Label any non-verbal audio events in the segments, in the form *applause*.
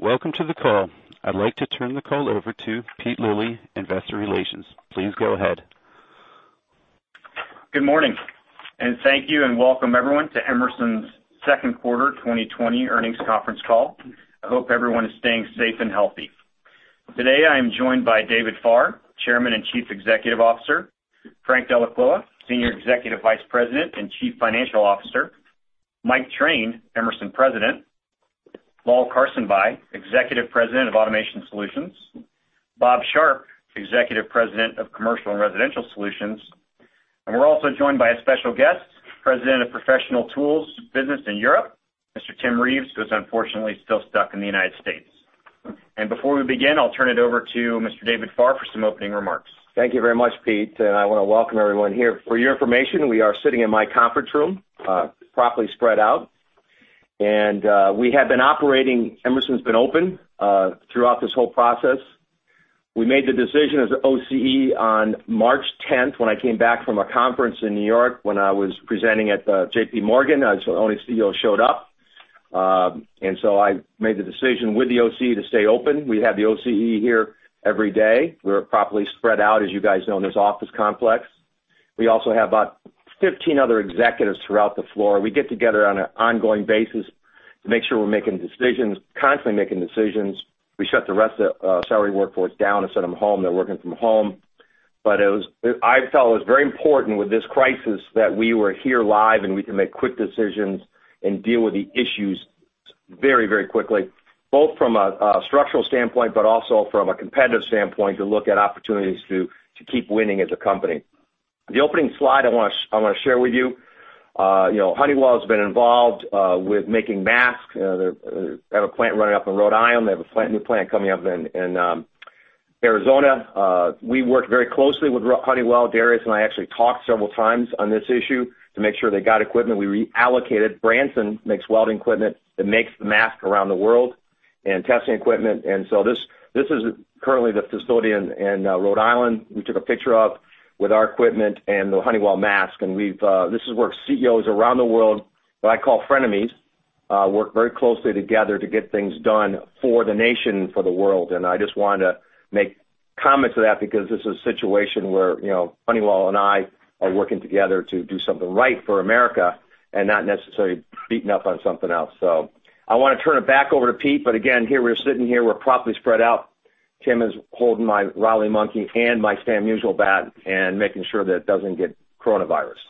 Welcome to the call. I'd like to turn the call over to Pete Lilly, investor relations. Please go ahead. Good morning, and thank you, and welcome everyone to Emerson's second quarter 2020 earnings conference call. I hope everyone is staying safe and healthy. Today, I am joined by David Farr, Chairman and Chief Executive Officer. Frank Dellaquila, Senior Executive Vice President and Chief Financial Officer. Mike Train, Emerson President. Lal Karsanbhai, Executive President of Automation Solutions. Bob Sharp, Executive President of Commercial and Residential Solutions. We're also joined by a special guest, President of Professional Tools Business in Europe, Mr. Tim Reeves, who is unfortunately still stuck in the United States. Before we begin, I'll turn it over to Mr. David Farr for some opening remarks. Thank you very much, Pete. I want to welcome everyone here. For your information, we are sitting in my conference room, properly spread out. Emerson's been open, throughout this whole process. We made the decision as an OCE on March 10th, when I came back from a conference in New York when I was presenting at JPMorgan. That's the only CEO who showed up. I made the decision with the OCE to stay open. We have the OCE here every day. We're properly spread out, as you guys know, in this office complex. We also have about 15 other executives throughout the floor. We get together on an ongoing basis to make sure we're making decisions, constantly making decisions. We shut the rest of the salary workforce down and sent them home. They're working from home. I felt it was very important with this crisis that we were here live and we can make quick decisions and deal with the issues very quickly, both from a structural standpoint, but also from a competitive standpoint, to look at opportunities to keep winning as a company. The opening slide I want to share with you. Honeywell has been involved with making masks. They have a plant running up in Rhode Island. They have a brand-new plant coming up in Arizona. We work very closely with Honeywell. Darius and I actually talked several times on this issue to make sure they got equipment. We reallocated. Branson makes welding equipment that makes the mask around the world and testing equipment. This is currently the facility in Rhode Island we took a picture of with our equipment and the Honeywell mask. This is where CEOs around the world, that I call frenemies, work very closely together to get things done for the nation, for the world. I just wanted to make comments to that because this is a situation where Honeywell and I are working together to do something right for America and not necessarily beating up on something else. I want to turn it back over to Pete. Again, here we're sitting here, we're properly spread out. Tim is holding my Rally Monkey and my Stan Musial bat and making sure that it doesn't get coronavirus.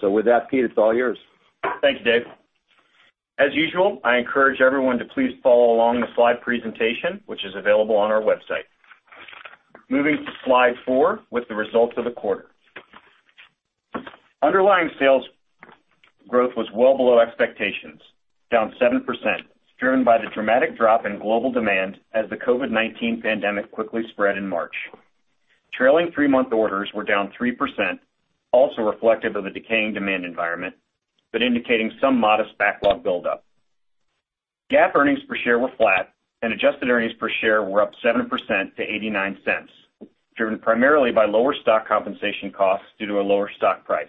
With that, Pete, it's all yours. Thanks, David. As usual, I encourage everyone to please follow along the slide presentation, which is available on our website. Moving to slide four with the results of the quarter. Underlying sales growth was well below expectations, down 7%, driven by the dramatic drop in global demand as the COVID-19 pandemic quickly spread in March. Trailing three-month orders were down 3%, also reflective of a decaying demand environment, but indicating some modest backlog buildup. GAAP earnings per share were flat and adjusted earnings per share were up 7% to $0.89, driven primarily by lower stock compensation costs due to a lower stock price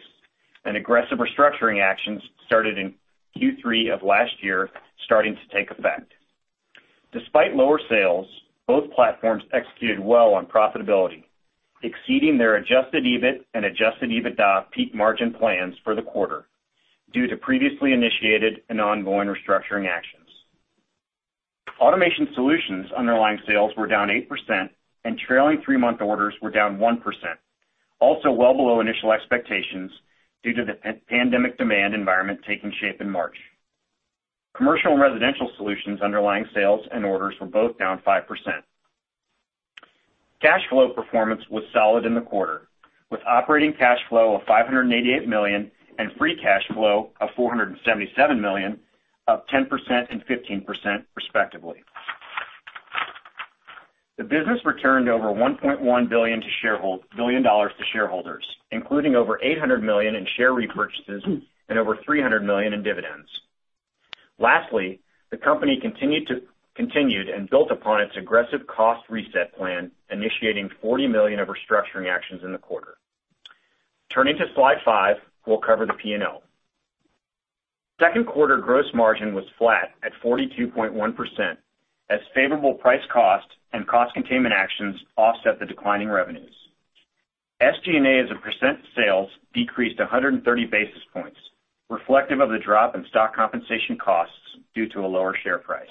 and aggressive restructuring actions started in Q3 of last year starting to take effect. Despite lower sales, both platforms executed well on profitability, exceeding their adjusted EBIT and adjusted EBITDA peak margin plans for the quarter due to previously initiated and ongoing restructuring actions. Automation Solutions underlying sales were down 8% and trailing three-month orders were down 1%, also well below initial expectations due to the pandemic demand environment taking shape in March. Commercial & Residential Solutions underlying sales and orders were both down 5%. Cash flow performance was solid in the quarter, with operating cash flow of $588 million and free cash flow of $477 million, up 10% and 15% respectively. The business returned over $1.1 billion to shareholders, including over $800 million in share repurchases and over $300 million in dividends. Lastly, the company continued and built upon its aggressive cost reset plan, initiating $40 million of restructuring actions in the quarter. Turning to slide five, we'll cover the P&L. Second quarter gross margin was flat at 42.1% as favorable price cost and cost containment actions offset the declining revenues. SG&A as a percent of sales decreased 130 basis points, reflective of the drop in stock compensation costs due to a lower share price.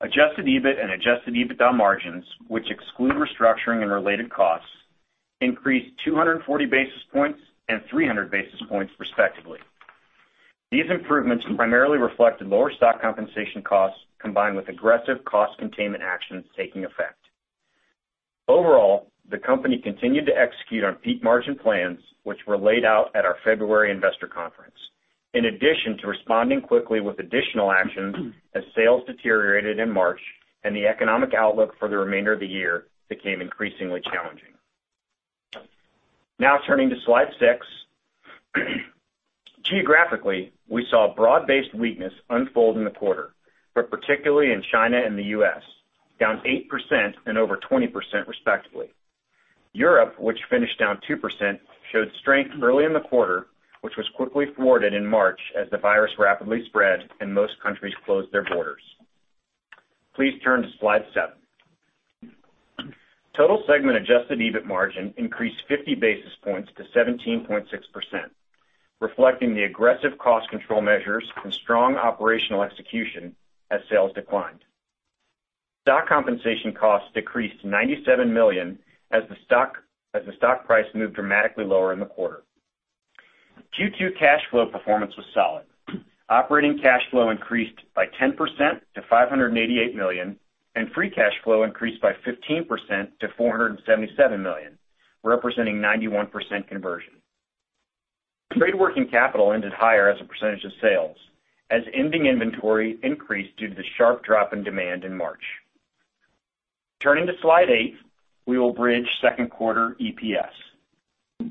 Adjusted EBIT and adjusted EBITDA margins, which exclude restructuring and related costs, increased 240 basis points and 300 basis points, respectively. These improvements primarily reflected lower stock compensation costs combined with aggressive cost containment actions taking effect. Overall, the company continued to execute on peak margin plans, which were laid out at our February investor conference, in addition to responding quickly with additional actions as sales deteriorated in March and the economic outlook for the remainder of the year became increasingly challenging. Turning to slide six. Geographically, we saw broad-based weakness unfold in the quarter, but particularly in China and the U.S., down 8% and over 20%, respectively. Europe, which finished down 2%, showed strength early in the quarter, which was quickly thwarted in March as the virus rapidly spread and most countries closed their borders. Please turn to slide seven. Total segment adjusted EBIT margin increased 50 basis points to 17.6%, reflecting the aggressive cost control measures and strong operational execution as sales declined. Stock compensation costs decreased to $97 million, as the stock price moved dramatically lower in the quarter. Q2 cash flow performance was solid. Operating cash flow increased by 10% to $588 million, and free cash flow increased by 15% to $477 million, representing 91% conversion. Trade working capital ended higher as a percentage of sales, as ending inventory increased due to the sharp drop in demand in March. Turning to slide eight, we will bridge second quarter EPS.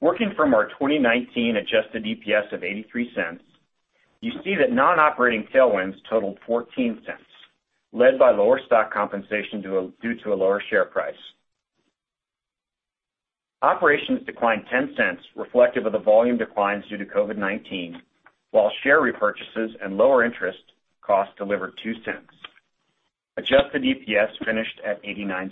Working from our 2019 adjusted EPS of $0.83, you see that non-operating tailwinds totaled $0.14, led by lower stock compensation due to a lower share price. Operations declined $0.10, reflective of the volume declines due to COVID-19, while share repurchases and lower interest costs delivered $0.02. Adjusted EPS finished at $0.89.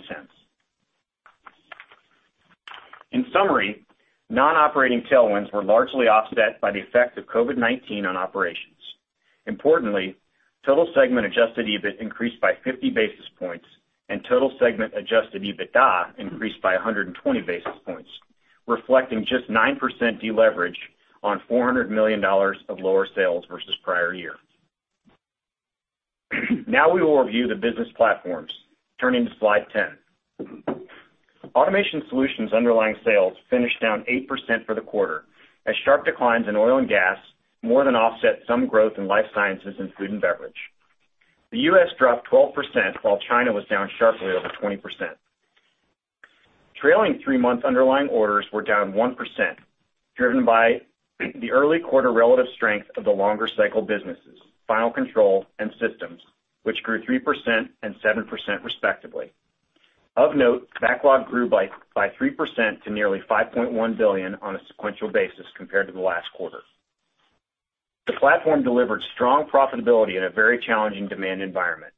In summary, non-operating tailwinds were largely offset by the effect of COVID-19 on operations. Importantly, total segment adjusted EBIT increased by 50 basis points, and total segment adjusted EBITDA increased by 120 basis points, reflecting just 9% deleverage on $400 million of lower sales versus prior year. We will review the business platforms. Turning to slide 10. Automation Solutions underlying sales finished down 8% for the quarter, as sharp declines in oil and gas more than offset some growth in life sciences and food and beverage. The U.S. dropped 12%, while China was down sharply over 20%. Trailing three-month underlying orders were down 1%, driven by the early quarter relative strength of the longer cycle businesses, Final Control and Systems, which grew 3% and 7% respectively. Of note, backlog grew by 3% to nearly $5.1 billion on a sequential basis compared to the last quarter. The platform delivered strong profitability in a very challenging demand environment.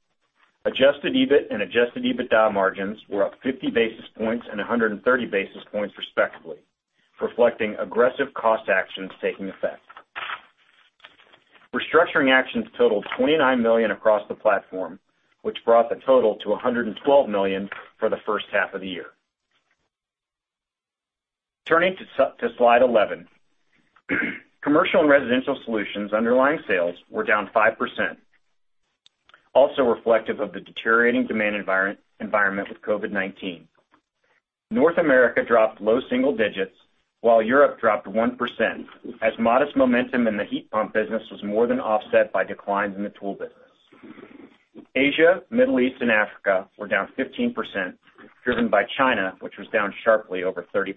Adjusted EBIT and adjusted EBITDA margins were up 50 basis points and 130 basis points respectively, reflecting aggressive cost actions taking effect. Restructuring actions totaled $29 million across the platform, which brought the total to $112 million for the first half of the year. Turning to slide 11. Commercial & Residential Solutions underlying sales were down 5%, also reflective of the deteriorating demand environment with COVID-19. North America dropped low single digits while Europe dropped 1%, as modest momentum in the heat pump business was more than offset by declines in the tool business. Asia, Middle East, and Africa were down 15%, driven by China, which was down sharply over 30%.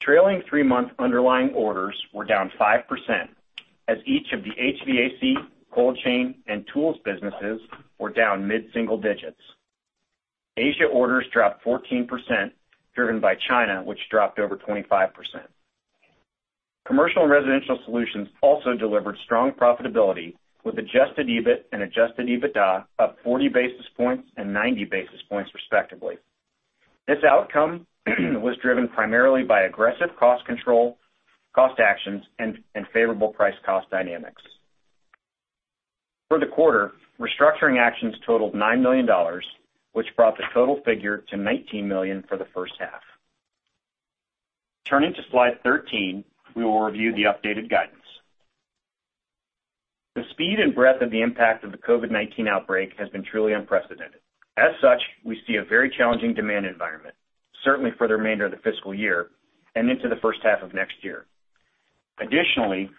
Trailing three-month underlying orders were down 5%, as each of the HVAC, cold chain, and tools businesses were down mid-single digits. Asia orders dropped 14%, driven by China, which dropped over 25%. Commercial & Residential Solutions also delivered strong profitability with adjusted EBIT and adjusted EBITDA up 40 basis points and 90 basis points respectively. This outcome was driven primarily by aggressive cost control, cost actions, and favorable price cost dynamics. For the quarter, restructuring actions totaled $9 million, which brought the total figure to $19 million for the first half. Turning to slide 13, we will review the updated guidance. The speed and breadth of the impact of the COVID-19 outbreak has been truly unprecedented. As such, we see a very challenging demand environment, certainly for the remainder of the fiscal year and into the first half of next year. Additionally,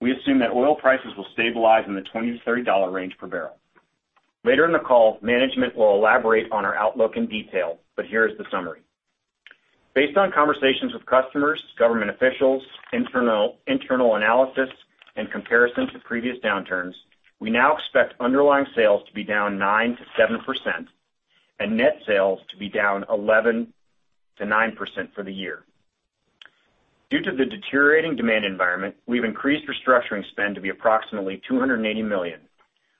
we assume that oil prices will stabilize in the $20-$30 range per barrel. Later in the call, management will elaborate on our outlook in detail, but here is the summary. Based on conversations with customers, government officials, internal analysis, and comparison to previous downturns, we now expect underlying sales to be down 9%-7%, and net sales to be down 11%-9% for the year. Due to the deteriorating demand environment, we've increased restructuring spend to be approximately $280 million,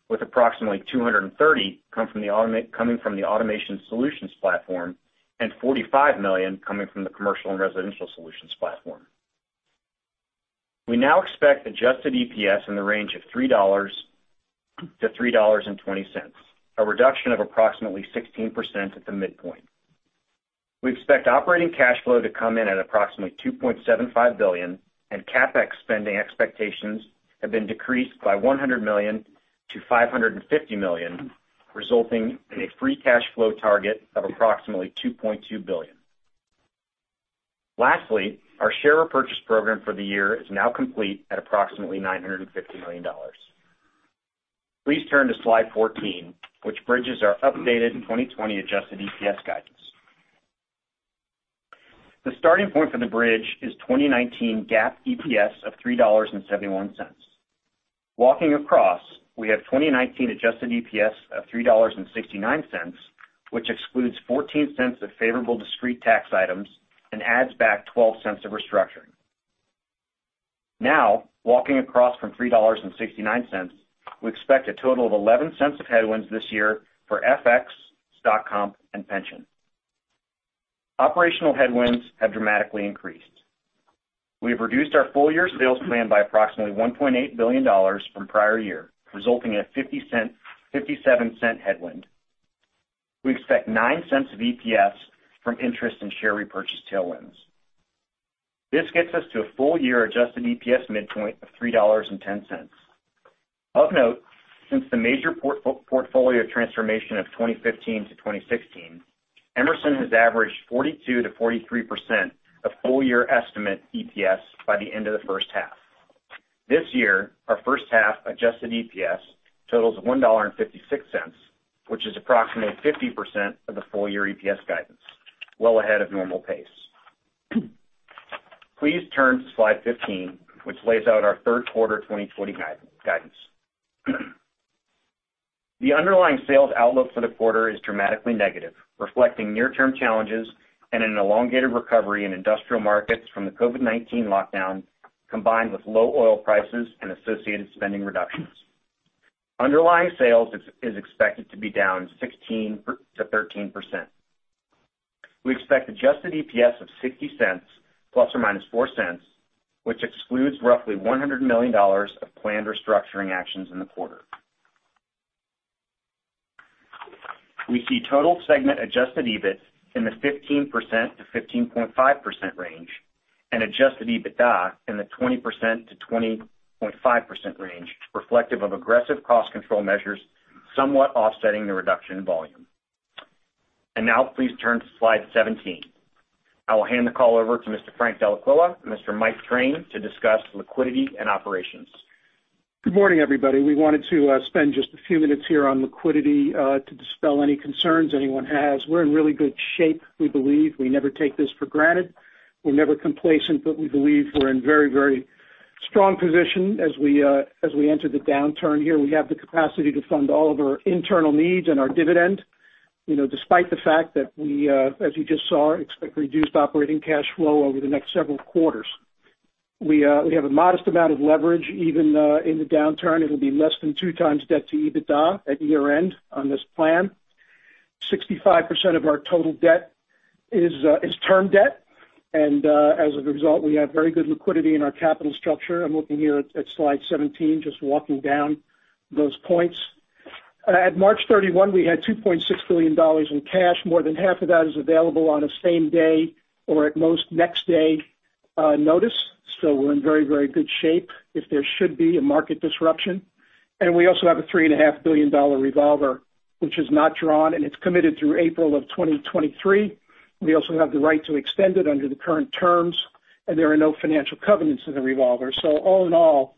with approximately $230 coming from the Automation Solutions platform and $45 million coming from the Commercial & Residential Solutions platform. We now expect adjusted EPS in the range of $3-$3.20, a reduction of approximately 16% at the midpoint. CapEx spending expectations have been decreased by $100 million to $550 million, resulting in a free cash flow target of approximately $2.2 billion. Lastly, our share repurchase program for the year is now complete at approximately $950 million. Please turn to slide 14, which bridges our updated 2020 adjusted EPS guidance. The starting point for the bridge is 2019 GAAP EPS of $3.71. Walking across, we have 2019 adjusted EPS of $3.69, which excludes $0.14 of favorable discrete tax items and adds back $0.12 of restructuring. Walking across from $3.69, we expect a total of $0.11 of headwinds this year for FX, stock comp, and pension. Operational headwinds have dramatically increased. We have reduced our full-year sales plan by approximately $1.8 billion from prior year, resulting in a $0.57 headwind. We expect $0.09 of EPS from interest and share repurchase tailwinds. This gets us to a full-year adjusted EPS midpoint of $3.10. Of note, since the major portfolio transformation of 2015 to 2016, Emerson has averaged 42%-43% of full-year estimate EPS by the end of the first half. This year, our first half adjusted EPS totals $1.56, which is approximately 50% of the full-year EPS guidance, well ahead of normal pace. Please turn to slide 15, which lays out our third quarter 2020 guidance. The underlying sales outlook for the quarter is dramatically negative, reflecting near-term challenges and an elongated recovery in industrial markets from the COVID-19 lockdown, combined with low oil prices and associated spending reductions. Underlying sales is expected to be down 16%-13%. We expect adjusted EPS of $0.60 ±$0.04, which excludes roughly $100 million of planned restructuring actions in the quarter. We see total segment adjusted EBIT in the 15%-15.5% range and adjusted EBITDA in the 20%-20.5% range, reflective of aggressive cost control measures somewhat offsetting the reduction in volume. Now please turn to slide 17. I will hand the call over to Mr. Frank Dellaquila and Mr. Mike Train to discuss liquidity and operations. Good morning, everybody. We wanted to spend just a few minutes here on liquidity to dispel any concerns anyone has. We're in really good shape, we believe. We never take this for granted. We're never complacent. We believe we're in very, very strong position as we enter the downturn here. We have the capacity to fund all of our internal needs and our dividend, despite the fact that we, as you just saw, expect reduced operating cash flow over the next several quarters. We have a modest amount of leverage even in the downturn. It'll be less than two times debt to EBITDA at year-end on this plan. 65% of our total debt is term debt. As a result, we have very good liquidity in our capital structure. I'm looking here at slide 17, just walking down those points. At March 31, we had $2.6 billion in cash. More than half of that is available on a same-day or at most next-day notice. We're in very, very good shape if there should be a market disruption. We also have a $3.5 billion revolver, which is not drawn, and it's committed through April of 2023. We also have the right to extend it under the current terms, and there are no financial covenants in the revolver. All in all,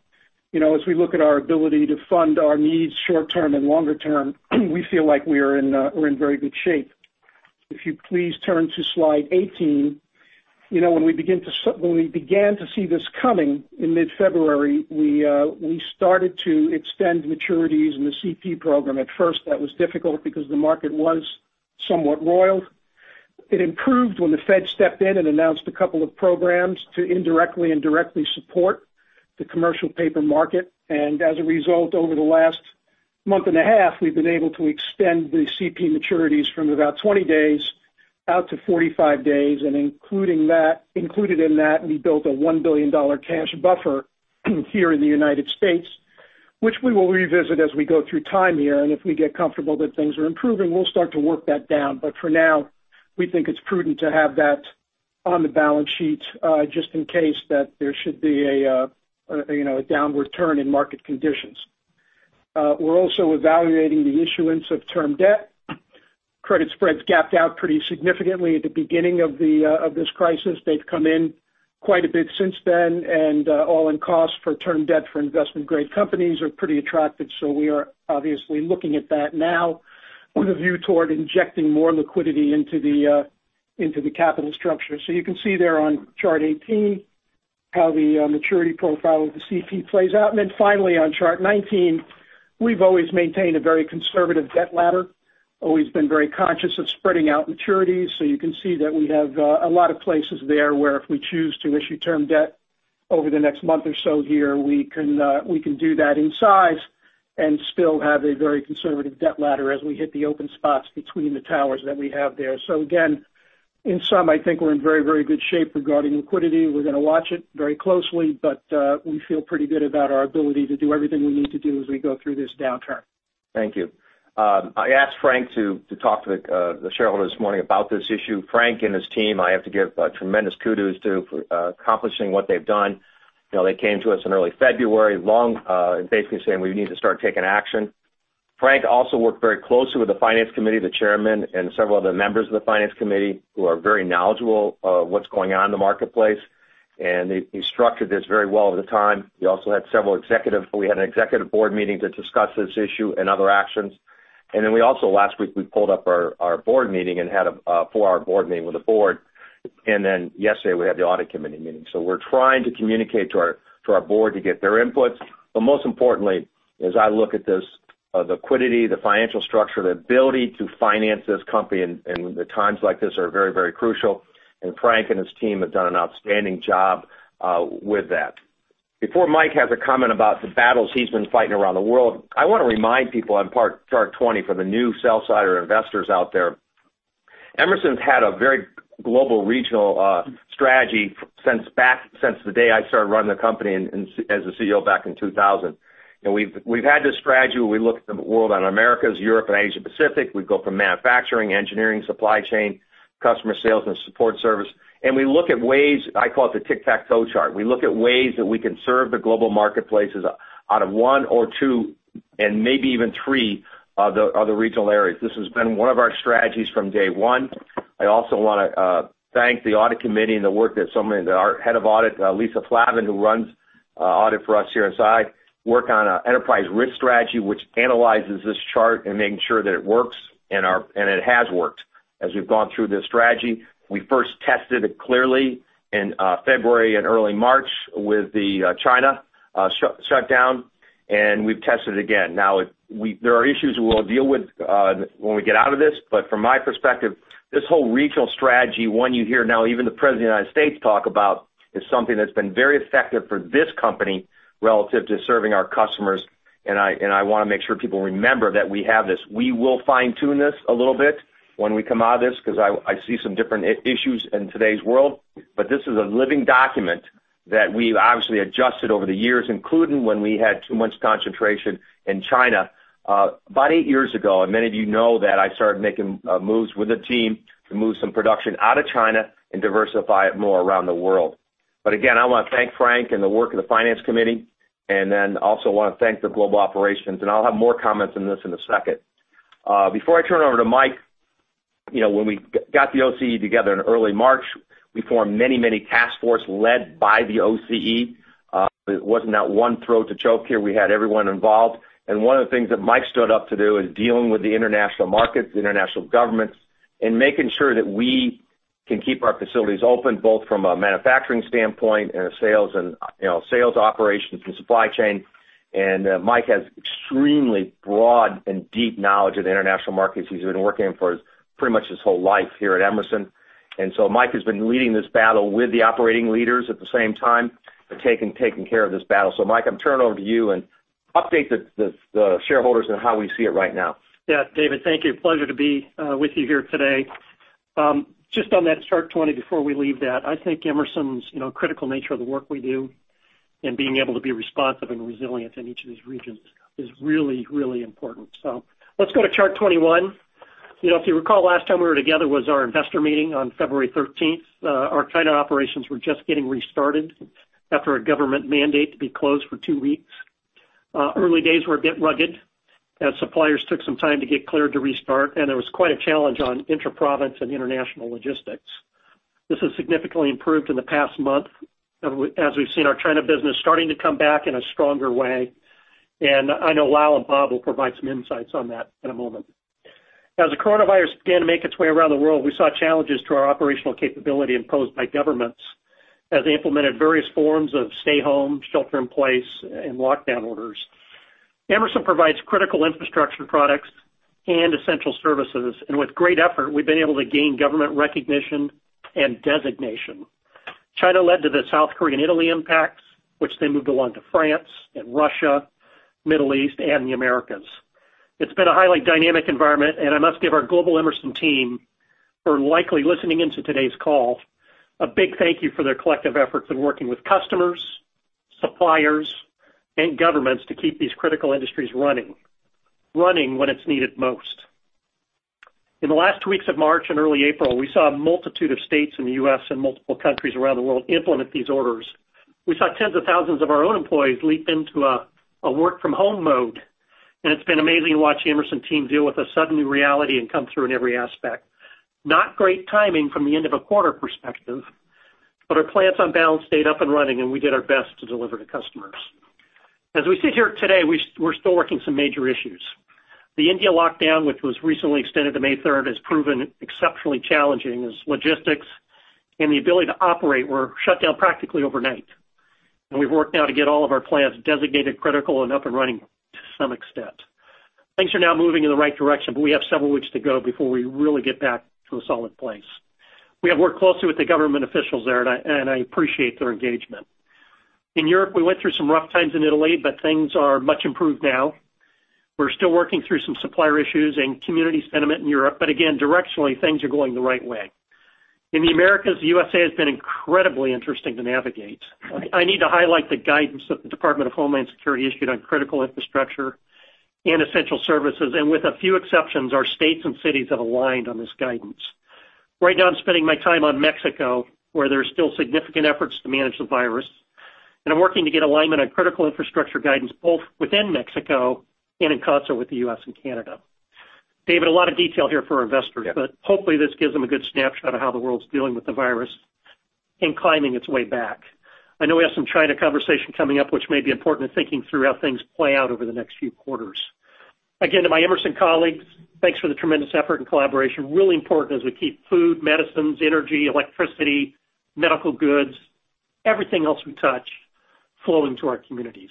as we look at our ability to fund our needs short-term and longer term, we feel like we're in very good shape. If you please turn to slide 18. When we began to see this coming in mid-February, we started to extend maturities in the CP program. At first, that was difficult because the market was somewhat roiled. It improved when the Fed stepped in and announced a couple of programs to indirectly and directly support the commercial paper market. As a result, over the last month and a half, we've been able to extend the CP maturities from about 20 days out to 45 days. Included in that, we built a $1 billion cash buffer here in the United States, which we will revisit as we go through time here. If we get comfortable that things are improving, we'll start to work that down. For now, we think it's prudent to have that on the balance sheet just in case that there should be a downward turn in market conditions. We're also evaluating the issuance of term debt. Credit spreads gapped out pretty significantly at the beginning of this crisis. They've come in quite a bit since then. All-in costs for term debt for investment-grade companies are pretty attractive. We are obviously looking at that now with a view toward injecting more liquidity into the capital structure. You can see there on chart 18 how the maturity profile of the CP plays out. Finally on chart 19, we've always maintained a very conservative debt ladder. Always been very conscious of spreading out maturities. You can see that we have a lot of places there where if we choose to issue term debt over the next month or so here, we can do that in size and still have a very conservative debt ladder as we hit the open spots between the towers that we have there. Again, in sum, I think we're in very, very good shape regarding liquidity. We're going to watch it very closely, but we feel pretty good about our ability to do everything we need to do as we go through this downturn. Thank you. I asked Frank to talk to the shareholders this morning about this issue. Frank and his team, I have to give tremendous kudos to for accomplishing what they've done. They came to us in early February, basically saying we need to start taking action. Frank also worked very closely with the finance committee, the chairman, and several other members of the finance committee who are very knowledgeable of what's going on in the marketplace. He structured this very well at the time. We had an executive board meeting to discuss this issue and other actions. We also, last week, we pulled up our board meeting and had a four-hour board meeting with the board. Yesterday, we had the audit committee meeting. We're trying to communicate to our board to get their inputs. Most importantly, as I look at this, the liquidity, the financial structure, the ability to finance this company in the times like this are very, very crucial. Frank and his team have done an outstanding job with that. Before Mike has a comment about the battles he's been fighting around the world, I want to remind people on chart 20 for the new sell-side investors out there, Emerson's had a very global regional strategy since the day I started running the company as a CEO back in 2000. We've had this strategy where we look at the world on Americas, Europe, and Asia Pacific. We go from manufacturing, engineering, supply chain, customer sales, and support service. We look at ways, I call it the tic-tac-toe chart. We look at ways that we can serve the global marketplaces out of one or two and maybe even three of the regional areas. This has been one of our strategies from day one. I also want to thank the audit committee and the work that Our head of audit, Lisa Flavin, who runs audit for us here inside, work on an enterprise risk strategy, which analyzes this chart and making sure that it works, and it has worked as we've gone through this strategy. We first tested it clearly in February and early March with the China shutdown, and we've tested it again. Now, there are issues we'll deal with when we get out of this. From my perspective, this whole regional strategy, one you hear now even the President of the U.S. talk about, is something that's been very effective for this company relative to serving our customers. I want to make sure people remember that we have this. We will fine-tune this a little bit when we come out of this because I see some different issues in today's world. This is a living document that we've obviously adjusted over the years, including when we had too much concentration in China about eight years ago, many of you know that I started making moves with the team to move some production out of China and diversify it more around the world. Again, I want to thank Frank and the work of the finance committee, then also want to thank the global operations. I'll have more comments on this in a second. Before I turn it over to Mike, when we got the OCE together in early March, we formed many task forces led by the OCE. It wasn't that one throat to choke here. We had everyone involved. One of the things that Mike stood up to do is dealing with the international markets, the international governments, and making sure that we can keep our facilities open, both from a manufacturing standpoint and a sales operations and supply chain. Mike has extremely broad and deep knowledge of the international markets. He's been working for pretty much his whole life here at Emerson. Mike has been leading this battle with the operating leaders at the same time, but taking care of this battle. Mike, I'm turning it over to you, and update the shareholders on how we see it right now. David, thank you. Pleasure to be with you here today. On that chart 20, before we leave that, I think Emerson's critical nature of the work we do and being able to be responsive and resilient in each of these regions is really important. Let's go to chart 21. If you recall, last time we were together was our investor meeting on February 13th. Our China operations were just getting restarted after a government mandate to be closed for two weeks. Early days were a bit rugged as suppliers took some time to get cleared to restart, and there was quite a challenge on intra-province and international logistics. This has significantly improved in the past month as we've seen our China business starting to come back in a stronger way, and I know Lal and Bob will provide some insights on that in a moment. As the coronavirus began to make its way around the world, we saw challenges to our operational capability imposed by governments as they implemented various forms of stay home, shelter in place, and lockdown orders. Emerson provides critical infrastructure products and essential services, and with great effort, we've been able to gain government recognition and designation. China led to the South Korea, Italy impacts, which then moved along to France and Russia, Middle East, and the Americas. It's been a highly dynamic environment, and I must give our global Emerson team, who are likely listening in to today's call, a big thank you for their collective efforts in working with customers, suppliers, and governments to keep these critical industries running when it's needed most. In the last weeks of March and early April, we saw a multitude of states in the U.S. and multiple countries around the world implement these orders. We saw tens of thousands of our own employees leap into a work-from-home mode, and it's been amazing to watch Emerson teams deal with a sudden new reality and come through in every aspect. Not great timing from the end of a quarter perspective, but our plants, on balance, stayed up and running, and we did our best to deliver to customers. As we sit here today, we're still working some major issues. The India lockdown, which was recently extended to May 3rd, has proven exceptionally challenging as logistics and the ability to operate were shut down practically overnight. We've worked now to get all of our plants designated critical and up and running to some extent. Things are now moving in the right direction, but we have several weeks to go before we really get back to a solid place. We have worked closely with the government officials there, I appreciate their engagement. In Europe, we went through some rough times in Italy, but things are much improved now. We're still working through some supplier issues and community sentiment in Europe, but again, directionally, things are going the right way. In the Americas, the USA has been incredibly interesting to navigate. I need to highlight the guidance that the Department of Homeland Security issued on critical infrastructure and essential services. With a few exceptions, our states and cities have aligned on this guidance. Right now, I'm spending my time on Mexico, where there's still significant efforts to manage the virus, and I'm working to get alignment on critical infrastructure guidance both within Mexico and in concert with the U.S. and Canada. David, a lot of detail here for our investors. Yeah. Hopefully, this gives them a good snapshot of how the world's dealing with the virus and climbing its way back. I know we have some China conversation coming up, which may be important in thinking through how things play out over the next few quarters. Again, to my Emerson colleagues, thanks for the tremendous effort and collaboration, really important as we keep food, medicines, energy, electricity, medical goods, everything else we touch, flowing to our communities.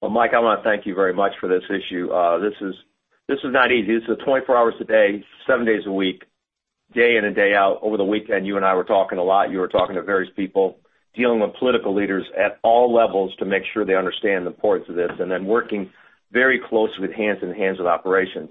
Well, Mike, I want to thank you very much for this issue. This is not easy. This is 24 hours a day, seven days a week, day in and day out. Over the weekend, you and I were talking a lot. You were talking to various people, dealing with political leaders at all levels to make sure they understand the importance of this, and then working very closely with hands and hands with operations.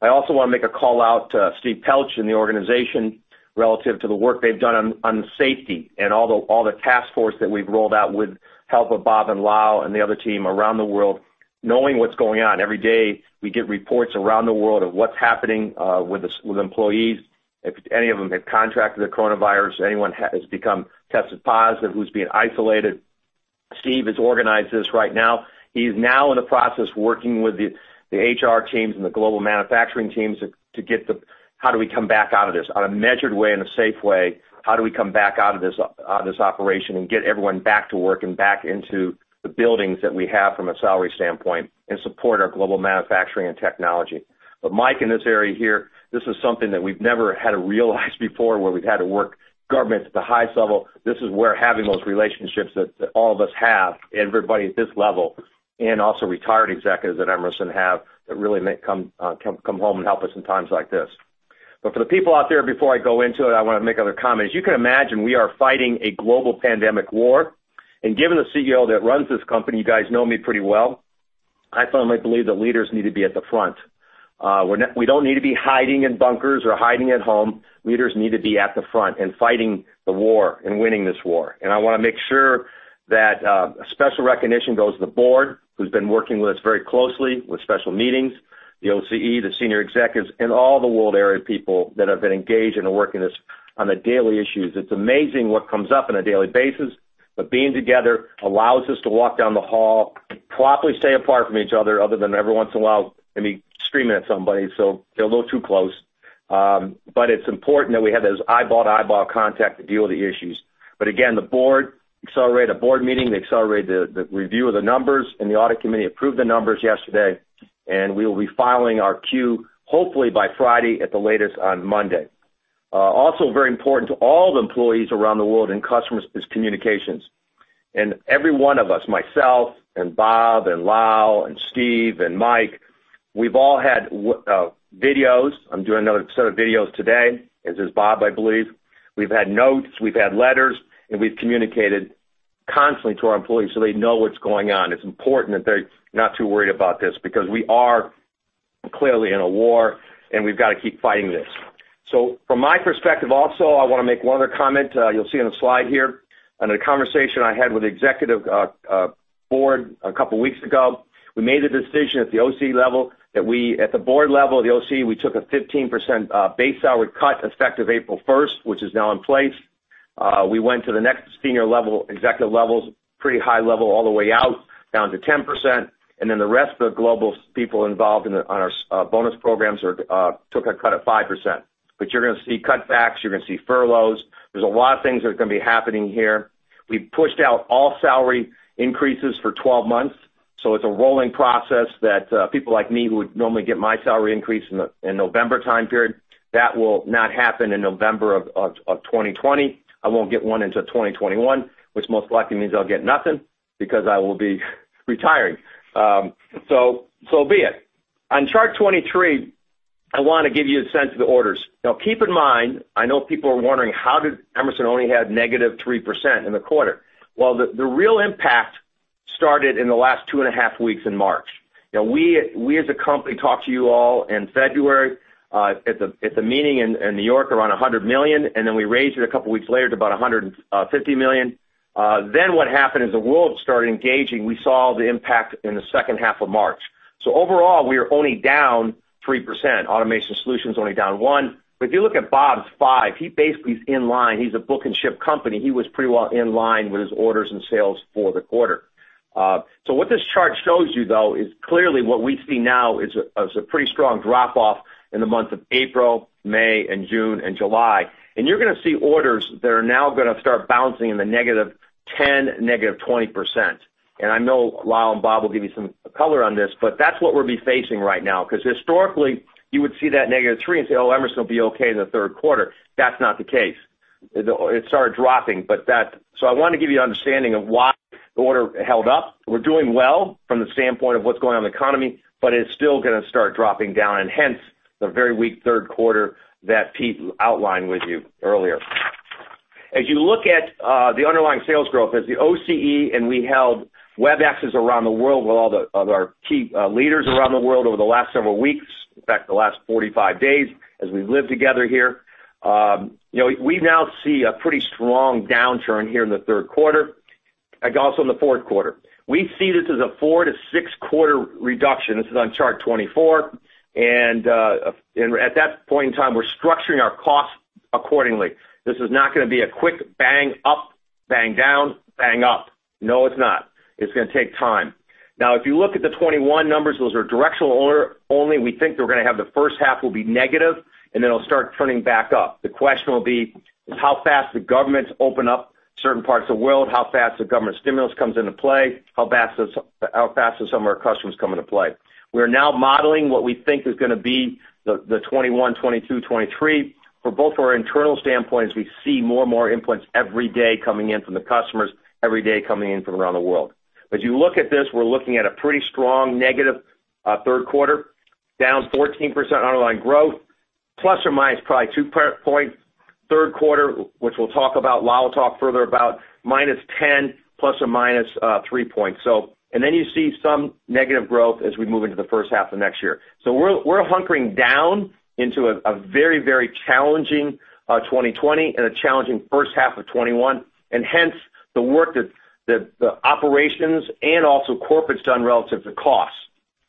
I also want to make a call out to Steve Pelch in the organization relative to the work they've done on safety and all the task force that we've rolled out with help of Bob and Lal and the other team around the world, knowing what's going on. Every day, we get reports around the world of what's happening with employees, if any of them have contracted the coronavirus, anyone has tested positive, who's being isolated. Steve has organized this right now. He's now in the process working with the HR teams and the global manufacturing teams to get the how do we come back out of this? On a measured way and a safe way, how do we come back out of this operation and get everyone back to work and back into the buildings that we have from a salary standpoint and support our global manufacturing and technology? Mike, in this area here, this is something that we've never had to realize before where we've had to work governments at the highest level. This is where having those relationships that all of us have, everybody at this level, and also retired executives at Emerson have, that really come home and help us in times like this. For the people out there, before I go into it, I want to make other comments. You can imagine we are fighting a global pandemic war, given the CEO that runs this company, you guys know me pretty well, I firmly believe that leaders need to be at the front. We don't need to be hiding in bunkers or hiding at home. Leaders need to be at the front and fighting the war and winning this war. I want to make sure that a special recognition goes to the board, who's been working with us very closely with special meetings, the OCE, the senior executives, and all the world area people that have been engaged in the work in this on a daily issue. It's amazing what comes up on a daily basis, but being together allows us to walk down the hall, properly stay apart from each other than every once in a while, me screaming at somebody, so they're a little too close. It's important that we have those eyeball-to-eyeball contact to deal with the issues. Again, the board accelerated a board meeting. They accelerated the review of the numbers, and the audit committee approved the numbers yesterday, and we will be filing our Q hopefully by Friday, at the latest on Monday. Also very important to all the employees around the world and customers is communications. Every one of us, myself and Bob and Lal and Steve and Mike, we've all had videos. I'm doing another set of videos today, as is Bob, I believe. We've had notes, we've had letters, and we've communicated constantly to our employees so they know what's going on. It's important that they're not too worried about this because we are clearly in a war, and we've got to keep fighting this. From my perspective also, I want to make one other comment. You'll see on the slide here, on a conversation I had with the executive board a couple of weeks ago. We made the decision at the OCE level that we, at the board level of the OCE, we took a 15% base salary cut effective April first, which is now in place. We went to the next senior level, executive levels, pretty high level all the way out, down to 10%. The rest of the global people involved on our bonus programs took a cut of 5%. You're going to see cutbacks, you're going to see furloughs. There's a lot of things that are going to be happening here. We've pushed out all salary increases for 12 months. It's a rolling process that people like me who would normally get my salary increase in November time period, that will not happen in November of 2020. I won't get one until 2021, which most likely means I'll get nothing because I will be retiring. Be it. On chart 23, I want to give you a sense of the orders. Now, keep in mind, I know people are wondering, how did Emerson only have -3% in the quarter? Well, the real impact started in the last two and a half weeks in March. We as a company talked to you all in February at the meeting in New York around $100 million, and then we raised it a couple of weeks later to about $150 million. What happened is the world started engaging. We saw the impact in the second half of March. Overall, we are only down 3%. Automation Solutions is only down 1%. If you look at Bob's 5%, he basically is in line. He's a book and ship company. He was pretty well in line with his orders and sales for the quarter. What this chart shows you, though, is clearly what we see now is a pretty strong drop-off in the month of April, May, and June, and July. You're going to see orders that are now going to start bouncing in the -10%, -20%. I know Lal and Bob will give you some color on this, but that's what we'll be facing right now. Historically, you would see that -3% and say, "Oh, Emerson will be okay in the third quarter." That's not the case. It started dropping. I want to give you an understanding of why the order held up. We're doing well from the standpoint of what's going on in the economy, but it's still going to start dropping down, and hence the very weak third quarter that Pete outlined with you earlier. As you look at the underlying sales growth, as the OCE, and we held Webex's around the world with all of our key leaders around the world over the last several weeks, in fact, the last 45 days as we've lived together here. We now see a pretty strong downturn here in the third quarter and also in the fourth quarter. We see this as a four to six-quarter reduction. This is on chart 24. At that point in time, we're structuring our costs accordingly. This is not going to be a quick bang up, bang down, bang up. No, it's not. It's going to take time. Now, if you look at the 2021 numbers, those are directional only. We think we're going to have the first half will be negative, and then it'll start turning back up. The question will be is how fast the governments open up certain parts of the world, how fast the government stimulus comes into play, how fast do some of our customers come into play. We're now modeling what we think is going to be the 2021, 2022, 2023. For both our internal standpoints, we see more and more inputs every day coming in from the customers, every day coming in from around the world. As you look at this, we're looking at a pretty strong negative third quarter, down 14% underlying growth, ± 2 point third quarter, which we'll talk about. Lal will talk further about -10 point, ± 3 points. You see some negative growth as we move into the first half of next year. We're hunkering down into a very challenging 2020 and a challenging first half of 2021, and hence the work that the operations and also corporate's done relative to cost.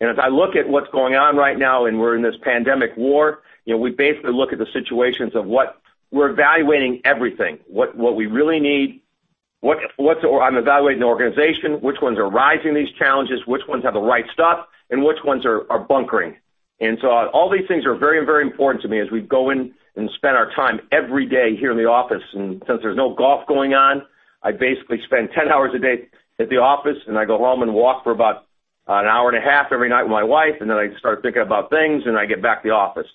As I look at what's going on right now, and we're in this pandemic war, we basically look at the situations of what we're evaluating everything, what we really need. I'm evaluating the organization, which ones are rising to these challenges, which ones have the right stuff, and which ones are bunkering. All these things are very important to me as we go in and spend our time every day here in the office. Since there's no golf going on, I basically spend 10 hours a day at the office, I go home and walk for about an hour and a half every night with my wife, I start thinking about things, I get back to the office.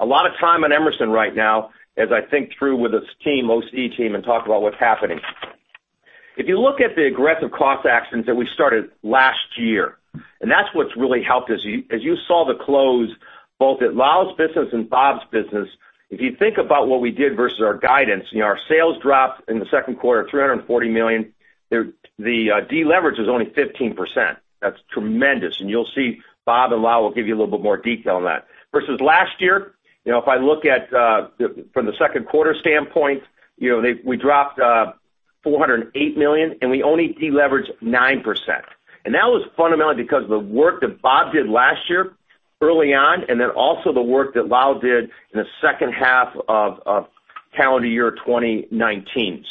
A lot of time on Emerson right now, as I think through with this team, OCE team, talk about what's happening. If you look at the aggressive cost actions that we started last year, that's what's really helped us. As you saw the close, both at Lal's business and Bob's business, if you think about what we did versus our guidance, our sales dropped in the second quarter $340 million. The deleverage is only 15%. That's tremendous. You'll see Bob and Lal will give you a little bit more detail on that. Versus last year, if I look at from the second quarter standpoint, we dropped $408 million, and we only deleveraged 9%. That was fundamentally because of the work that Bob did last year early on, and then also the work that Lal did in the second half of calendar year 2019.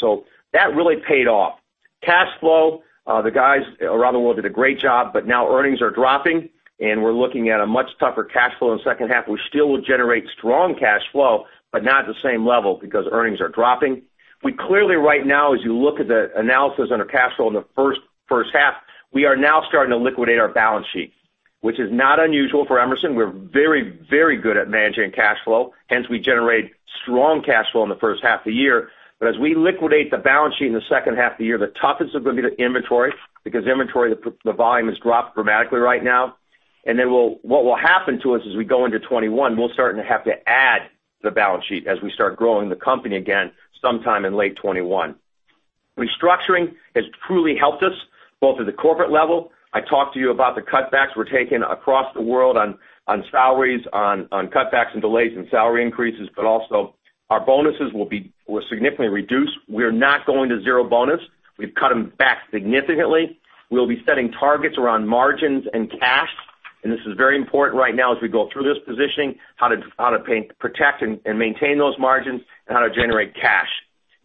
That really paid off. Cash flow, the guys around the world did a great job, but now earnings are dropping, and we're looking at a much tougher cash flow in the second half. We still will generate strong cash flow, but not at the same level because earnings are dropping. We clearly right now, as you look at the analysis on our cash flow in the first half, we are now starting to liquidate our balance sheet, which is not unusual for Emerson. We're very good at managing cash flow. Hence, we generate strong cash flow in the first half of the year. As we liquidate the balance sheet in the second half of the year, the toughest is going to be the inventory, because inventory, the volume has dropped dramatically right now. What will happen to us as we go into 2021, we're starting to have to add the balance sheet as we start growing the company again sometime in late 2021. Restructuring has truly helped us, both at the corporate level. I talked to you about the cutbacks we're taking across the world on salaries, on cutbacks and delays in salary increases, also our bonuses were significantly reduced. We're not going to zero bonus. We've cut them back significantly. We'll be setting targets around margins and cash, this is very important right now as we go through this positioning, how to protect and maintain those margins and how to generate cash.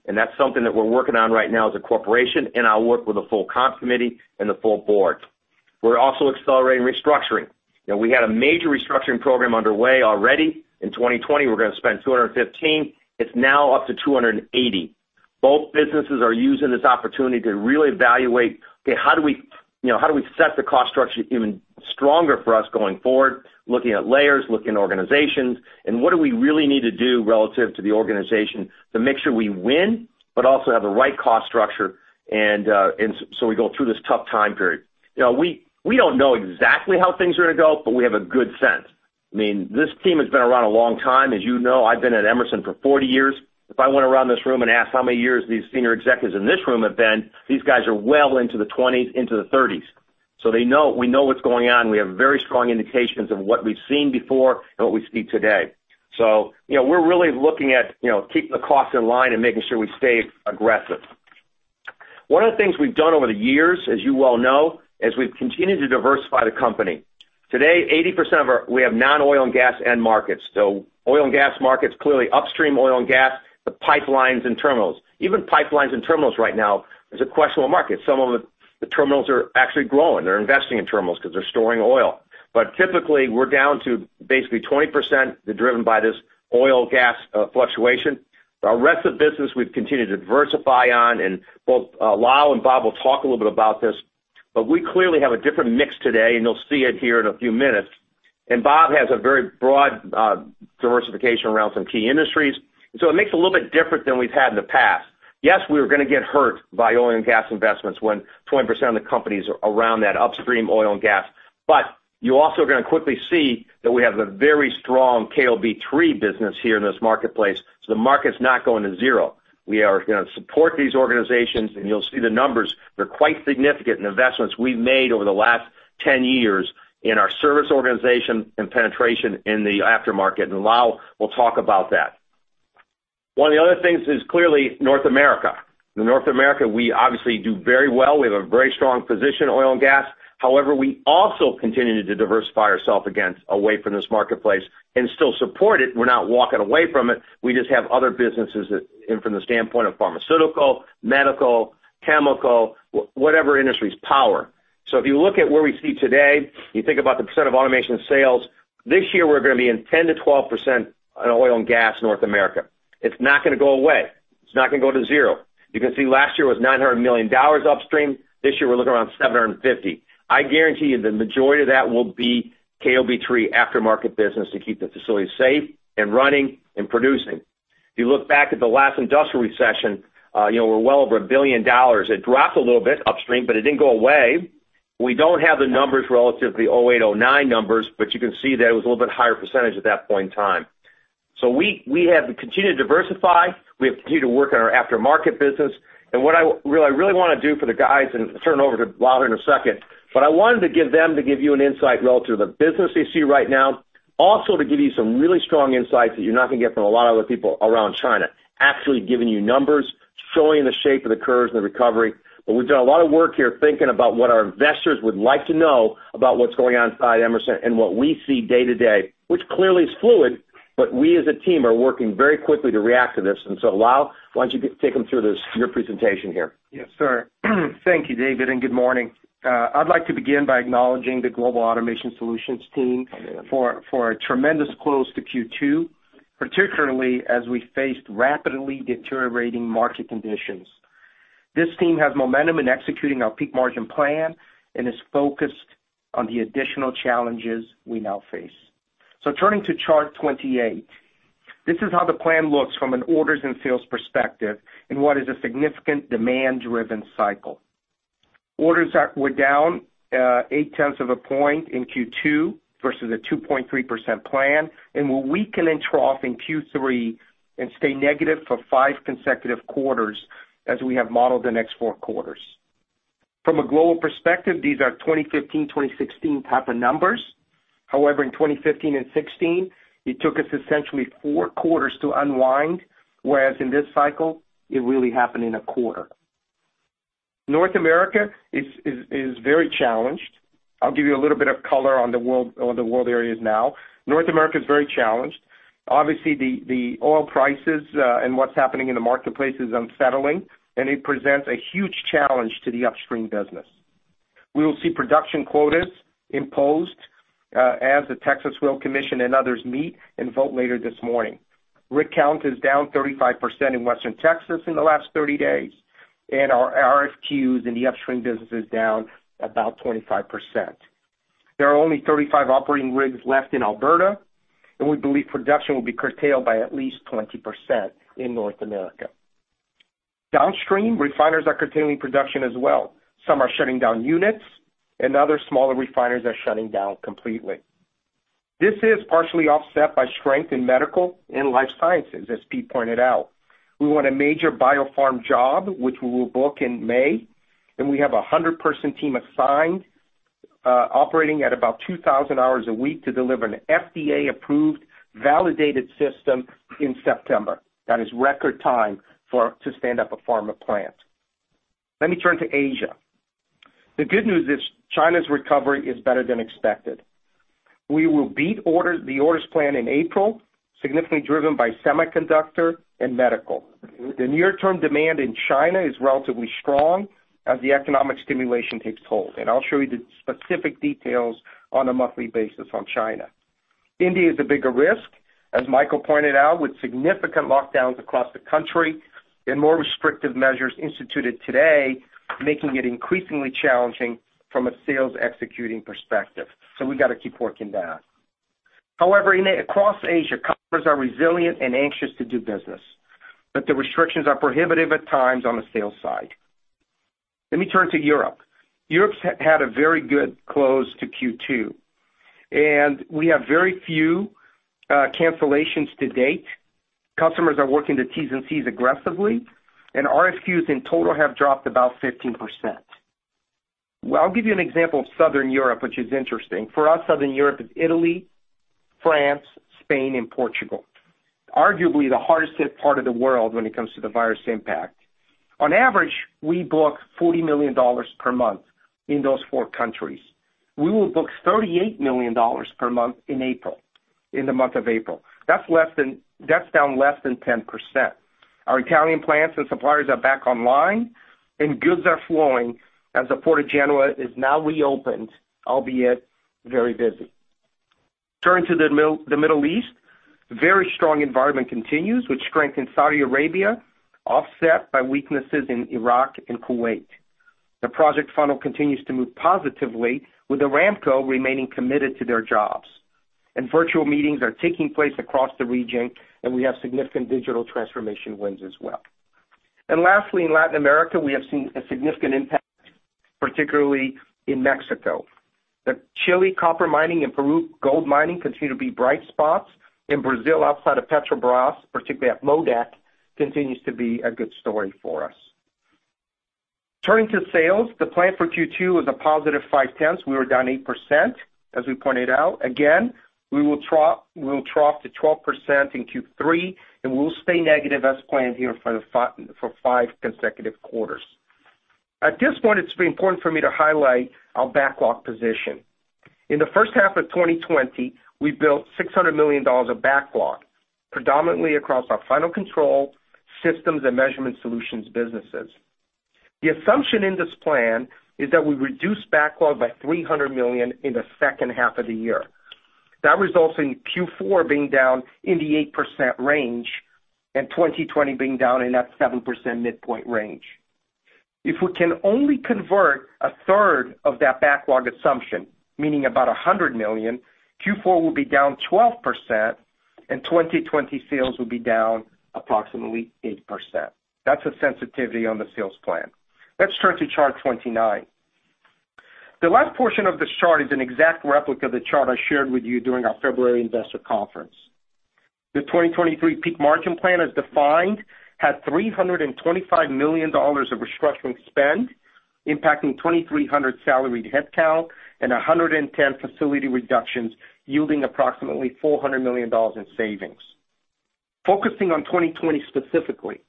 That's something that we're working on right now as a corporation, I work with a full comp committee and the full board. We're also accelerating restructuring. We had a major restructuring program underway already. In 2020, we're going to spend $215 million. It's now up to $280 million. Both businesses are using this opportunity to really evaluate, okay, how do we set the cost structure even stronger for us going forward, looking at layers, looking at organizations, and what do we really need to do relative to the organization to make sure we win, but also have the right cost structure. We go through this tough time period. We don't know exactly how things are going to go, but we have a good sense. I mean, this team has been around a long time. As you know, I've been at Emerson for 40 years. If I went around this room and asked how many years these senior executives in this room have been, these guys are well into the 20s, into the 30s. We know what's going on. We have very strong indications of what we've seen before and what we see today. We're really looking at keeping the cost in line and making sure we stay aggressive. One of the things we've done over the years, as you well know, is we've continued to diversify the company. Today, 80% of our-- we have non-oil and gas end markets. Oil and gas markets, clearly upstream oil and gas, the pipelines and terminals. Even pipelines and terminals right now is a questionable market. Some of the terminals are actually growing. They're investing in terminals because they're storing oil. Typically, we're down to basically 20% driven by this oil gas fluctuation. The rest of the business we've continued to diversify on, and both Lal and Bob will talk a little bit about this. We clearly have a different mix today, and you'll see it here in a few minutes. Bob has a very broad diversification around some key industries. It makes a little bit different than we've had in the past. Yes, we were going to get hurt by oil and gas investments when 20% of the companies are around that upstream oil and gas. You're also going to quickly see that we have a very strong KOB3 business here in this marketplace. The market's not going to zero. We are going to support these organizations, and you'll see the numbers. They're quite significant in the investments we've made over the last 10 years in our service organization and penetration in the aftermarket, and Lal will talk about that. One of the other things is clearly North America. In North America, we obviously do very well. We have a very strong position, oil and gas. However, we also continue to diversify ourself again away from this marketplace and still support it. We're not walking away from it. We just have other businesses from the standpoint of pharmaceutical, medical, chemical, whatever industries, power. If you look at where we see today, you think about percent of automation sales, this year we're going to be in 10%-12% on oil and gas North America. It's not going to go away. It's not going to go to zero. You can see last year was $900 million upstream. This year, we're looking around $750 million. I guarantee you the majority of that will be KOB3 aftermarket business to keep the facility safe and running and producing. If you look back at the last industrial recession, we're well over $1 billion. It dropped a little bit upstream, but it didn't go away. We don't have the numbers relative to the 2008, 2009 numbers, but you can see that it was a little bit percentage at that point in time. We have continued to diversify. We have continued to work on our aftermarket business. What I really want to do for the guys, and turn it over to Lal in a second, but I wanted to give them to give you an insight relative to the business they see right now. Also to give you some really strong insights that you're not going to get from a lot of other people around China, actually giving you numbers, showing the shape of the curves and the recovery. We've done a lot of work here thinking about what our investors would like to know about what's going on inside Emerson and what we see day to day, which clearly is fluid, but we as a team are working very quickly to react to this. Lal, why don't you take them through your presentation here? Yes, sir. Thank you, David. Good morning. I'd like to begin by acknowledging the Global Automation Solutions team for a tremendous close to Q2, particularly as we faced rapidly deteriorating market conditions. This team has momentum in executing our peak margin plan and is focused on the additional challenges we now face. Turning to Chart 28. This is how the plan looks from an orders and sales perspective in what is a significant demand-driven cycle. Orders were down 0.8 points in Q2 versus a 2.3% plan and will weaken and trough in Q3 and stay negative for five consecutive quarters as we have modeled the next four quarters. From a global perspective, these are 2015, 2016 type of numbers. However, in 2015 and 2016, it took us essentially four quarters to unwind, whereas in this cycle, it really happened in a quarter. North America is very challenged. I'll give you a little bit of color on the world areas now. North America is very challenged. Obviously, the oil prices, and what's happening in the marketplace is unsettling, and it presents a huge challenge to the upstream business. We will see production quotas imposed, as the Railroad Commission of Texas and others meet and vote later this morning. Rig count is down 35% in West Texas in the last 30 days, and our RFQs in the upstream business is down about 25%. There are only 35 operating rigs left in Alberta, and we believe production will be curtailed by at least 20% in North America. Downstream, refiners are curtailing production as well. Some are shutting down units, and other smaller refiners are shutting down completely. This is partially offset by strength in medical and life sciences, as Pete pointed out. We won a major biopharm job, which we will book in May, and we have a 100-person team assigned, operating at about 2,000 hours a week to deliver an FDA-approved, validated system in September. That is record time to stand up a pharma plant. Let me turn to Asia. The good news is China's recovery is better than expected. We will beat the orders plan in April, significantly driven by semiconductor and medical. The near-term demand in China is relatively strong as the economic stimulation takes hold. I'll show you the specific details on a monthly basis on China. India is a bigger risk, as Mike pointed out, with significant lockdowns across the country and more restrictive measures instituted today, making it increasingly challenging from a sales executing perspective. We got to keep working that. However, across Asia, customers are resilient and anxious to do business. The restrictions are prohibitive at times on the sales side. Let me turn to Europe. Europe's had a very good close to Q2, and we have very few cancellations to date. Customers are working the T's and C's aggressively, and RFQs in total have dropped about 15%. I'll give you an example of Southern Europe, which is interesting. For us, Southern Europe is Italy, France, Spain, and Portugal. Arguably, the hardest hit part of the world when it comes to the virus impact. On average, we book $40 million per month in those four countries. We will book $38 million per month in April, in the month of April. That's down less than 10%. Our Italian plants and suppliers are back online, and goods are flowing as the Port of Genoa is now reopened, albeit very busy. Turn to the Middle East. Very strong environment continues, with strength in Saudi Arabia offset by weaknesses in Iraq and Kuwait. The project funnel continues to move positively, with Aramco remaining committed to their jobs. Virtual meetings are taking place across the region, and we have significant digital transformation wins as well. Lastly, in Latin America, we have seen a significant impact, particularly in Mexico. Chile copper mining and Peru gold mining continue to be bright spots. In Brazil, outside of Petrobras, particularly at MODEC, continues to be a good story for us. Turning to sales, the plan for Q2 is a positive 0.5%. We were down 8%, as we pointed out. Again, we will trough to 12% in Q3, and we will stay negative as planned here for five consecutive quarters. At this point, it's very important for me to highlight our backlog position. In the first half of 2020, we built $600 million of backlog, predominantly across our final control systems and measurement solutions businesses. The assumption in this plan is that we reduce backlog by $300 million in the second half of the year. That results in Q4 being down in the 8% range and 2020 being down in that 7% midpoint range. If we can only convert a third of that backlog assumption, meaning about $100 million, Q4 will be down 12%, and 2020 sales will be down approximately 8%. That's the sensitivity on the sales plan. Let's turn to chart 29. The last portion of this chart is an exact replica of the chart I shared with you during our February investor conference. The 2023 peak margin plan, as defined, had $325 million of restructuring spend impacting 2,300 salaried headcount and 110 facility reductions, yielding approximately $400 million in savings. Focusing on 2020 specifically,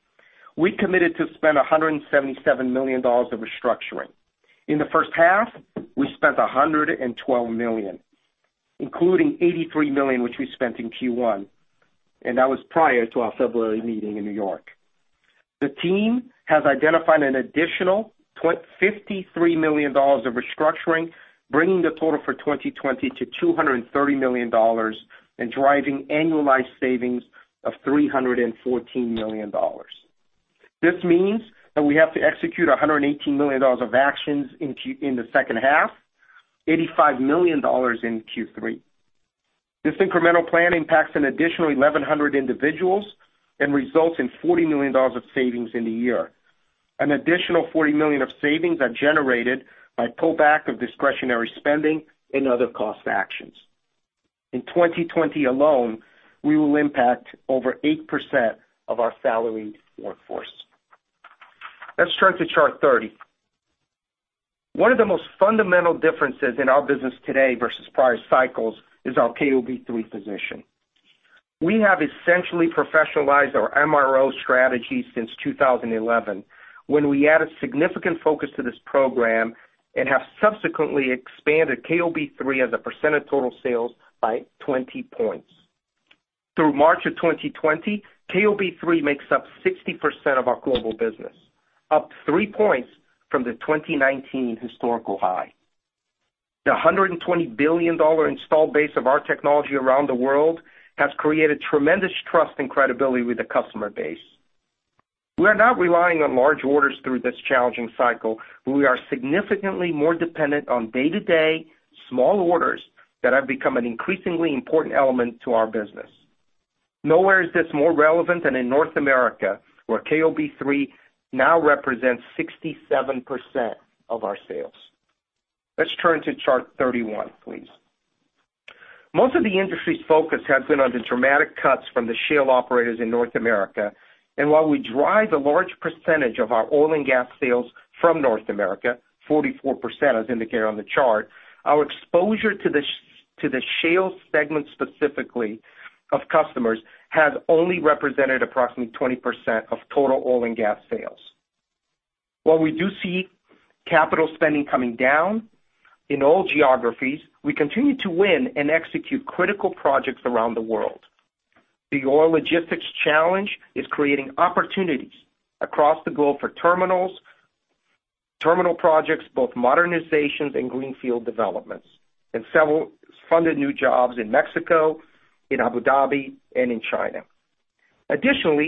we committed to spend $177 million of restructuring. In the first half, we spent $112 million, including $83 million, which we spent in Q1, and that was prior to our February meeting in New York. The team has identified an additional $53 million of restructuring, bringing the total for 2020 to $230 million and driving annualized savings of $314 million. This means that we have to execute $118 million of actions in the second half, $85 million in Q3. This incremental plan impacts an additional 1,100 individuals and results in $40 million of savings in the year. An additional $40 million of savings are generated by pull back of discretionary spending and other cost actions. In 2020 alone, we will impact over 8% of our salaried workforce. Let's turn to chart 30. One of the most fundamental differences in our business today versus prior cycles is our KOB3 position. We have essentially professionalized our MRO strategy since 2011, when we added significant focus to this program and have subsequently expanded KOB3 as a percent of total sales by 20 points. Through March of 2020, KOB3 makes up 60% of our global business, up three points from the 2019 historical high. The $120 billion install base of our technology around the world has created tremendous trust and credibility with the customer base. We are not relying on large orders through this challenging cycle. We are significantly more dependent on day-to-day small orders that have become an increasingly important element to our business. Nowhere is this more relevant than in North America, where KOB3 now represents 67% of our sales. Let's turn to chart 31, please. Most of the industry's focus has been on the dramatic cuts from the shale operators in North America, and while we drive a large percentage of our oil and gas sales from North America, 44% as indicated on the chart, our exposure to the shale segment specifically of customers, has only represented approximately 20% of total oil and gas sales. While we do see capital spending coming down in all geographies, we continue to win and execute critical projects around the world. The oil logistics challenge is creating opportunities across the globe for terminals, terminal projects, both modernizations and greenfield developments, and several funded new jobs in Mexico, in Abu Dhabi, and in China.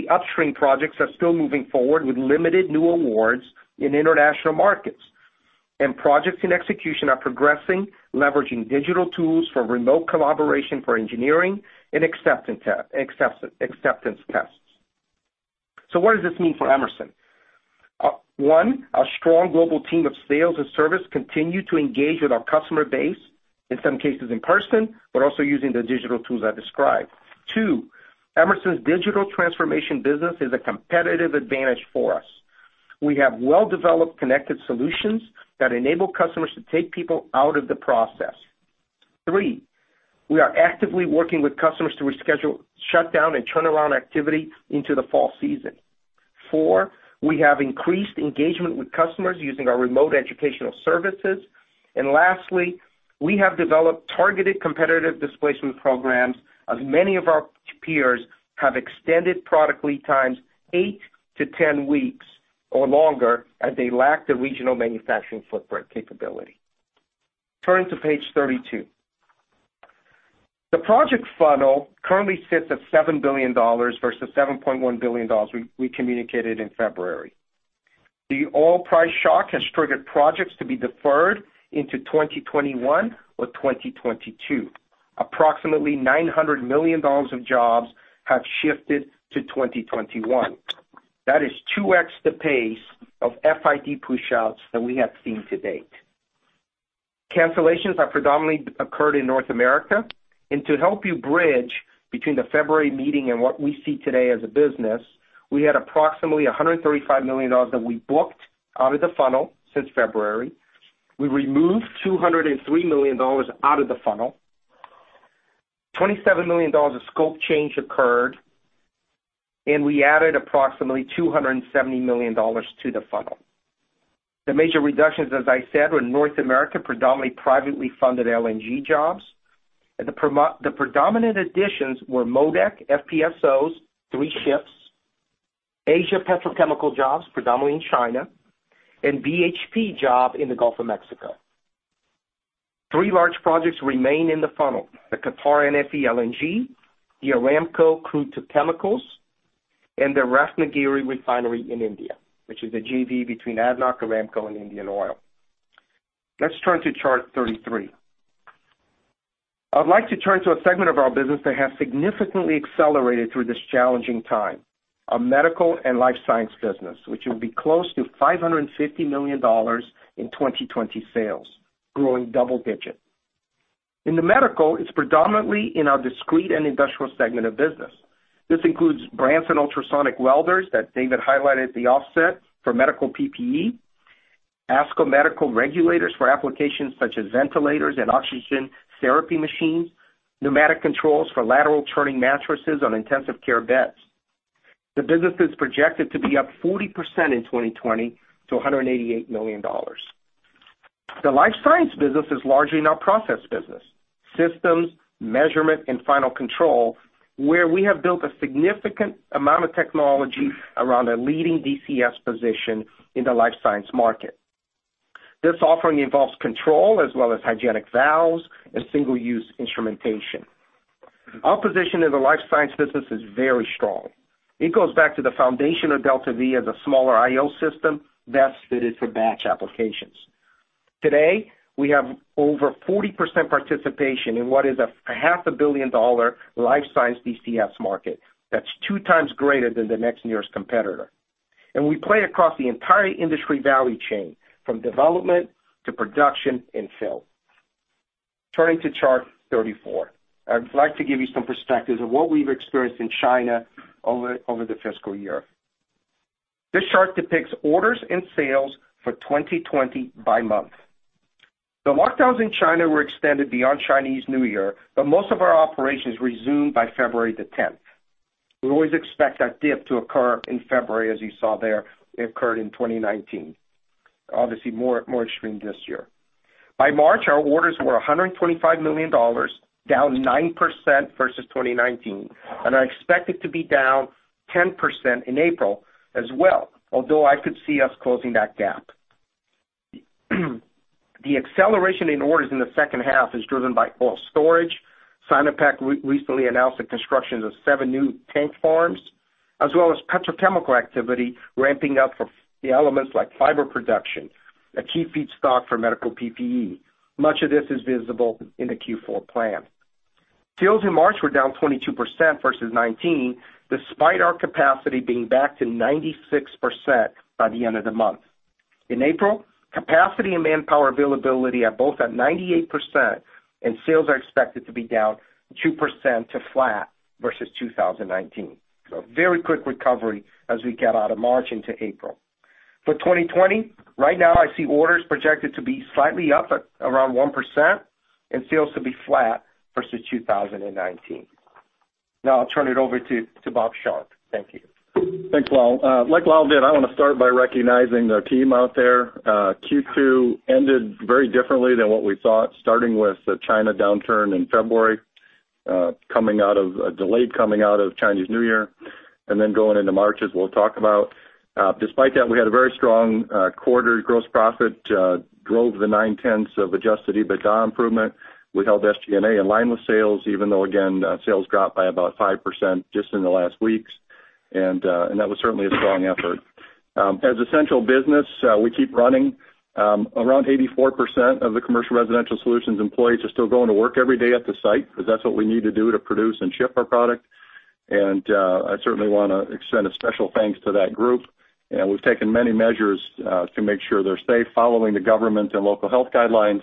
Upstream projects are still moving forward with limited new awards in international markets, and projects in execution are progressing, leveraging digital tools for remote collaboration for engineering and acceptance tests. What does this mean for Emerson? One, a strong global team of sales and service continue to engage with our customer base, in some cases in person, but also using the digital tools I described. Two, Emerson's digital transformation business is a competitive advantage for us. We have well-developed connected solutions that enable customers to take people out of the process. Three, we are actively working with customers to reschedule shutdown and turnaround activity into the fall season. Four, we have increased engagement with customers using our remote educational services. Lastly, we have developed targeted competitive displacement programs as many of our peers have extended product lead times 8 to 10 weeks or longer as they lack the regional manufacturing footprint capability. Turn to page 32. The project funnel currently sits at $7 billion versus $7.1 billion we communicated in February. The oil price shock has triggered projects to be deferred into 2021 or 2022. Approximately $900 million of jobs have shifted to 2021. That is 2x the pace of FID pushouts that we have seen to date. Cancellations have predominantly occurred in North America. To help you bridge between the February meeting and what we see today as a business, we had approximately $135 million that we booked out of the funnel since February. We removed $203 million out of the funnel. $27 million of scope change occurred, and we added approximately $270 million to the funnel. The major reductions, as I said, were in North America, predominantly privately funded LNG jobs. The predominant additions were MODEC FPSOs, three ships, Asia petrochemical jobs, predominantly in China, and BHP job in the Gulf of Mexico. Three large projects remain in the funnel, the Qatar NFE LNG, the Aramco crude to chemicals, and the Ratnagiri refinery in India, which is a JV between ADNOC, Aramco, and Indian Oil. Let's turn to chart 33. I would like to turn to a segment of our business that has significantly accelerated through this challenging time, our medical and life science business, which will be close to $550 million in 2020 sales, growing double digits. In the medical, it's predominantly in our discrete and industrial segment of business. This includes Branson ultrasonic welders that David highlighted at the offset for medical PPE, ASCO medical regulators for applications such as ventilators and oxygen therapy machines, pneumatic controls for lateral turning mattresses on intensive care beds. The business is projected to be up 40% in 2020 to $188 million. The life science business is largely in our process business, systems, measurement, and final control, where we have built a significant amount of technology around a leading DCS position in the life science market. This offering involves control as well as hygienic valves and single-use instrumentation. Our position in the life science business is very strong. It goes back to the foundation of DeltaV as a smaller I/O system best fitted for batch applications. Today, we have over 40% participation in what is a half a billion-dollar life science DCS market. That's two times greater than the next nearest competitor. We play across the entire industry value chain, from development to production and fill. Turning to chart 34. I would like to give you some perspectives of what we've experienced in China over the fiscal year. This chart depicts orders and sales for 2020 by month. The lockdowns in China were extended beyond Chinese New Year, but most of our operations resumed by February the 10th. We always expect that dip to occur in February, as you saw there, it occurred in 2019. Obviously more extreme this year. By March, our orders were $125 million, down 9% versus 2019, and are expected to be down 10% in April as well, although I could see us closing that gap. The acceleration in orders in the second half is driven by oil storage. China Petroleum & Chemical Corporation recently announced the constructions of seven new tank farms, as well as petrochemical activity ramping up for the elements like fiber production, a key feedstock for medical PPE. Much of this is visible in the Q4 plan. Sales in March were down 22% versus 2019, despite our capacity being back to 96% by the end of the month. In April, capacity and manpower availability are both at 98%, and sales are expected to be down 2% to flat versus 2019. A very quick recovery as we get out of March into April. For 2020, right now I see orders projected to be slightly up at around 1%, and sales to be flat versus 2019. I'll turn it over to Bob Sharp. Thank you. Thanks, Lal. Like Lal did, I want to start by recognizing the team out there. Q2 ended very differently than what we thought, starting with the China downturn in February, a delayed coming out of Chinese New Year, and then going into March, as we'll talk about. Despite that, we had a very strong quarter. Gross profit drove the 9/10 of adjusted EBITDA improvement. We held SG&A in line with sales, even though, again, sales dropped by about 5% just in the last weeks. That was certainly a strong effort. As essential business, we keep running. Around 84% of the Commercial & Residential Solutions employees are still going to work every day at the site because that's what we need to do to produce and ship our product. I certainly want to extend a special thanks to that group. We've taken many measures to make sure they're safe, following the government and local health guidelines,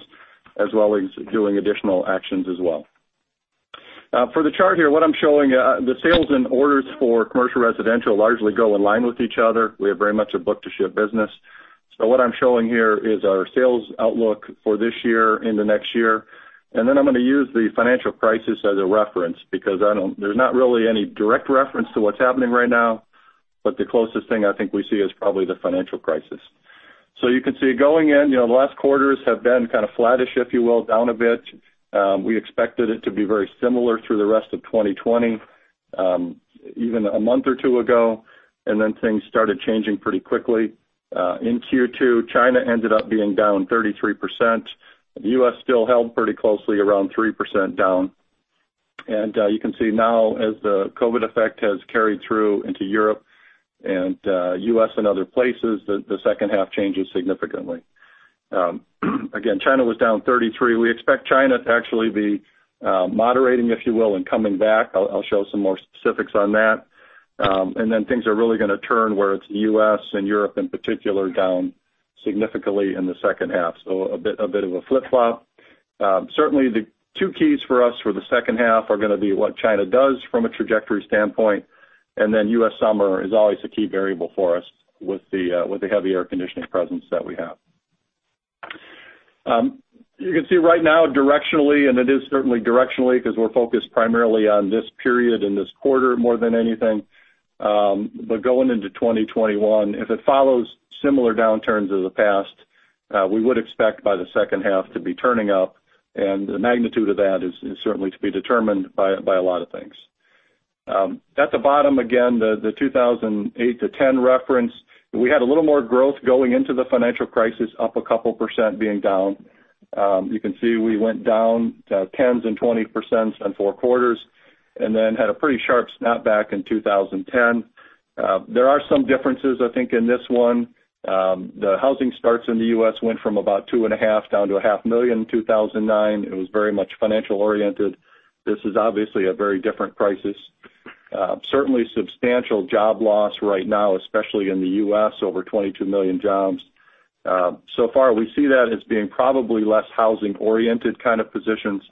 as well as doing additional actions as well. For the chart here, what I'm showing, the sales and orders for Commercial Residential largely go in line with each other. We have very much a book-to-ship business. What I'm showing here is our sales outlook for this year into next year. I'm going to use the financial crisis as a reference because there's not really any direct reference to what's happening right now, but the closest thing I think we see is probably the financial crisis. You can see going in, the last quarters have been kind of flattish, if you will, down a bit. We expected it to be very similar through the rest of 2020, even a month or two ago, and then things started changing pretty quickly. In Q2, China ended up being down 33%. The U.S. still held pretty closely around 3% down. You can see now as the COVID effect has carried through into Europe and U.S. and other places, the second half changes significantly. Again, China was down 33%. We expect China to actually be moderating, if you will, and coming back. I'll show some more specifics on that. Things are really going to turn where it's U.S. and Europe in particular down significantly in the second half. A bit of a flip-flop. Certainly the two keys for us for the second half are going to be what China does from a trajectory standpoint, and then U.S. summer is always a key variable for us with the heavy air conditioning presence that we have. You can see right now directionally, and it is certainly directionally because we're focused primarily on this period and this quarter more than anything. Going into 2021, if it follows similar downturns of the past, we would expect by the second half to be turning up, and the magnitude of that is certainly to be determined by a lot of things. At the bottom, again, the 2008-2010 reference, we had a little more growth going into the financial crisis, up a couple percent being down. You can see we went down 10s and 20% in four quarters and then had a pretty sharp snapback in 2010. There are some differences, I think, in this one. The housing starts in the U.S. went from about $2.5 million down to $0.5 million in 2009. It was very much financial oriented. This is obviously a very different crisis. Certainly substantial job loss right now, especially in the U.S., over 22 million jobs. So far, we see that as being probably less housing-oriented kind of positions,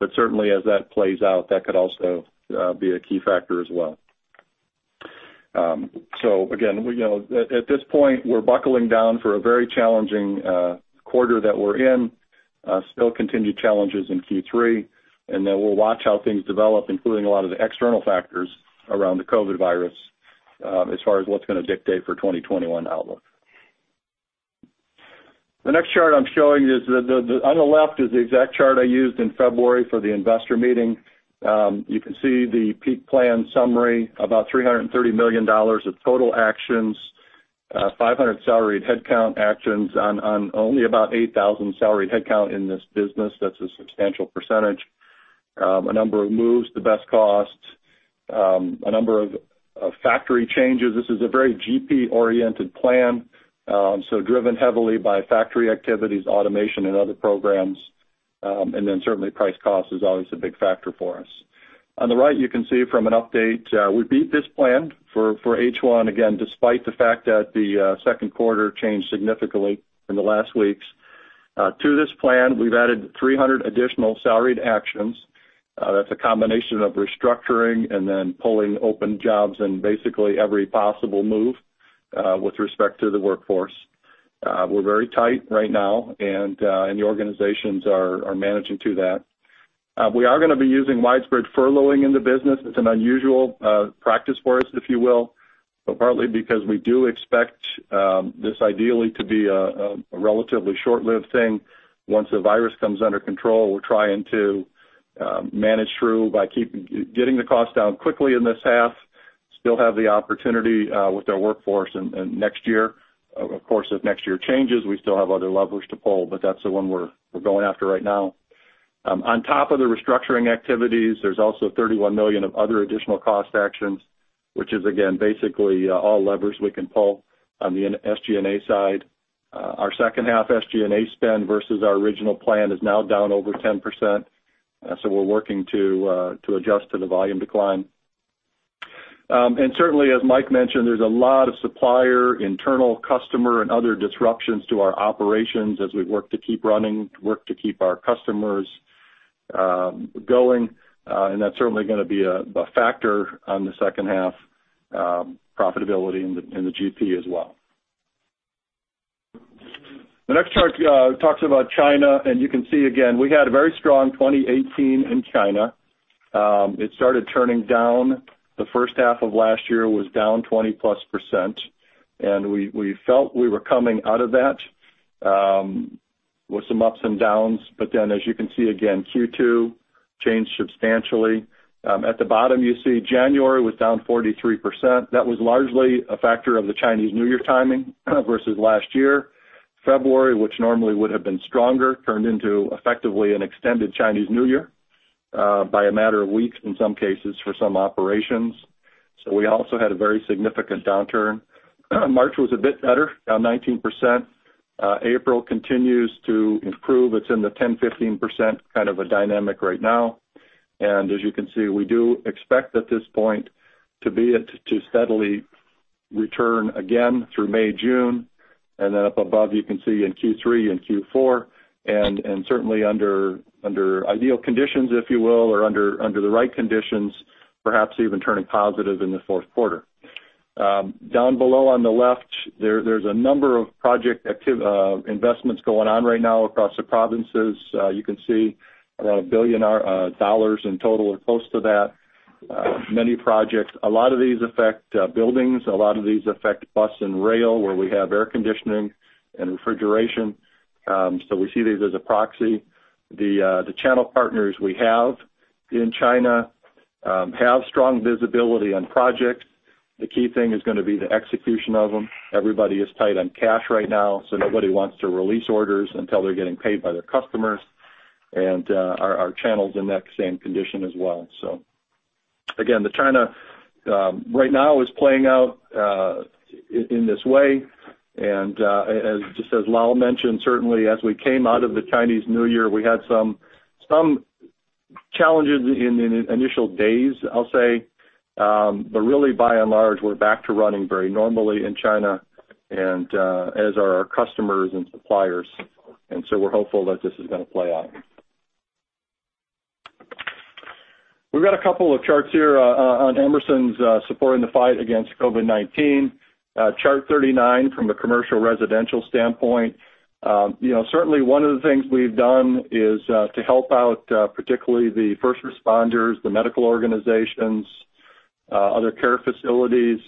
but certainly as that plays out, that could also be a key factor as well. Again, at this point, we're buckling down for a very challenging quarter that we're in. Still continued challenges in Q3, and then we'll watch how things develop, including a lot of the external factors around the COVID virus as far as what's going to dictate for 2021 outlook. The next chart I'm showing you, on the left is the exact chart I used in February for the investor meeting. You can see the peak plan summary, about $330 million of total actions, 500 salaried headcount actions on only about 8,000 salaried headcount in this business. That's a substantial percentage. A number of moves to best cost, a number of factory changes. This is a very GP-oriented plan, driven heavily by factory activities, automation, and other programs. Certainly price cost is always a big factor for us. On the right, you can see from an update, we beat this plan for H1, again, despite the fact that the second quarter changed significantly in the last weeks. To this plan, we've added 300 additional salaried actions. That's a combination of restructuring and pulling open jobs in basically every possible move with respect to the workforce. We're very tight right now, and the organizations are managing to that. We are going to be using widespread furloughing in the business. It's an unusual practice for us, if you will, but partly because we do expect this ideally to be a relatively short-lived thing. Once the virus comes under control, we're trying to manage through by getting the cost down quickly in this half, still have the opportunity with our workforce in next year. Of course, if next year changes, we still have other levers to pull, but that's the one we're going after right now. On top of the restructuring activities, there's also $31 million of other additional cost actions, which is again, basically all levers we can pull on the SG&A side. Our second half SG&A spend versus our original plan is now down over 10%, so we're working to adjust to the volume decline. Certainly, as Mike mentioned, there's a lot of supplier, internal customer, and other disruptions to our operations as we work to keep running, work to keep our customers going. That's certainly going to be a factor on the second half profitability in the GP as well. The next chart talks about China, and you can see again, we had a very strong 2018 in China. It started turning down. The first half of last year was down 20%+, and we felt we were coming out of that with some ups and downs. Then, as you can see again, Q2 changed substantially. At the bottom, you see January was down 43%. That was largely a factor of the Chinese New Year timing versus last year. February, which normally would have been stronger, turned into effectively an extended Chinese New Year by a matter of weeks in some cases for some operations. We also had a very significant downturn. March was a bit better, down 19%. April continues to improve. It's in the 10%, 15% kind of a dynamic right now. As you can see, we do expect at this point to be it to steadily return again through May, June, and then up above, you can see in Q3 and Q4, and certainly under ideal conditions, if you will, or under the right conditions, perhaps even turning positive in the fourth quarter. Down below on the left, there's a number of project investments going on right now across the provinces. You can see around $1 billion in total or close to that. Many projects. A lot of these affect buildings. A lot of these affect bus and rail, where we have air conditioning and refrigeration. We see these as a proxy. The channel partners we have in China have strong visibility on projects. The key thing is going to be the execution of them. Everybody is tight on cash right now. Nobody wants to release orders until they're getting paid by their customers. Our channel's in that same condition as well. Again, China right now is playing out in this way. Just as Lal mentioned, certainly as we came out of the Chinese New Year, we had some challenges in the initial days, I'll say. Really by and large, we're back to running very normally in China. As are our customers and suppliers. We're hopeful that this is going to play out. We've got a couple of charts here on Emerson's supporting the fight against COVID-19. Chart 39 from a commercial residential standpoint. Certainly one of the things we've done is to help out, particularly the first responders, the medical organizations, other care facilities.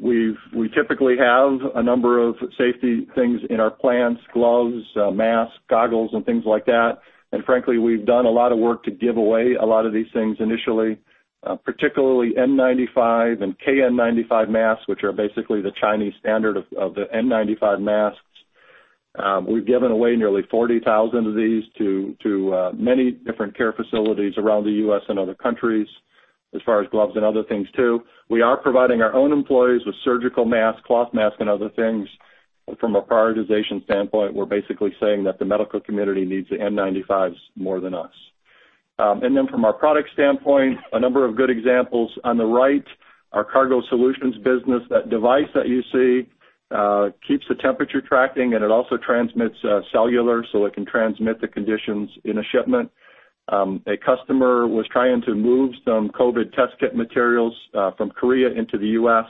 We typically have a number of safety things in our plants, gloves, masks, goggles, and things like that. Frankly, we've done a lot of work to give away a lot of these things initially, particularly N95 and KN95 masks, which are basically the Chinese standard of the N95 masks. We've given away nearly 40,000 of these to many different care facilities around the U.S. and other countries, as far as gloves and other things too. We are providing our own employees with surgical masks, cloth masks, and other things. From a prioritization standpoint, we're basically saying that the medical community needs the N95s more than us. From a product standpoint, a number of good examples. On the right, our cargo solutions business. That device that you see keeps the temperature tracking, and it also transmits cellular so it can transmit the conditions in a shipment. A customer was trying to move some COVID test kit materials from Korea into the U.S.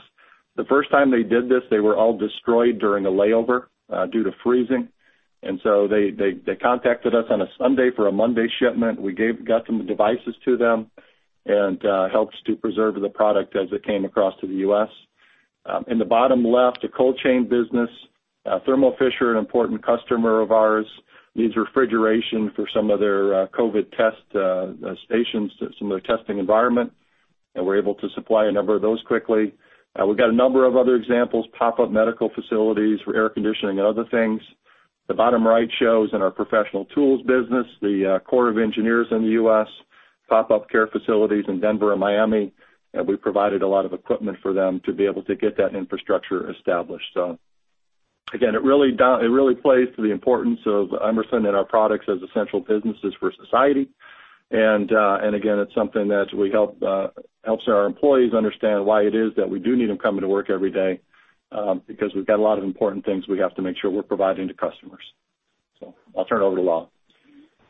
The first time they did this, they were all destroyed during a layover due to freezing. They contacted us on a Sunday for a Monday shipment. We got some devices to them and helped to preserve the product as it came across to the U.S. In the bottom left, a cold chain business. Thermo Fisher, an important customer of ours, needs refrigeration for some of their COVID-19 test stations, some of their testing environment. We're able to supply a number of those quickly. We've got a number of other examples, pop-up medical facilities for air conditioning and other things. The bottom right shows in our professional tools business, the Corps of Engineers in the U.S. pop-up care facilities in Denver and Miami. We provided a lot of equipment for them to be able to get that infrastructure established. Again, it really plays to the importance of Emerson and our products as essential businesses for society. Again, it's something that helps our employees understand why it is that we do need them coming to work every day, because we've got a lot of important things we have to make sure we're providing to customers. I'll turn it over to Lal.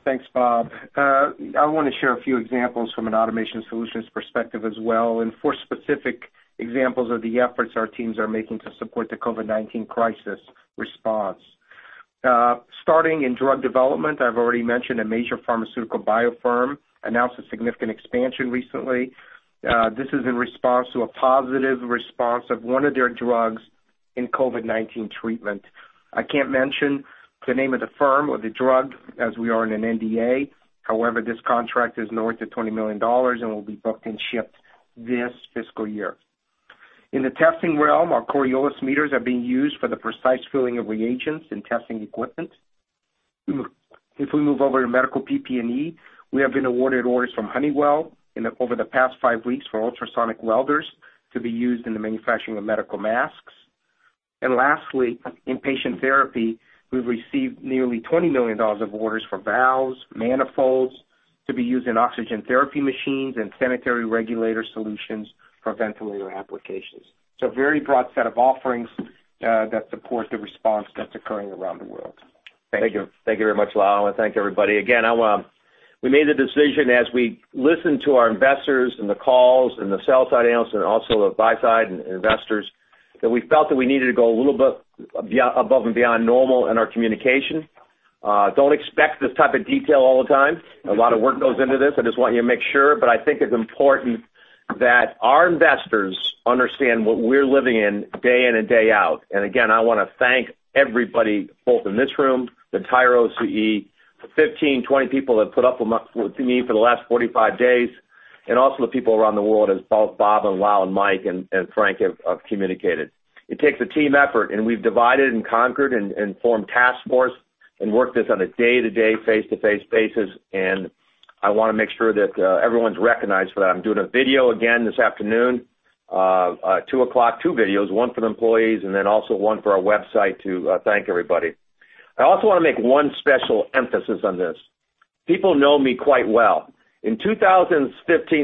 Thanks, Bob. I want to share a few examples from an Automation Solutions perspective as well, and four specific examples of the efforts our teams are making to support the COVID-19 crisis response. Starting in drug development, I've already mentioned a major pharmaceutical BioPharm announced a significant expansion recently. This is in response to a positive response of one of their drugs in COVID-19 treatment. I can't mention the name of the firm or the drug as we are in an NDA. However, this contract is north of $20 million and will be booked and shipped this fiscal year. In the testing realm, our Coriolis meters are being used for the precise filling of reagents and testing equipment. If we move over to medical PPE, we have been awarded orders from Honeywell over the past five weeks for ultrasonic welders to be used in the manufacturing of medical masks. Lastly, in patient therapy, we've received nearly $20 million of orders for valves, manifolds to be used in oxygen therapy machines, and sanitary regulator solutions for ventilator applications. A very broad set of offerings that support the response that's occurring around the world. Thank you. Thank you very much, Lal, thank everybody. Again, we made the decision as we listened to our investors in the calls, in the sell side analysts, and also the buy side investors, that we felt that we needed to go a little bit above and beyond normal in our communication. Don't expect this type of detail all the time. A lot of work goes into this. I just want you to make sure, but I think it's important that our investors understand what we're living in day in and day out. Again, I want to thank everybody, both in this room, the entire OCE, the 15, 20 people that put up with me for the last 45 days, and also the people around the world, as both Bob and Lal and Mike and Frank have communicated. It takes a team effort, and we've divided and conquered and formed task forces and worked this on a day-to-day, face-to-face basis, and I want to make sure that everyone's recognized for that. I'm doing a video again this afternoon, at 2:00, two videos, one for the employees and then also one for our website to thank everybody. I also want to make one special emphasis on this. People know me quite well. In 2015,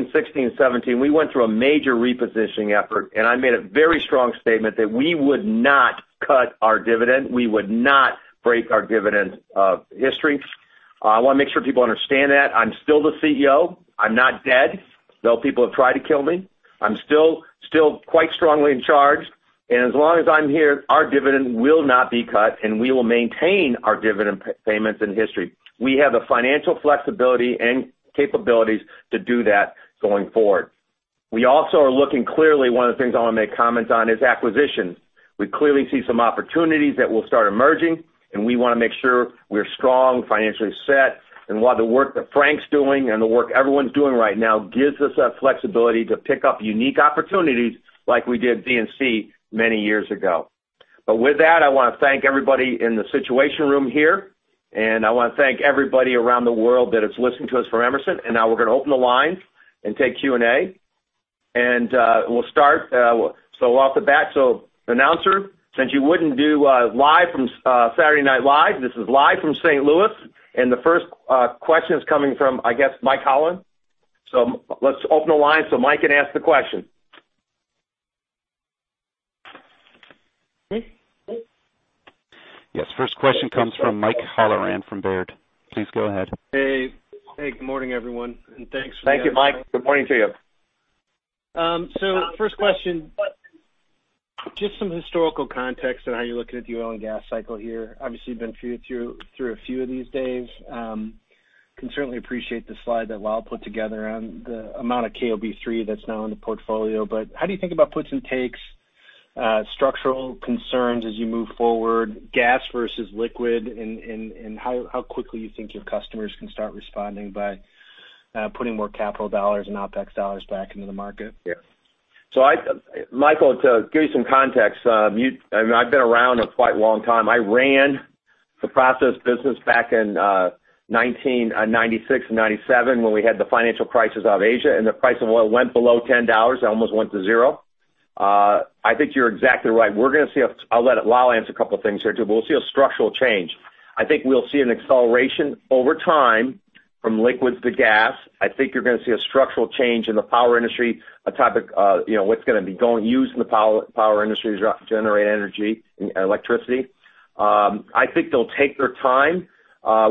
2016, and 2017, we went through a major repositioning effort, and I made a very strong statement that we would not cut our dividend. We would not break our dividend history. I want to make sure people understand that. I'm still the CEO. I'm not dead, though people have tried to kill me. I'm still quite strongly in charge. As long as I'm here, our dividend will not be cut, and we will maintain our dividend payments and history. We have the financial flexibility and capabilities to do that going forward. We also are looking clearly, one of the things I want to make comments on is acquisitions. We clearly see some opportunities that will start emerging, and we want to make sure we're strong, financially set, and while the work that Frank's doing and the work everyone's doing right now gives us that flexibility to pick up unique opportunities like we did V&C many years ago. With that, I want to thank everybody in the situation room here, and I want to thank everybody around the world that is listening to us from Emerson. Now we're going to open the lines and take Q&A. We'll start. Off the bat, announcer, since you wouldn't do live from Saturday Night Live, this is live from St. Louis, and the first question is coming from, I guess, Mike Halloran. Let's open the line so Mike can ask the question. Yes. First question comes from Mike Halloran from Baird. Please go ahead. Hey. Good morning, everyone, and thanks for. Thank you, Mike. Good morning to you. First question, just some historical context on how you're looking at the oil and gas cycle here. Obviously, you've been through a few of these, Dave. Can certainly appreciate the slide that Lal put together on the amount of KOB3 that's now in the portfolio. How do you think about puts and takes, structural concerns as you move forward, gas versus liquid, and how quickly you think your customers can start responding by putting more capital dollars and OpEx dollars back into the market? Yeah. Michael, to give you some context, I've been around a quite long time. I ran the process business back in 1996 and 1997 when we had the financial crisis out of Asia, and the price of oil went below $10. It almost went to zero. I think you're exactly right. I'll let Lal answer a couple of things here too, we'll see a structural change. I think we'll see an acceleration over time from liquids to gas. I think you're going to see a structural change in the power industry, what's going to be used in the power industry to generate energy and electricity. I think they'll take their time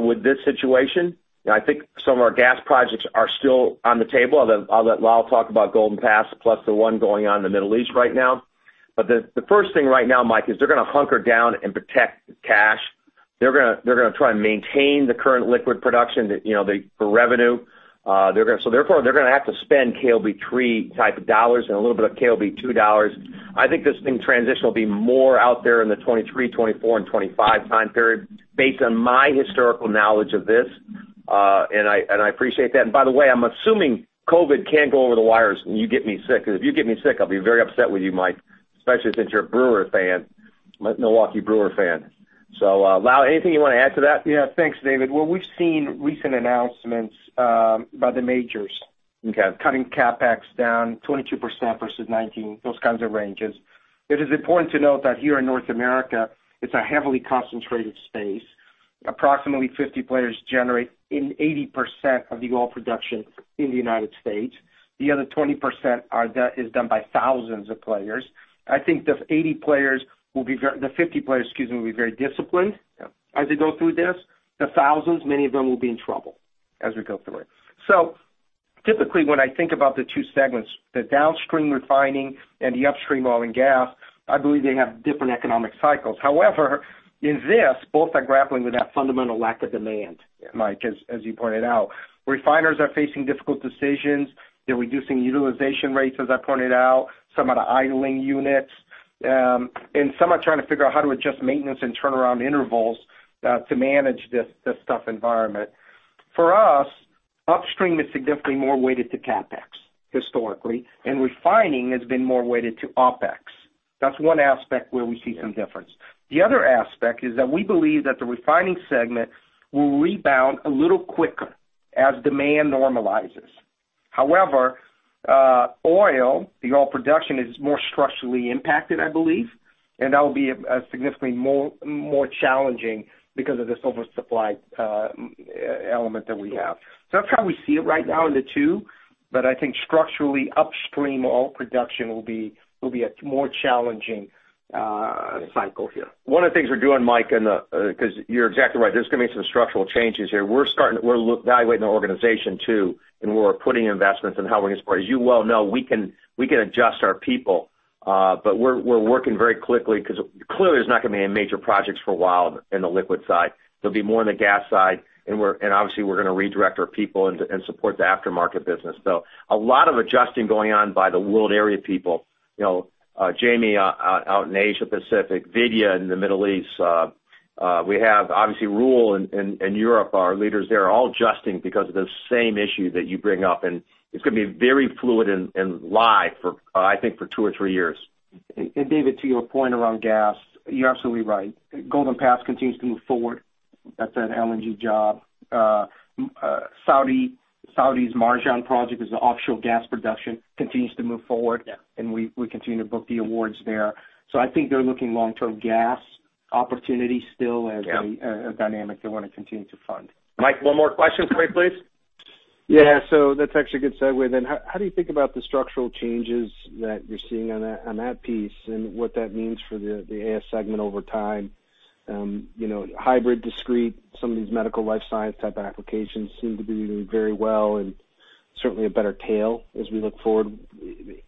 with this situation, I think some of our gas projects are still on the table. I'll let Lal talk about Golden Pass, plus the one going on in the Middle East right now. The first thing right now, Mike, is they're going to hunker down and protect cash. They're going to try and maintain the current liquid production for revenue. Therefore, they're going to have to spend KOB3 type of dollars and a little bit of KOB2 dollars. I think this thing transitional will be more out there in the 2023, 2024, and 2025 time period based on my historical knowledge of this. I appreciate that. By the way, I'm assuming COVID can't go over the wires and you get me sick, because if you get me sick, I'll be very upset with you, Mike, especially since you're a Brewer fan, a Milwaukee Brewer fan. Lal, anything you want to add to that? Yeah. Thanks, David. We've seen recent announcements by the majors cutting CapEx down 22% versus 2019, those kinds of ranges. It is important to note that here in North America, it's a heavily concentrated space. Approximately 50 players generate 80% of the oil production in the United States. The other 20% is done by thousands of players. I think the 50 players will be very disciplined as they go through this. The thousands, many of them will be in trouble as we go through it. Typically, when I think about the two segments, the downstream refining and the upstream oil and gas, I believe they have different economic cycles. However, in this, both are grappling with that fundamental lack of demand, Mike, as you pointed out. Refiners are facing difficult decisions. They're reducing utilization rates, as I pointed out. Some are idling units. Some are trying to figure out how to adjust maintenance and turnaround intervals to manage this tough environment. For us, upstream is significantly more weighted to CapEx historically, and refining has been more weighted to OpEx. That's one aspect where we see some difference. The other aspect is that we believe that the refining segment will rebound a little quicker as demand normalizes. However, oil, the oil production is more structurally impacted, I believe, and that will be significantly more challenging because of this oversupply element that we have. That's how we see it right now in the two. I think structurally, upstream oil production will be a more challenging cycle here. One of the things we're doing, Mike, because you're exactly right, there's going to be some structural changes here. We're evaluating our organization too, and where we're putting investments and how we're going to support. As you well know, we can adjust our people. We're working very quickly because clearly there's not going to be any major projects for a while in the liquid side. There'll be more on the gas side. Obviously, we're going to redirect our people and support the aftermarket business. A lot of adjusting going on by the world area people. Jamie out in Asia Pacific, Vidya in the Middle East. We have obviously Roel in Europe, our leaders there, all adjusting because of the same issue that you bring up. It's going to be very fluid and live I think for two or three years. David, to your point around gas, you're absolutely right. Golden Pass continues to move forward. That's an LNG job. Saudi's Marjan project is the offshore gas production, continues to move forward. Yeah. We continue to book the awards there. I think they're looking long-term gas opportunities still as a dynamic they want to continue to fund. Mike, one more question for you, please. Yeah. That's actually a good segue then. How do you think about the structural changes that you're seeing on that piece and what that means for the AS segment over time? Hybrid, discrete, some of these medical life science type applications seem to be doing very well and certainly a better tail as we look forward.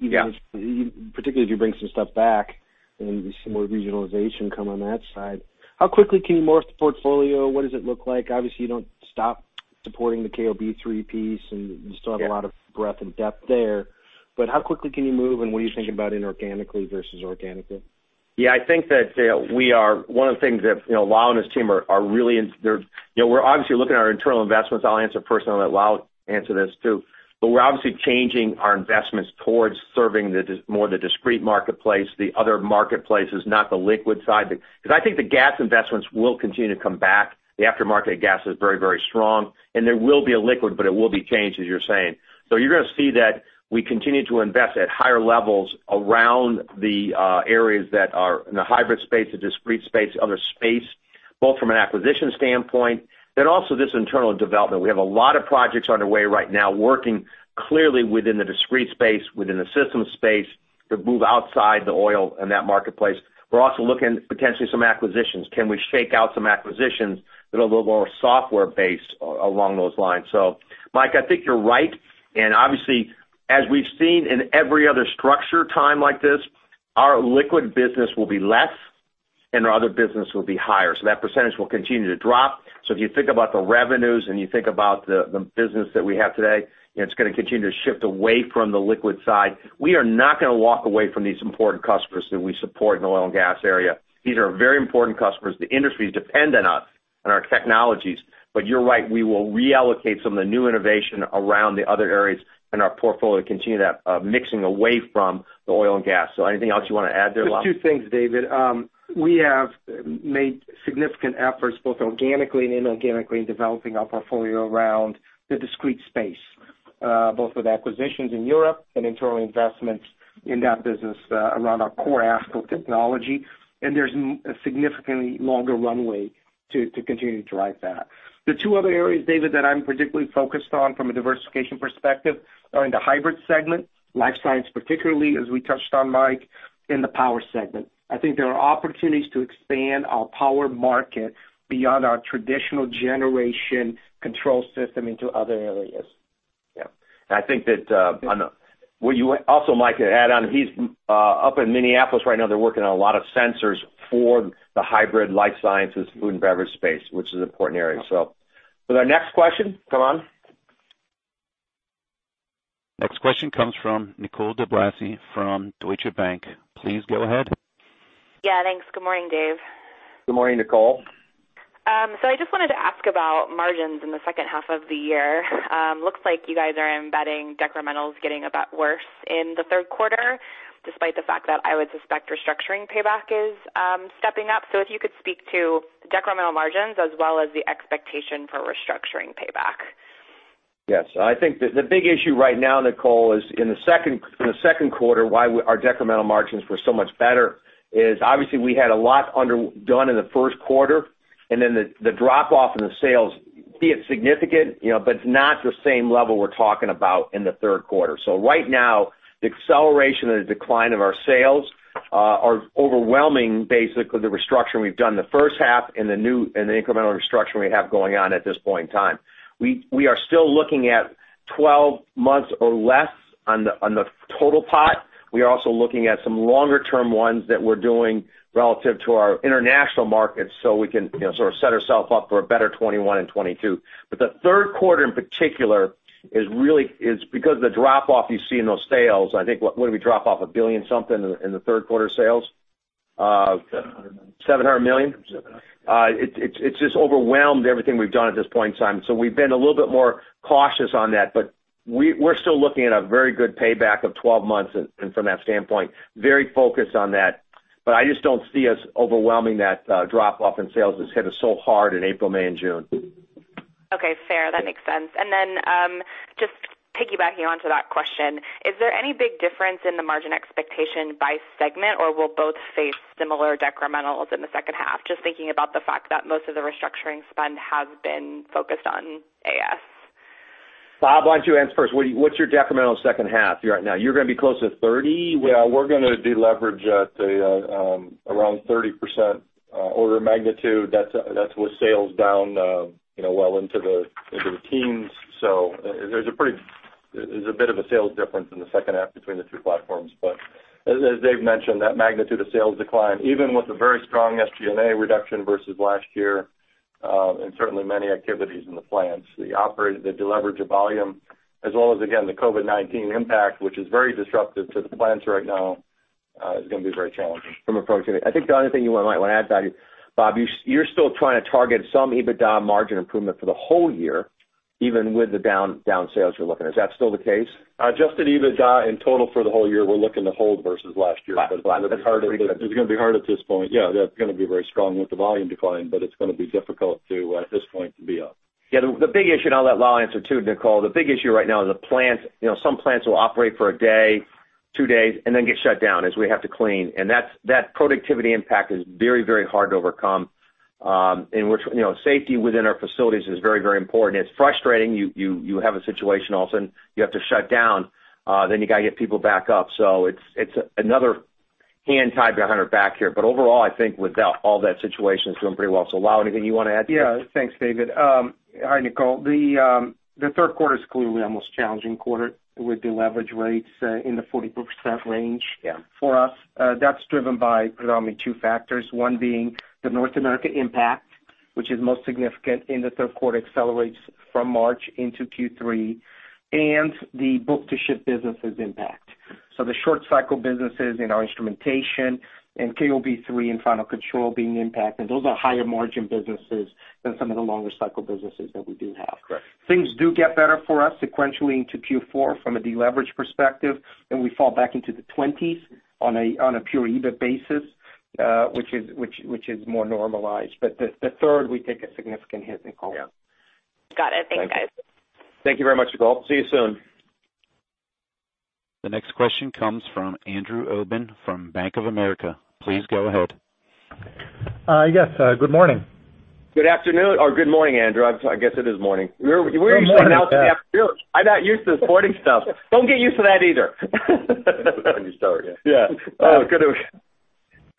Yeah. Particularly if you bring some stuff back and we see more regionalization come on that side. How quickly can you morph the portfolio? What does it look like? Obviously, you don't stop supporting the KOB3 piece, and you still have a lot of breadth and depth there. How quickly can you move, and what are you thinking about inorganically versus organically? I think that one of the things that Lal and his team are We're obviously looking at our internal investments. I'll answer personally. I'll let Lal answer this too. We're obviously changing our investments towards serving more the discrete marketplace, the other marketplaces, not the liquid side. I think the gas investments will continue to come back. The aftermarket gas is very, very strong, and there will be a liquid, but it will be changed, as you're saying. You're going to see that we continue to invest at higher levels around the areas that are in the hybrid space, the discrete space, other space. Both from an acquisition standpoint, then also this internal development. We have a lot of projects underway right now working clearly within the discrete space, within the systems space, to move outside the oil and that marketplace. We're also looking potentially at some acquisitions. Can we shake out some acquisitions that are a little more software-based along those lines? Mike, I think you're right, and obviously, as we've seen in every other structure time like this, our liquid business will be less, and our other business will be higher. That percentage will continue to drop. If you think about the revenues and you think about the business that we have today, it's going to continue to shift away from the liquid side. We are not going to walk away from these important customers that we support in the oil and gas area. These are very important customers. The industry is dependent on us and our technologies. You're right, we will reallocate some of the new innovation around the other areas in our portfolio to continue that mixing away from the oil and gas. Anything else you want to add there, Lal? Two things, David. We have made significant efforts, both organically and inorganically, in developing our portfolio around the discrete space. Both with acquisitions in Europe and internal investments in that business around our core ASCO technology. There's a significantly longer runway to continue to drive that. The two other areas, David, that I'm particularly focused on from a diversification perspective are in the hybrid segment, life science particularly as we touched on, Mike, in the power segment. I think there are opportunities to expand our power market beyond our traditional generation control system into other areas. Yeah. I think that what you also, Mike, could add on, he's up in Minneapolis right now. They're working on a lot of sensors for the hybrid life sciences food and beverage space, which is an important area. With our next question, come on. Next question comes from Nicole DeBlase from Deutsche Bank. Please go ahead. Yeah, thanks. Good morning, Dave. Good morning, Nicole. I just wanted to ask about margins in the second half of the year. Looks like you guys are embedding decrementals getting a bit worse in the third quarter, despite the fact that I would suspect restructuring payback is stepping up. If you could speak to decremental margins as well as the expectation for restructuring payback. Yes. I think the big issue right now, Nicole, is in the second quarter, why our decremental margins were so much better is obviously we had a lot done in the first quarter, and then the drop-off in the sales, see it's significant, but it's not the same level we're talking about in the third quarter. Right now, the acceleration and the decline of our sales are overwhelming, basically, the restructuring we've done the first half and the incremental restructuring we have going on at this point in time. We are still looking at 12 months or less on the total pot. We are also looking at some longer-term ones that we're doing relative to our international markets, so we can sort of set ourselves up for a better 2021 and 2022. The third quarter in particular is because of the drop-off you see in those sales. I think, what did we drop off, $1 billion something in the third quarter sales? $700 million. It's just overwhelmed everything we've done at this point in time. We've been a little bit more cautious on that, but we're still looking at a very good payback of 12 months and from that standpoint, very focused on that. I just don't see us overwhelming that drop-off in sales that's hit us so hard in April, May, and June. Okay, fair. That makes sense. Just piggybacking onto that question, is there any big difference in the margin expectation by segment, or will both face similar decrementals in the second half? Just thinking about the fact that most of the restructuring spend has been focused on AS. Bob, why don't you answer first? What's your decremental second half? You're going to be close to 30%? Yeah, we're going to deleverage at around 30% order of magnitude. That's with sales down well into the teens. There's a bit of a sales difference in the second half between the two platforms. As Dave mentioned, that magnitude of sales decline, even with a very strong SG&A reduction versus last year, and certainly many activities in the plants, the deleverage of volume, as well as, again, the COVID-19 impact, which is very disruptive to the plants right now, is going to be very challenging. From a productivity. I think the only thing you might want to add value, Bob, you're still trying to target some EBITDA margin improvement for the whole year, even with the down sales you're looking at. Is that still the case? Adjusted EBITDA in total for the whole year, we're looking to hold versus last year. Got it. It's going to be hard at this point. Yeah, they're going to be very strong with the volume decline, but it's going to be difficult to, at this point, to be up. Yeah, the big issue, and I'll let Lal answer too, Nicole. The big issue right now is the plants. Some plants will operate for a day, two days, and then get shut down as we have to clean. That productivity impact is very, very hard to overcome. In which safety within our facilities is very, very important. It's frustrating. You have a situation all of a sudden. You have to shut down, then you got to get people back up. It's another hand tied behind our back here. Overall, I think with all that situation, it's doing pretty well. Lal, anything you want to add to that? Yeah. Thanks, David. Hi, Nicole. The third quarter is clearly our most challenging quarter with deleverage rates in the 40% range. Yeah. For us, that's driven by predominantly two factors, one being the North America impact, which is most significant in the third quarter, accelerates from March into Q3. The book-to-ship businesses impact. The short cycle businesses in our instrumentation and KOB3 and final control being impacted. Those are higher margin businesses than some of the longer cycle businesses that we do have. Correct. Things do get better for us sequentially into Q4 from a deleverage perspective, we fall back into the 20s on a pure EBIT basis, which is more normalized. The third, we take a significant hit, Nicole. Yeah. Got it. Thanks, guys. Thank you very much, Nicole. See you soon. The next question comes from Andrew Obin from Bank of America. Please go ahead. Yes. Good morning. Good afternoon, or good morning, Andrew. I guess it is morning. Good morning. *crosstalk*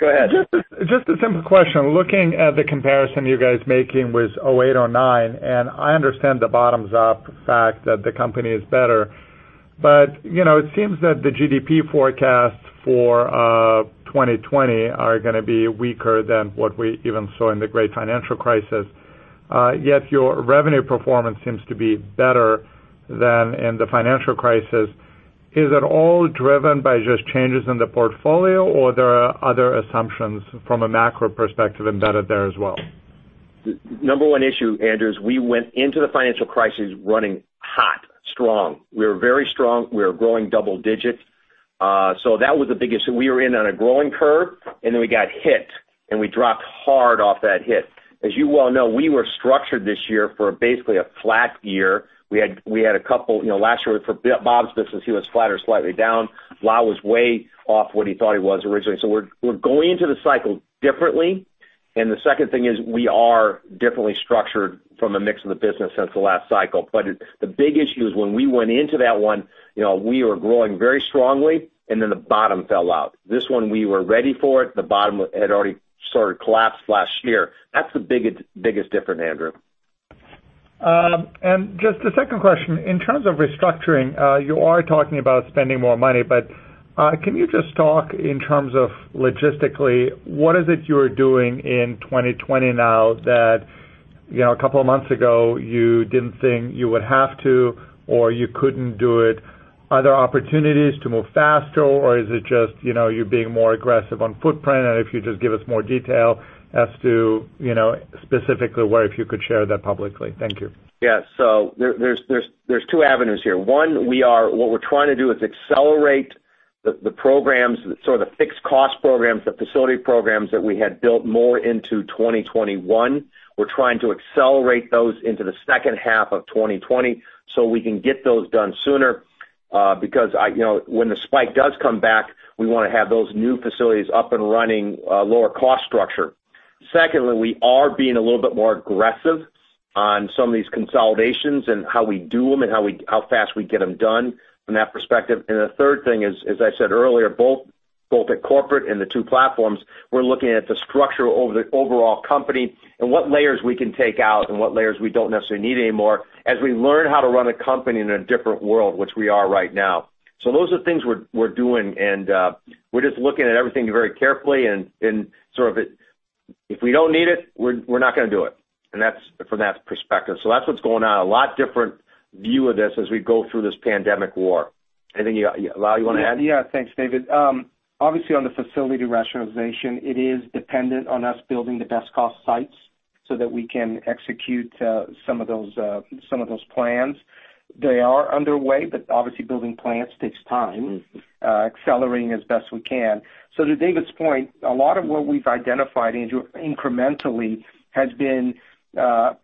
Just a simple question. Looking at the comparison you guys making with 2008, 2009, I understand the bottoms up fact that the company is better, it seems that the GDP forecasts for 2020 are going to be weaker than what we even saw in the great financial crisis. Yet your revenue performance seems to be better than in the financial crisis. Is it all driven by just changes in the portfolio, or there are other assumptions from a macro perspective embedded there as well? Number one issue, Andrew, is we went into the financial crisis running hot, strong. We were very strong. We were growing double digits. That was the biggest. We were in on a growing curve, and then we got hit, and we dropped hard off that hit. As you well know, we were structured this year for basically a flat year. Last year for Bob's business, he was flat or slightly down. Lal was way off what he thought he was originally. We're going into the cycle differently, and the second thing is we are differently structured from a mix of the business since the last cycle. The big issue is when we went into that one, we were growing very strongly, and then the bottom fell out. This one, we were ready for it. The bottom had already sort of collapsed last year. That's the biggest difference, Andrew. Just a second question. In terms of restructuring, you are talking about spending more money, but can you just talk in terms of logistically, what is it you're doing in 2020 now that a couple of months ago you didn't think you would have to or you couldn't do it? Are there opportunities to move faster, or is it just you're being more aggressive on footprint? If you just give us more detail as to specifically where, if you could share that publicly. Thank you. There's two avenues here. One, what we're trying to do is accelerate the programs, sort of fixed cost programs, the facility programs that we had built more into 2021. We're trying to accelerate those into the second half of 2020 so we can get those done sooner, because when the spike does come back, we want to have those new facilities up and running, lower cost structure. Secondly, we are being a little bit more aggressive on some of these consolidations and how we do them and how fast we get them done from that perspective. The third thing is, as I said earlier, both at Corporate and the two platforms, we're looking at the structure over the overall company and what layers we can take out and what layers we don't necessarily need anymore as we learn how to run a company in a different world, which we are right now. Those are things we're doing, and we're just looking at everything very carefully and sort of if we don't need it, we're not going to do it. That's from that perspective. That's what's going on. A lot different view of this as we go through this pandemic war. Anything you, Lal, want to add? Thanks, David. Obviously, on the facility rationalization, it is dependent on us building the best cost sites so that we can execute some of those plans. They are underway, but obviously building plans takes time, accelerating as best we can. To David's point, a lot of what we've identified, Andrew, incrementally has been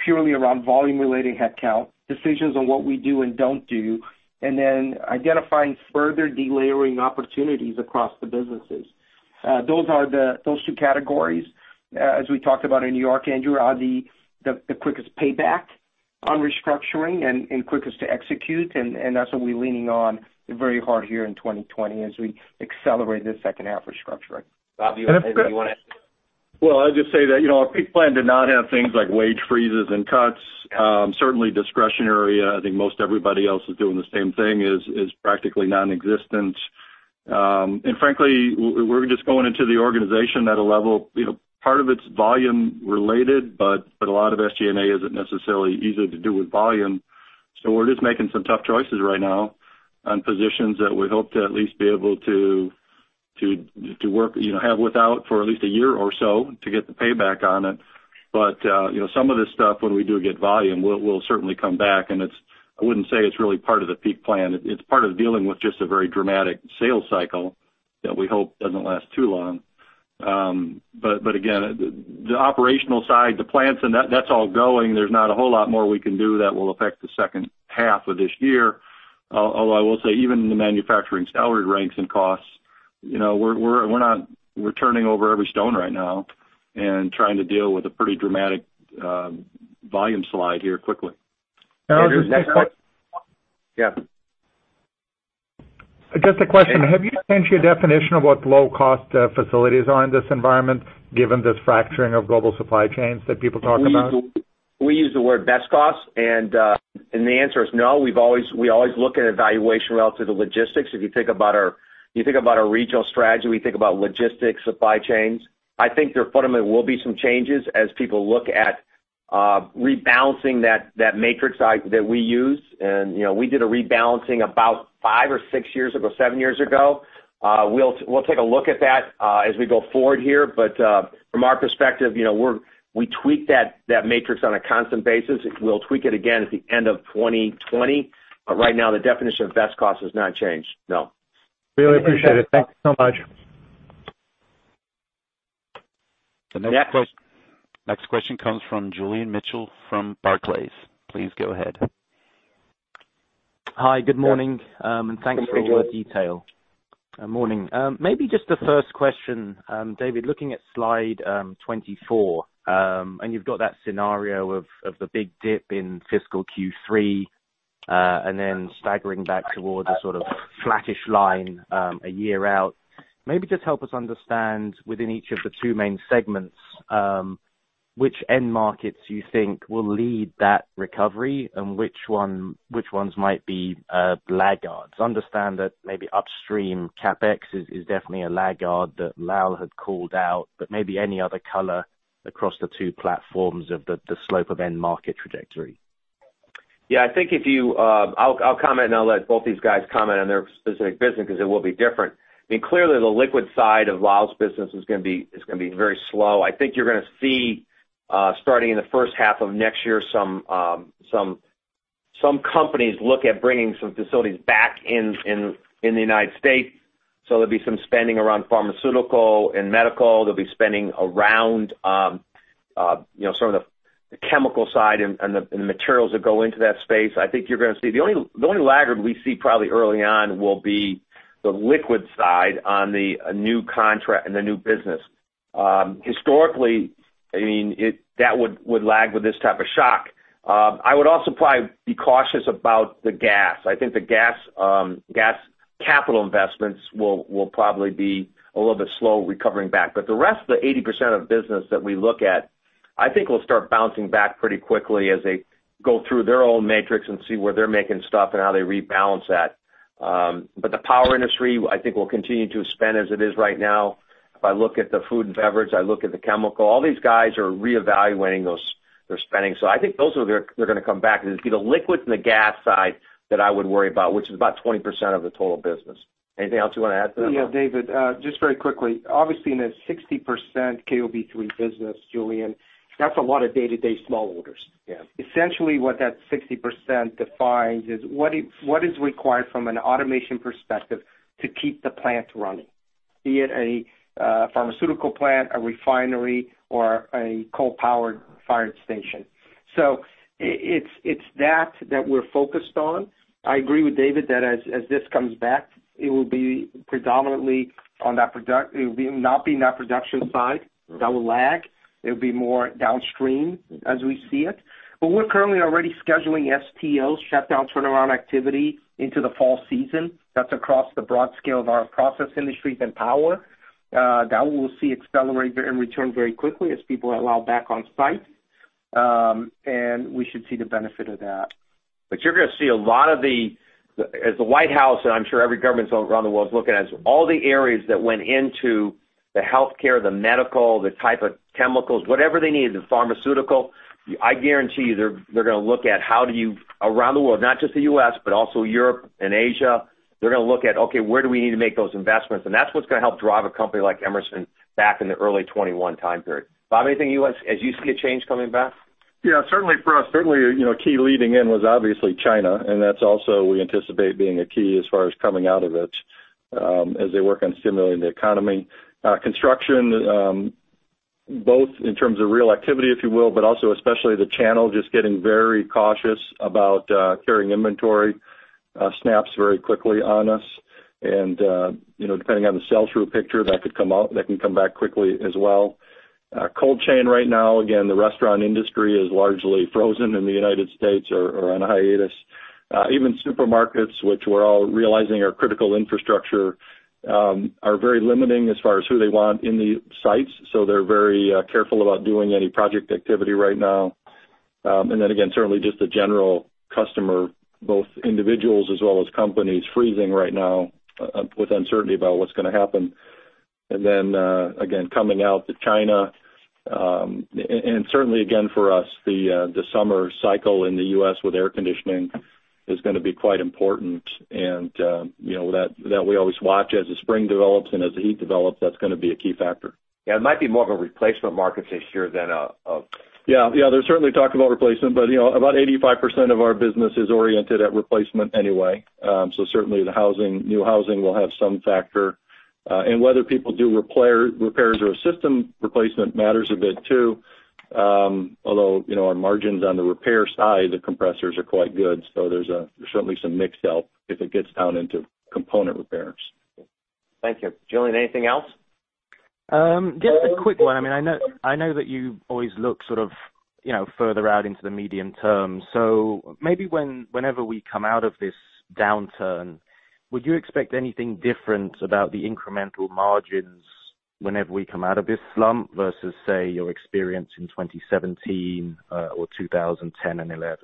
purely around volume relating headcount, decisions on what we do and don't do, and then identifying further delayering opportunities across the businesses. Those two categories, as we talked about in New York, Andrew, are the quickest payback on restructuring and quickest to execute, and that's what we're leaning on very hard here in 2020 as we accelerate this second half restructuring. Bob, anything you want to add? Well, I'll just say that our peak plan did not have things like wage freezes and cuts. Certainly discretionary. I think most everybody else is doing the same thing, is practically non-existent. Frankly, we're just going into the organization at a level. Part of it's volume related, but a lot of SG&A isn't necessarily easy to do with volume. We're just making some tough choices right now on positions that we hope to at least be able to have without for at least a year or so to get the payback on it. Some of this stuff, when we do get volume, will certainly come back, and I wouldn't say it's really part of the peak plan. It's part of dealing with just a very dramatic sales cycle that we hope doesn't last too long. Again, the operational side, the plants and that's all going. There's not a whole lot more we can do that will affect the second half of this year, although I will say even in the manufacturing salary ranks and costs, we're turning over every stone right now and trying to deal with a pretty dramatic volume slide here quickly. Andrew, next question. Just a question. Have you changed your definition of what low-cost facilities are in this environment given this fracturing of global supply chains that people talk about? We use the word best cost, and the answer is no. We always look at evaluation relative to logistics. If you think about our regional strategy, we think about logistics supply chains. I think there fundamentally will be some changes as people look at rebalancing that matrix that we use. We did a rebalancing about five or six years ago, seven years ago. We'll take a look at that as we go forward here. From our perspective, we tweak that matrix on a constant basis. We'll tweak it again at the end of 2020. Right now, the definition of best cost has not changed. No. Really appreciate it. Thanks so much. The next question comes from Julian Mitchell from Barclays. Please go ahead. Hi. Good morning, thanks for all the detail. Good morning, Julian. Morning. Maybe just the first question, David, looking at slide 24. You've got that scenario of the big dip in fiscal Q3, staggering back towards a sort of flattish line a year out. Maybe just help us understand within each of the two main segments, which end markets you think will lead that recovery and which ones might be laggards. Understand that maybe upstream CapEx is definitely a laggard that Lal had called out. Maybe any other color across the two platforms of the slope of end market trajectory. Yeah, I'll comment, and I'll let both these guys comment on their specific business because it will be different. Clearly, the liquid side of Lal's business is going to be very slow. I think you're going to see, starting in the first half of next year, some companies look at bringing some facilities back in the U.S. There'll be some spending around pharmaceutical and medical. There'll be spending around the chemical side and the materials that go into that space. The only laggard we see probably early on will be the liquid side on the new contract and the new business. Historically, that would lag with this type of shock. I would also probably be cautious about the gas. I think the gas capital investments will probably be a little bit slow recovering back. The rest of the 80% of business that we look at, I think will start bouncing back pretty quickly as they go through their own matrix and see where they're making stuff and how they rebalance that. The power industry, I think, will continue to spend as it is right now. If I look at the food and beverage, I look at the chemical, all these guys are reevaluating their spending. I think those are going to come back, and it'll be the liquid and the gas side that I would worry about, which is about 20% of the total business. Anything else you want to add to that, Lal? Yeah, David, just very quickly. Obviously, in a 60% KOB3 business, Julian, that's a lot of day-to-day small orders. Yeah. Essentially what that 60% defines is what is required from an automation perspective to keep the plant running, be it a pharmaceutical plant, a refinery, or a coal-powered fire station. It's that we're focused on. I agree with David that as this comes back, it will not be on that production side that will lag. It'll be more downstream as we see it. We're currently already scheduling STOs, shutdown turnaround activity, into the fall season. That's across the broad scale of our process industries and power. That we will see accelerate and return very quickly as people are allowed back on site. We should see the benefit of that. You're going to see a lot of the, as the White House, and I'm sure every government around the world is looking at all the areas that went into the healthcare, the medical, the type of chemicals, whatever they need, the pharmaceutical. I guarantee you they're going to look at how do you, around the world, not just the U.S., but also Europe and Asia. They're going to look at, okay, where do we need to make those investments? That's what's going to help drive a company like Emerson back in the early 2021 time period. Bob, anything you want to add? As you see a change coming back? Yeah, certainly for us. Certainly, a key leading in was obviously China. That's also we anticipate being a key as far as coming out of it, as they work on stimulating the economy. Construction, both in terms of real activity, if you will, but also especially the channel, just getting very cautious about carrying inventory, snaps very quickly on us. Depending on the sell-through picture, that can come back quickly as well. Cold chain right now, again, the restaurant industry is largely frozen in the U.S. or on a hiatus. Even supermarkets, which we're all realizing are critical infrastructure, are very limiting as far as who they want in the sites. They're very careful about doing any project activity right now. Again, certainly just the general customer, both individuals as well as companies, freezing right now with uncertainty about what's going to happen. Then, again, coming out to China. Certainly, again, for us, the summer cycle in the U.S. with air conditioning is going to be quite important. That we always watch as the spring develops and as the heat develops, that's going to be a key factor. Yeah. It might be more of a replacement market this year. Yeah. They're certainly talking about replacement, but about 85% of our business is oriented at replacement anyway. Certainly the new housing will have some factor. Whether people do repairs or a system replacement matters a bit too. Although, our margins on the repair side of the compressors are quite good, so there's certainly some mix help if it gets down into component repairs. Thank you. Julian, anything else? Just a quick one. I know that you always look sort of further out into the medium term. Maybe whenever we come out of this downturn, would you expect anything different about the incremental margins whenever we come out of this slump versus, say, your experience in 2017 or 2010 and 2011?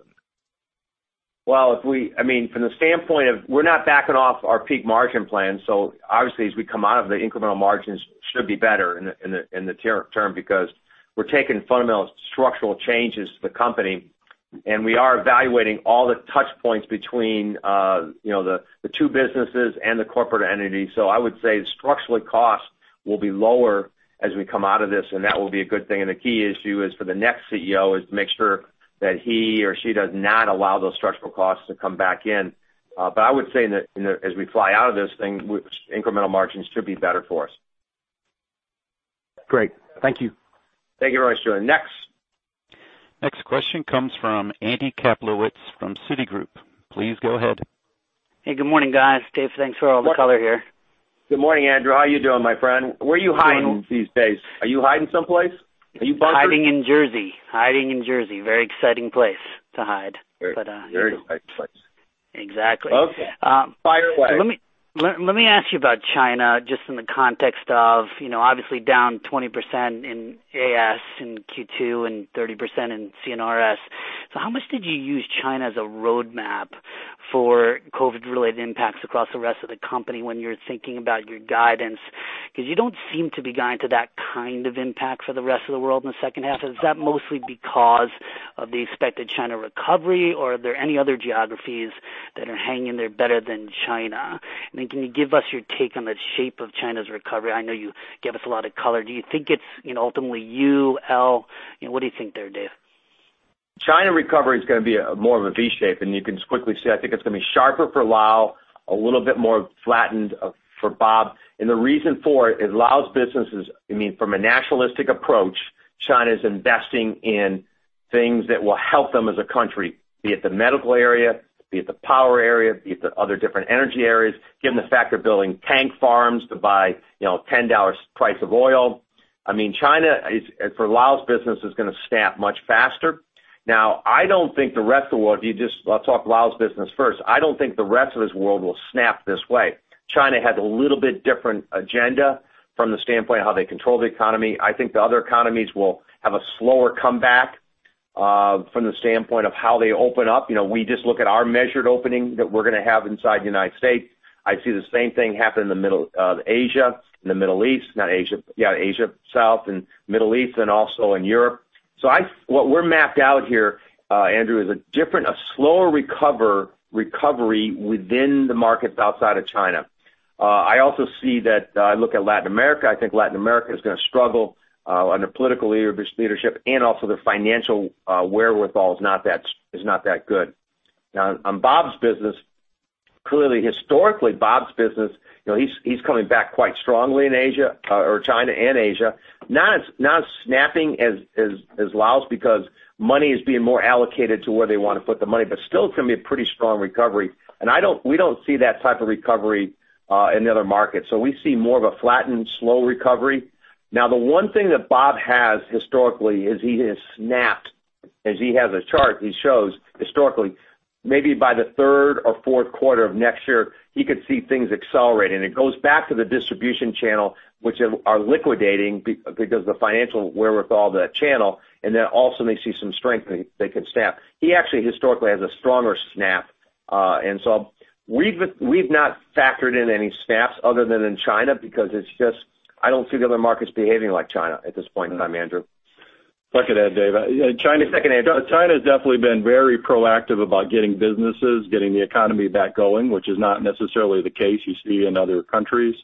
From the standpoint of we're not backing off our peak margin plan. Obviously, as we come out of it, the incremental margins should be better in the near term because we're taking fundamental structural changes to the company, and we are evaluating all the touch points between the two businesses and the corporate entity. I would say structural costs will be lower as we come out of this, and that will be a good thing. The key issue is for the next CEO is to make sure that he or she does not allow those structural costs to come back in. I would say that as we fly out of this thing, incremental margins should be better for us. Great. Thank you. Thank you very much, Julian. Next. Next question comes from Andy Kaplowitz from Citigroup. Please go ahead. Hey, good morning, guys. Dave, thanks for all the color here. Good morning, Andrew. How are you doing, my friend? Where are you hiding these days? Are you hiding someplace? Are you bunkering? Hiding in Jersey. Very exciting place to hide. Very exciting place. Exactly. Okay. Fire away. Let me ask you about China, just in the context of obviously down 20% in AS in Q2 and 30% in C&RS. How much did you use China as a roadmap for COVID-related impacts across the rest of the company when you're thinking about your guidance? You don't seem to be guided to that kind of impact for the rest of the world in the second half. Is that mostly because of the expected China recovery, or are there any other geographies that are hanging there better than China? Can you give us your take on the shape of China's recovery? I know you give us a lot of color. Do you think it's ultimately U, L? What do you think there, Dave? China recovery is going to be more of a V shape, and you can quickly see, I think it's going to be sharper for Lal, a little bit more flattened for Bob. The reason for it is Lal's businesses, from a nationalistic approach, China's investing in things that will help them as a country, be it the medical area, be it the power area, be it the other different energy areas. Given the fact they're building tank farms to buy $10 price of oil. China, for Lal's business, is going to snap much faster. Now, I'll talk Lal's business first. I don't think the rest of this world will snap this way. China has a little bit different agenda from the standpoint of how they control the economy. I think the other economies will have a slower comeback, from the standpoint of how they open up. We just look at our measured opening that we're going to have inside the U.S. I see the same thing happen in Asia, South and Middle East, and also in Europe. What we're mapped out here, Andrew, is a slower recovery within the markets outside of China. I also see that I look at Latin America. I think Latin America is going to struggle under political leadership, and also their financial wherewithal is not that good. On Bob's business, clearly historically, Bob's business, he's coming back quite strongly in China and Asia. Not snapping as Lal's because money is being more allocated to where they want to put the money, still it's going to be a pretty strong recovery. We don't see that type of recovery in the other markets. We see more of a flattened, slow recovery. Now, the one thing that Bob has historically is he has snapped, as he has a chart he shows historically. Maybe by the third or fourth quarter of next year, he could see things accelerating. It goes back to the distribution channel, which are liquidating because the financial wherewithal of that channel, and then all of a sudden they see some strength they could snap. He actually historically has a stronger snap. We've not factored in any snaps other than in China because I don't see the other markets behaving like China at this point in time, Andrew. If I could add, Dave. Yeah, second, Andrew. China has definitely been very proactive about getting businesses, getting the economy back going, which is not necessarily the case you see in other countries.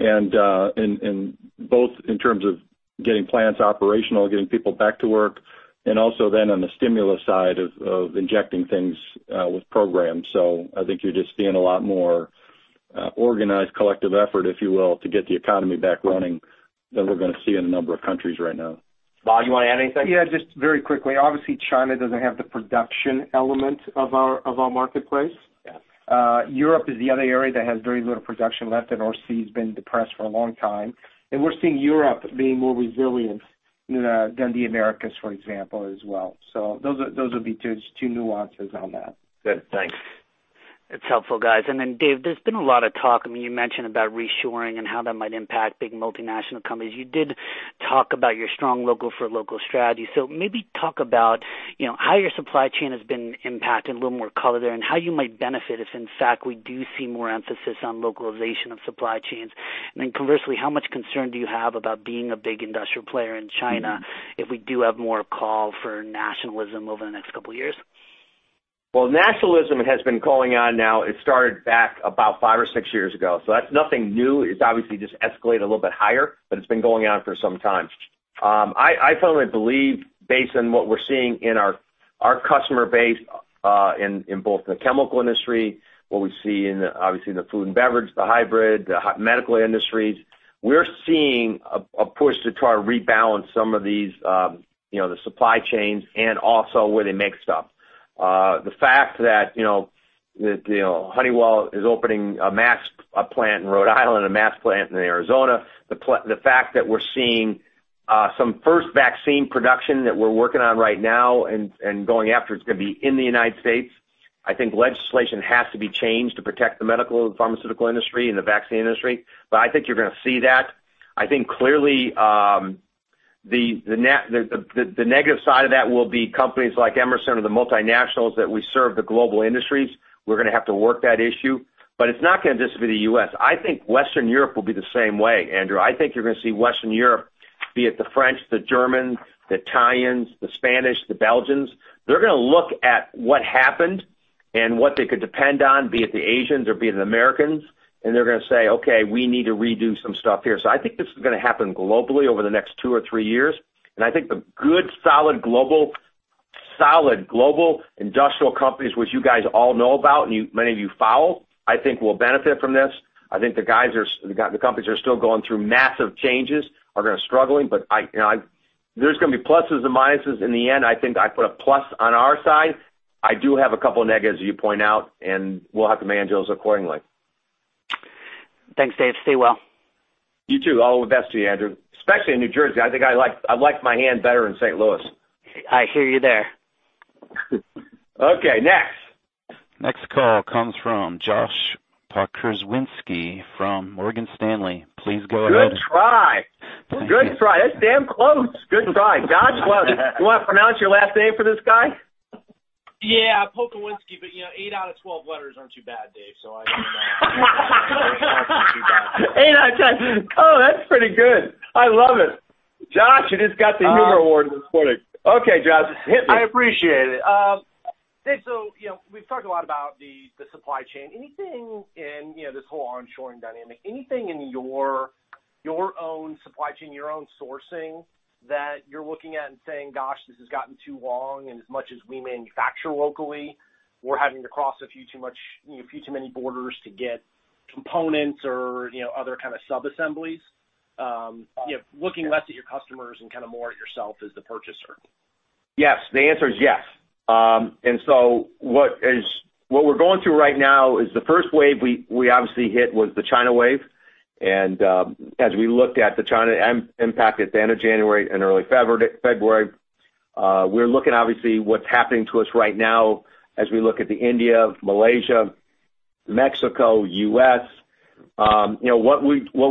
Both in terms of getting plants operational, getting people back to work, and also then on the stimulus side of injecting things with programs. I think you're just seeing a lot more organized collective effort, if you will, to get the economy back running than we're going to see in a number of countries right now. Lal, you want to add anything? Yeah, just very quickly. Obviously, China doesn't have the production element of our marketplace. Yeah. Europe is the other area that has very little production left, and R&C's been depressed for a long time. We're seeing Europe being more resilient than the Americas, for example, as well. Those would be two nuances on that. Good. Thanks. It's helpful, guys. Dave, there's been a lot of talk. You mentioned about reshoring and how that might impact big multinational companies. You did talk about your strong local for local strategy. Maybe talk about how your supply chain has been impacted, a little more color there, and how you might benefit if, in fact, we do see more emphasis on localization of supply chains. Conversely, how much concern do you have about being a big industrial player in China if we do have more call for nationalism over the next couple of years? Nationalism has been going on now. It started back about five or six years ago. That's nothing new. It's obviously just escalated a little bit higher, but it's been going on for some time. I firmly believe based on what we're seeing in our customer base, in both the chemical industry, what we see in obviously the food and beverage, the hybrid, the medical industries. We're seeing a push to try to rebalance some of the supply chains and also where they make stuff. The fact that Honeywell is opening a mask plant in Rhode Island and a mask plant in Arizona. The fact that we're seeing some first vaccine production that we're working on right now and going after, it's going to be in the United States. I think legislation has to be changed to protect the medical and pharmaceutical industry and the vaccine industry. I think you're going to see that. I think clearly, the negative side of that will be companies like Emerson or the multinationals that we serve the global industries. We're going to have to work that issue. It's not going to just be the U.S. I think Western Europe will be the same way, Andrew. I think you're going to see Western Europe, be it the French, the Germans, the Italians, the Spanish, the Belgians. They're going to look at what happened and what they could depend on, be it the Asians or be it the Americans, and they're going to say, "Okay, we need to redo some stuff here." I think this is going to happen globally over the next two or three years. I think the good, solid global industrial companies, which you guys all know about and many of you follow, I think will benefit from this. I think the companies are still going through massive changes, are going to struggling, but there's going to be pluses and minuses. In the end, I think I put a plus on our side. I do have a couple negatives you point out, and we'll have to manage those accordingly. Thanks, Dave. Stay well. You too. All the best to you, Andrew, especially in New Jersey. I think I liked my hand better in St. Louis. I hear you there. Okay, next. Next call comes from Josh Pokrzywinski from Morgan Stanley. Please go ahead. Good try. Good try. That's damn close. Good try. Josh, you want to pronounce your last name for this guy? Yeah, Pokrzywinski, but eight out of 12 letters aren't too bad, Dave, so I mean. Eight out of 12. Oh, that's pretty good. I love it. Josh, you just got the humor award this quarter. Okay, Josh, hit me. I appreciate it. Dave, we've talked a lot about the supply chain. Anything in this whole onshoring dynamic, anything in your own supply chain, your own sourcing that you're looking at and saying, "Gosh, this has gotten too long, and as much as we manufacture locally, we're having to cross a few too many borders to get components or other kind of sub-assemblies?" Looking less at your customers and more at yourself as the purchaser. Yes. The answer is yes. What we're going through right now is the first wave we obviously hit was the China wave. As we looked at the China impact at the end of January and early February, we're looking, obviously, what's happening to us right now as we look at the India, Malaysia, Mexico, U.S. What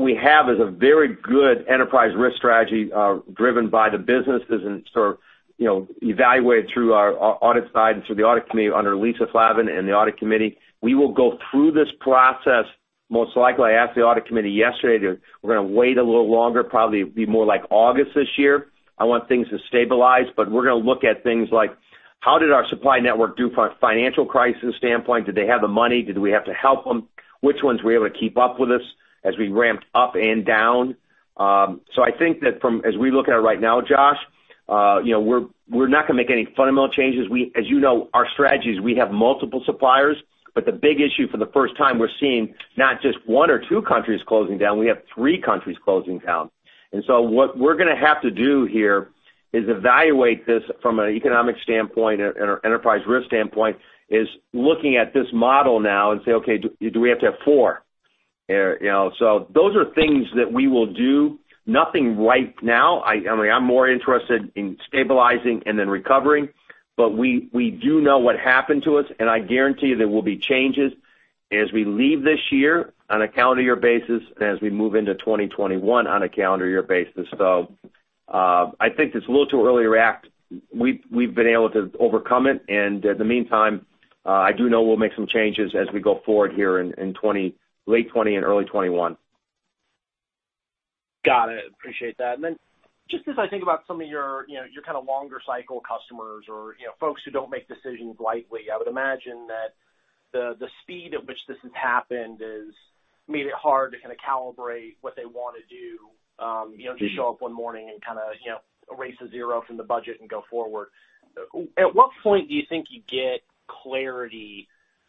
we have is a very good enterprise risk strategy driven by the businesses and sort of evaluated through our audit side and through the audit committee under Lisa Flavin and the audit committee. We will go through this process most likely. I asked the audit committee yesterday, we're going to wait a little longer, probably be more like August this year. I want things to stabilize. We're going to look at things like how did our supply network do from a financial crisis standpoint? Did they have the money? Did we have to help them? Which ones were able to keep up with us as we ramped up and down? I think that as we look at it right now, Josh, we're not going to make any fundamental changes. As you know, our strategy is we have multiple suppliers, but the big issue for the first time we're seeing not just one or two countries closing down, we have three countries closing down. What we're going to have to do here is evaluate this from an economic standpoint and an enterprise risk standpoint, is looking at this model now and say, "Okay, do we have to have four?" Those are things that we will do. Nothing right now. I'm more interested in stabilizing and then recovering. We do know what happened to us, and I guarantee you there will be changes as we leave this year on a calendar year basis, and as we move into 2021 on a calendar year basis. I think it's a little too early to act. We've been able to overcome it. In the meantime, I do know we'll make some changes as we go forward here in late 2020 and early 2021. Got it. Appreciate that. Then just as I think about some of your kind of longer cycle customers or folks who don't make decisions lightly, I would imagine that the speed at which this has happened has made it hard to kind of calibrate what they want to do. Just show up one morning and kind of erase a zero from the budget and go forward. At what point do you think you get clarity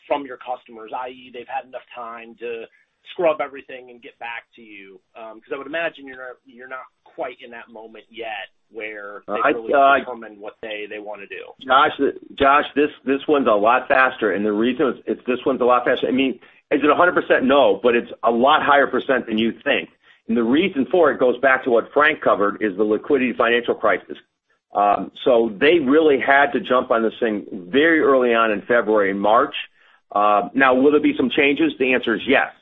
from your customers, i.e., they've had enough time to scrub everything and get back to you? Because I would imagine you're not quite in that moment yet where they've really come and what they want to do. Josh, this one's a lot faster. The reason this one's a lot faster-- I mean, is it 100%? No, but it's a lot higher percent than you think. The reason for it goes back to what Frank covered, is the liquidity financial crisis. They really had to jump on this thing very early on in February and March. Now, will there be some changes? The answer is yes.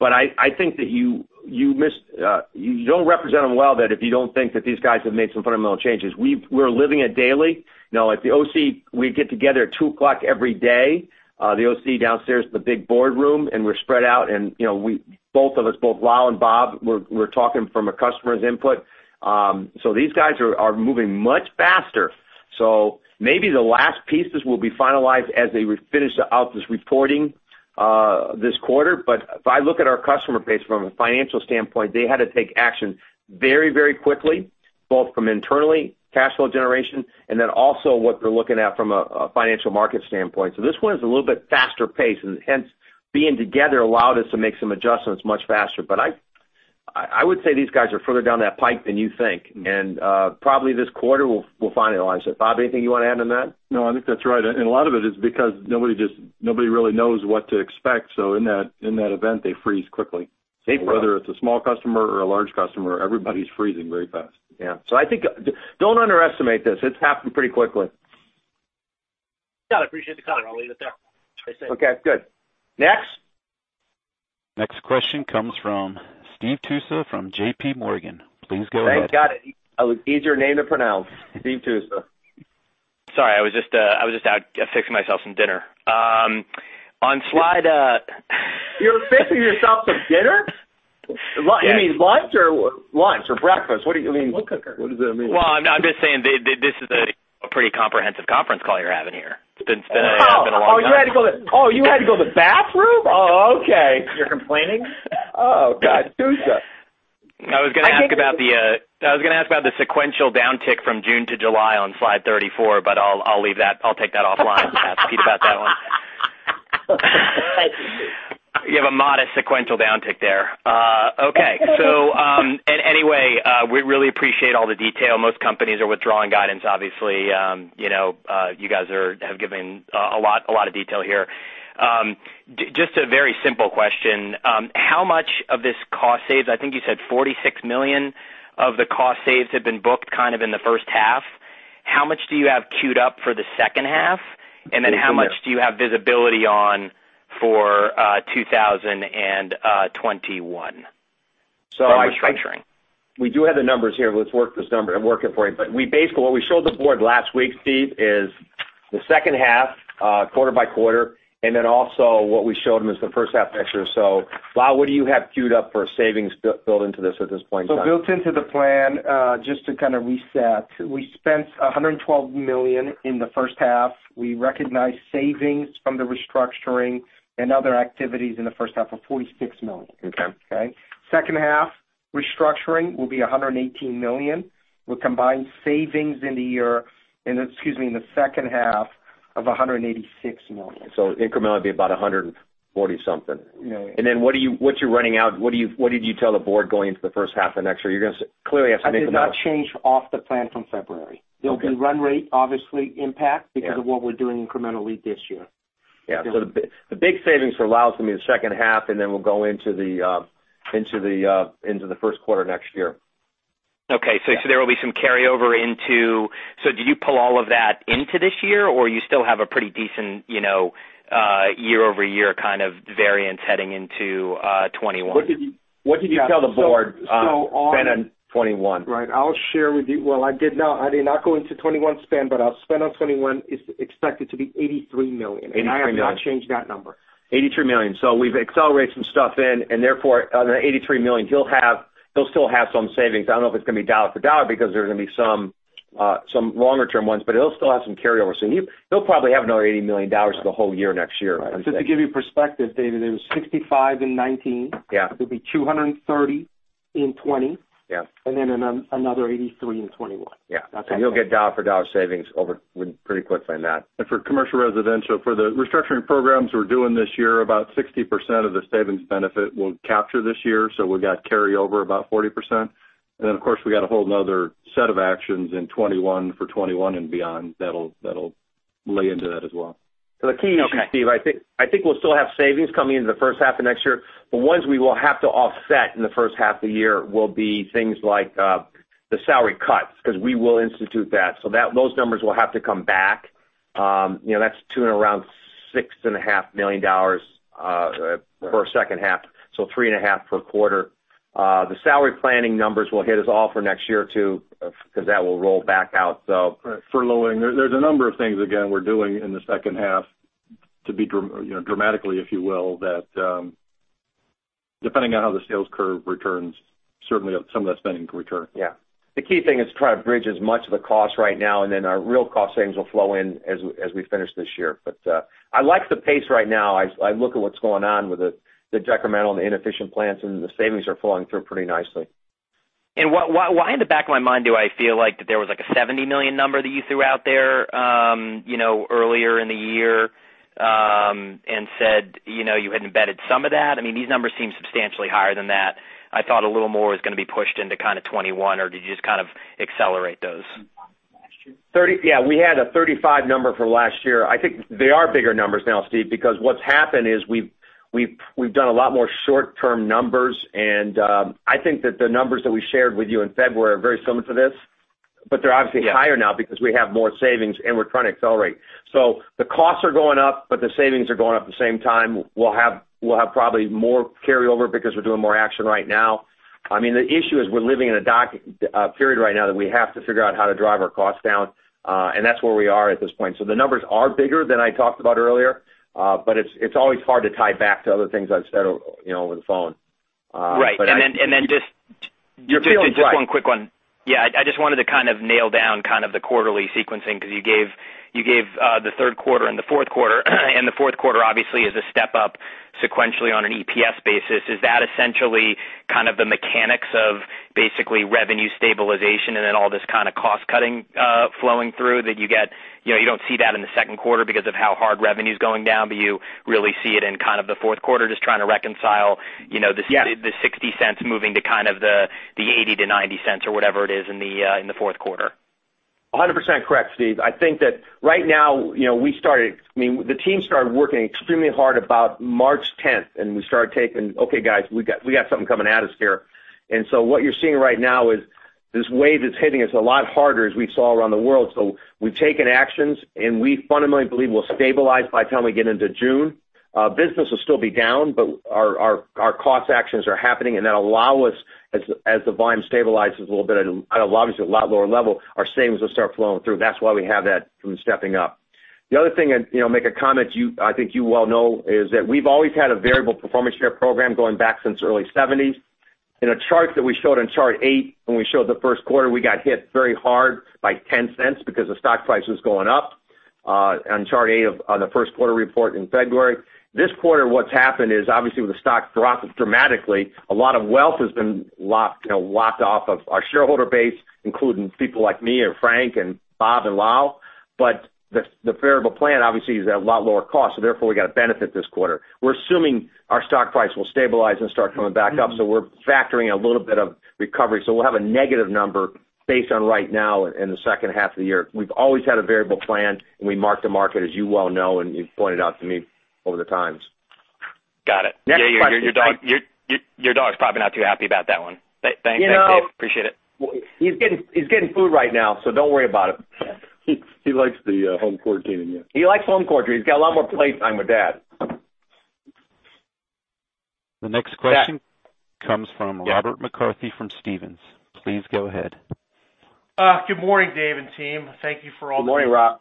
I think that you don't represent them well that if you don't think that these guys have made some fundamental changes. We're living it daily. At the OC, we get together at 2:00 every day. The OC downstairs is the big boardroom. We're spread out. Both of us, both Lal and Bob, we're talking from a customer's input. These guys are moving much faster. Maybe the last pieces will be finalized as they finish out this reporting this quarter. If I look at our customer base from a financial standpoint, they had to take action very quickly, both from internally, cash flow generation, and then also what they're looking at from a financial market standpoint. This one is a little bit faster paced, and hence being together allowed us to make some adjustments much faster. I would say these guys are further down that pipe than you think. Probably this quarter, we'll finalize it. Bob, anything you want to add on that? No, I think that's right. A lot of it is because nobody really knows what to expect. In that event, they freeze quickly. They froze. Whether it's a small customer or a large customer, everybody's freezing very fast. Yeah. I think, don't underestimate this. It's happened pretty quickly. Got it. Appreciate the comment. I'll leave it there. Stay safe. Okay, good. Next? Next question comes from Steve Tusa from J.P. Morgan. Please go ahead. Thank God. An easier name to pronounce. Steve Tusa. *crosstalk* I was going to ask about the sequential downtick from June to July on slide 34, but I'll take that offline. Ask Pete about that one. You have a modest sequential downtick there. Okay. Anyway, we really appreciate all the detail. Most companies are withdrawing guidance, obviously. You guys have given a lot of detail here. Just a very simple question. How much of this cost saves, I think you said $46 million of the cost saves have been booked kind of in the first half. How much do you have queued up for the second half? How much do you have visibility on for 2021 from restructuring? We do have the numbers here. Let's work this number. I'm working for you. Basically, what we showed the board last week, Steve, is the second half, quarter by quarter, also what we showed them is the first half next year. Lal, what do you have queued up for savings built into this at this point in time? Built into the plan, just to kind of reset, we spent $112 million in the first half. We recognized savings from the restructuring and other activities in the first half of $46 million. Okay. Okay? Second half, restructuring will be $118 million, with combined savings in the year, excuse me, in the second half of $186 million. Incrementally it'll be about $140 million something. What are you running out? What did you tell the board going into the first half of next year? You're going to clearly have to make I did not change off the plan from February. Okay. There'll be run rate obviously. Yeah because of what we're doing incrementally this year. Yeah. The big savings for Lal is going to be the second half, and then we'll go into the first quarter next year. Did you pull all of that into this year, or you still have a pretty decent year-over-year kind of variance heading into 2021? What did you tell the board? So on- spend on 2021? Right. I'll share with you. Well, I did not go into 2021 spend. Our spend on 2021 is expected to be $83 million. $83 million. I have not changed that number. $83 million. We've accelerated some stuff in, and therefore on the $83 million, he'll still have some savings. I don't know if it's going to be dollar for dollar because there are going to be some longer-term ones, but he'll still have some carryover. He'll probably have another $80 million for the whole year next year. Right. Just to give you perspective, David, it was $65 million in 2019. Yeah. It'll be $230 million in 2020. Yeah. Another $83 million in 2021. Yeah. That's what I told you. You'll get dollar for dollar savings over pretty quickly on that. For Commercial & Residential Solutions, for the restructuring programs we're doing this year, about 60% of the savings benefit we'll capture this year. We've got carryover about 40%. Then, of course, we got a whole another set of actions in 2021 for 2021 and beyond that'll lay into that as well. The key issue, Steve, I think we'll still have savings coming into the first half of next year. The ones we will have to offset in the first half of the year will be things like the salary cuts, because we will institute that. Those numbers will have to come back. That's tuning around $6.5 million for a second half, so $3.5 million per quarter. The salary planning numbers will hit us all for next year, too, because that will roll back out. Furloughing. There's a number of things, again, we're doing in the second half to be dramatically, if you will, that depending on how the sales curve returns, certainly some of that spending can return. The key thing is to try to bridge as much of the cost right now. Our real cost savings will flow in as we finish this year. I like the pace right now. I look at what's going on with the decremental and the inefficient plants. The savings are flowing through pretty nicely. Why in the back of my mind do I feel like that there was, like, a $70 million number that you threw out there earlier in the year and said you had embedded some of that? These numbers seem substantially higher than that. I thought a little more was going to be pushed into kind of 2021, or did you just kind of accelerate those? We had a $35 million number for last year. I think they are bigger numbers now, Steve, because what's happened is we've done a lot more short-term numbers. I think that the numbers that we shared with you in February are very similar to this. They're obviously higher now because we have more savings and we're trying to accelerate. The costs are going up. The savings are going up the same time. We'll have probably more carryover because we're doing more action right now. The issue is we're living in a period right now that we have to figure out how to drive our costs down. That's where we are at this point. The numbers are bigger than I talked about earlier. It's always hard to tie back to other things I've said over the phone. Right. You're feeling right. One quick one. Yeah, I just wanted to kind of nail down kind of the quarterly sequencing because you gave the third quarter and the fourth quarter, and the fourth quarter obviously is a step up sequentially on an EPS basis. Is that essentially kind of the mechanics of basically revenue stabilization and then all this kind of cost cutting flowing through that you get? You don't see that in the second quarter because of how hard revenue's going down, but you really see it in kind of the fourth quarter. Just trying to reconcile. Yeah the $0.60 moving to kind of the $0.80-$0.90 or whatever it is in the fourth quarter. 100% correct, Steve. I think that right now, the team started working extremely hard about March 10th. We started taking, "Okay, guys, we got something coming at us here." What you're seeing right now is this wave is hitting us a lot harder as we saw around the world. We've taken actions, and we fundamentally believe we'll stabilize by the time we get into June. Business will still be down. Our cost actions are happening. That allow us, as the volume stabilizes a little bit at obviously a lot lower level, our savings will start flowing through. That's why we have that from stepping up. The other thing, make a comment I think you well know, is that we've always had a variable performance share program going back since early 1970s. In a chart that we showed in chart eight, when we showed the first quarter, we got hit very hard by $0.10 because the stock price was going up on chart eight on the first quarter report in February. This quarter, what's happened is, obviously, with the stock dropping dramatically, a lot of wealth has been lopped off of our shareholder base, including people like me and Frank and Bob and Lal. The variable plan, obviously, is at a lot lower cost, therefore, we got a benefit this quarter. We're assuming our stock price will stabilize and start coming back up, we're factoring a little bit of recovery. We'll have a negative number based on right now in the second half of the year. We've always had a variable plan, and we mark the market, as you well know, and you've pointed out to me over the times. Got it. Next question. Yeah, your dog's probably not too happy about that one. Thanks, Dave. Appreciate it. *crosstalk* The next question comes from Robert McCarthy from Stephens. Please go ahead. Good morning, Dave and team. Thank you for all. Good morning, Rob.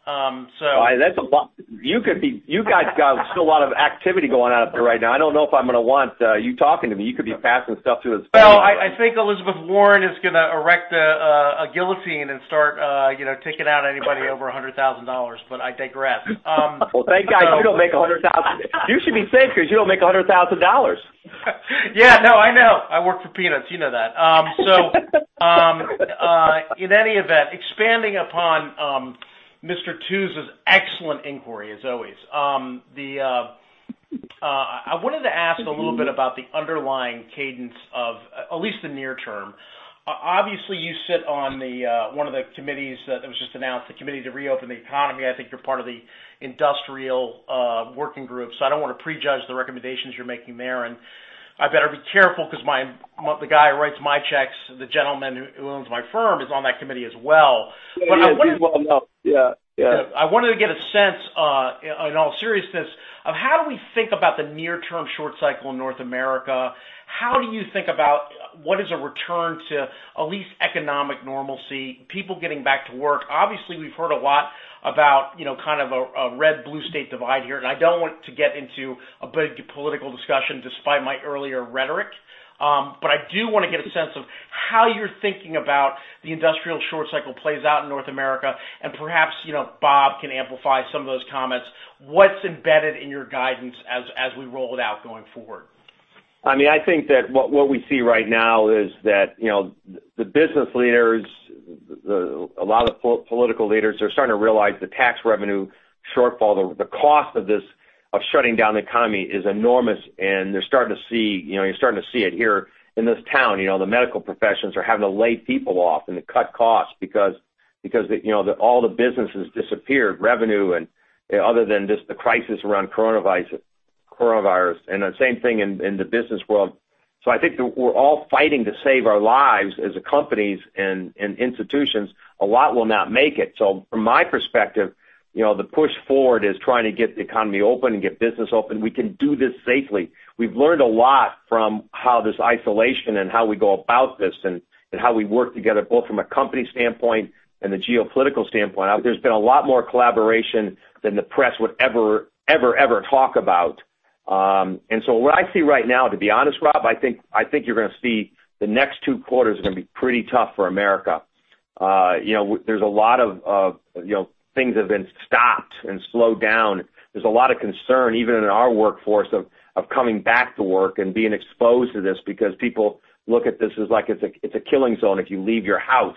I guess I have a question. *crosstalk* In any event, expanding upon Mr. Tusa's excellent inquiry, as always. I wanted to ask a little bit about the underlying cadence of at least the near term. Obviously, you sit on one of the committees that was just announced, the committee to reopen the economy. I think you're part of the industrial working group. I don't want to prejudge the recommendations you're making there. I better be careful because the guy who writes my checks, the gentleman who owns my firm, is on that committee as well. Yeah, he is. I wanted to get a sense, in all seriousness, of how do we think about the near-term short cycle in North America? How do you think about what is a return to at least economic normalcy, people getting back to work? Obviously, we've heard a lot about kind of a red-blue state divide here. I don't want to get into a big political discussion despite my earlier rhetoric. I do want to get a sense of how you're thinking about the industrial short cycle plays out in North America, and perhaps Bob can amplify some of those comments. What's embedded in your guidance as we roll it out going forward? I think that what we see right now is that the business leaders, a lot of political leaders are starting to realize the tax revenue shortfall, the cost of shutting down the economy is enormous, and you're starting to see it here in this town. The medical professions are having to lay people off and to cut costs because all the business has disappeared, revenue, and other than just the crisis around coronavirus. The same thing in the business world. I think that we're all fighting to save our lives as companies and institutions. A lot will not make it. From my perspective, the push forward is trying to get the economy open and get business open. We can do this safely. We've learned a lot from how this isolation and how we go about this, and how we work together, both from a company standpoint and the geopolitical standpoint. There's been a lot more collaboration than the press would ever talk about. What I see right now, to be honest, Rob, I think you're going to see the next two quarters are going to be pretty tough for America. There's a lot of things have been stopped and slowed down. There's a lot of concern, even in our workforce, of coming back to work and being exposed to this because people look at this as like it's a killing zone if you leave your house.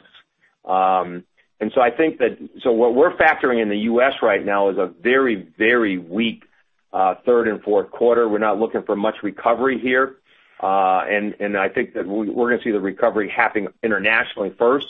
I think that what we're factoring in the U.S. right now is a very weak third quarter and fourth quarter. We're not looking for much recovery here. I think that we're going to see the recovery happening internationally first,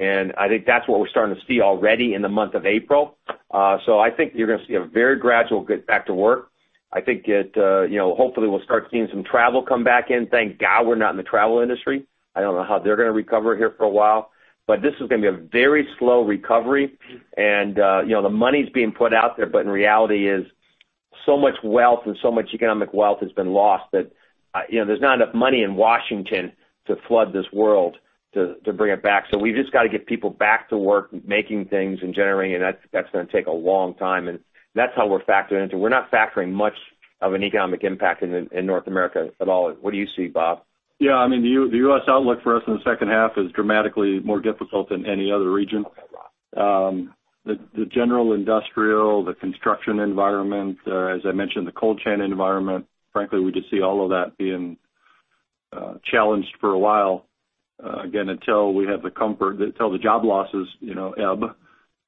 and I think that's what we're starting to see already in the month of April. I think you're going to see a very gradual get back to work. I think that hopefully we'll start seeing some travel come back in. Thank God we're not in the travel industry. I don't know how they're going to recover here for a while. This is going to be a very slow recovery, and the money's being put out there, but in reality is so much wealth and so much economic wealth has been lost that there's not enough money in Washington to flood this world to bring it back. We've just got to get people back to work, making things and generating, and that's going to take a long time, and that's how we're factoring into it. We're not factoring much of an economic impact in North America at all. What do you see, Bob? Yeah, the U.S. outlook for us in the second half is dramatically more difficult than any other region. The general industrial, the construction environment, as I mentioned, the cold chain environment, frankly, we just see all of that being challenged for a while, again, until the job losses ebb,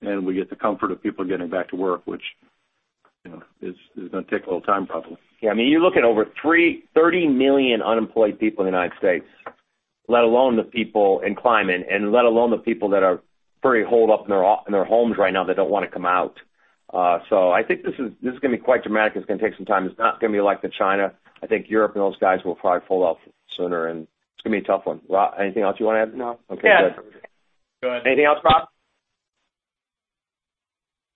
and we get the comfort of people getting back to work, which is going to take a little time, probably. Yeah. You're looking at over 30 million unemployed people in the United States, let alone the people in climate, and let alone the people that are very holed up in their homes right now that don't want to come out. I think this is going to be quite dramatic. It's going to take some time. It's not going to be like the China. I think Europe and those guys will probably pull off sooner, and it's going to be a tough one. Lal, anything else you want to add? No. Okay, good. Go ahead. Anything else, Rob?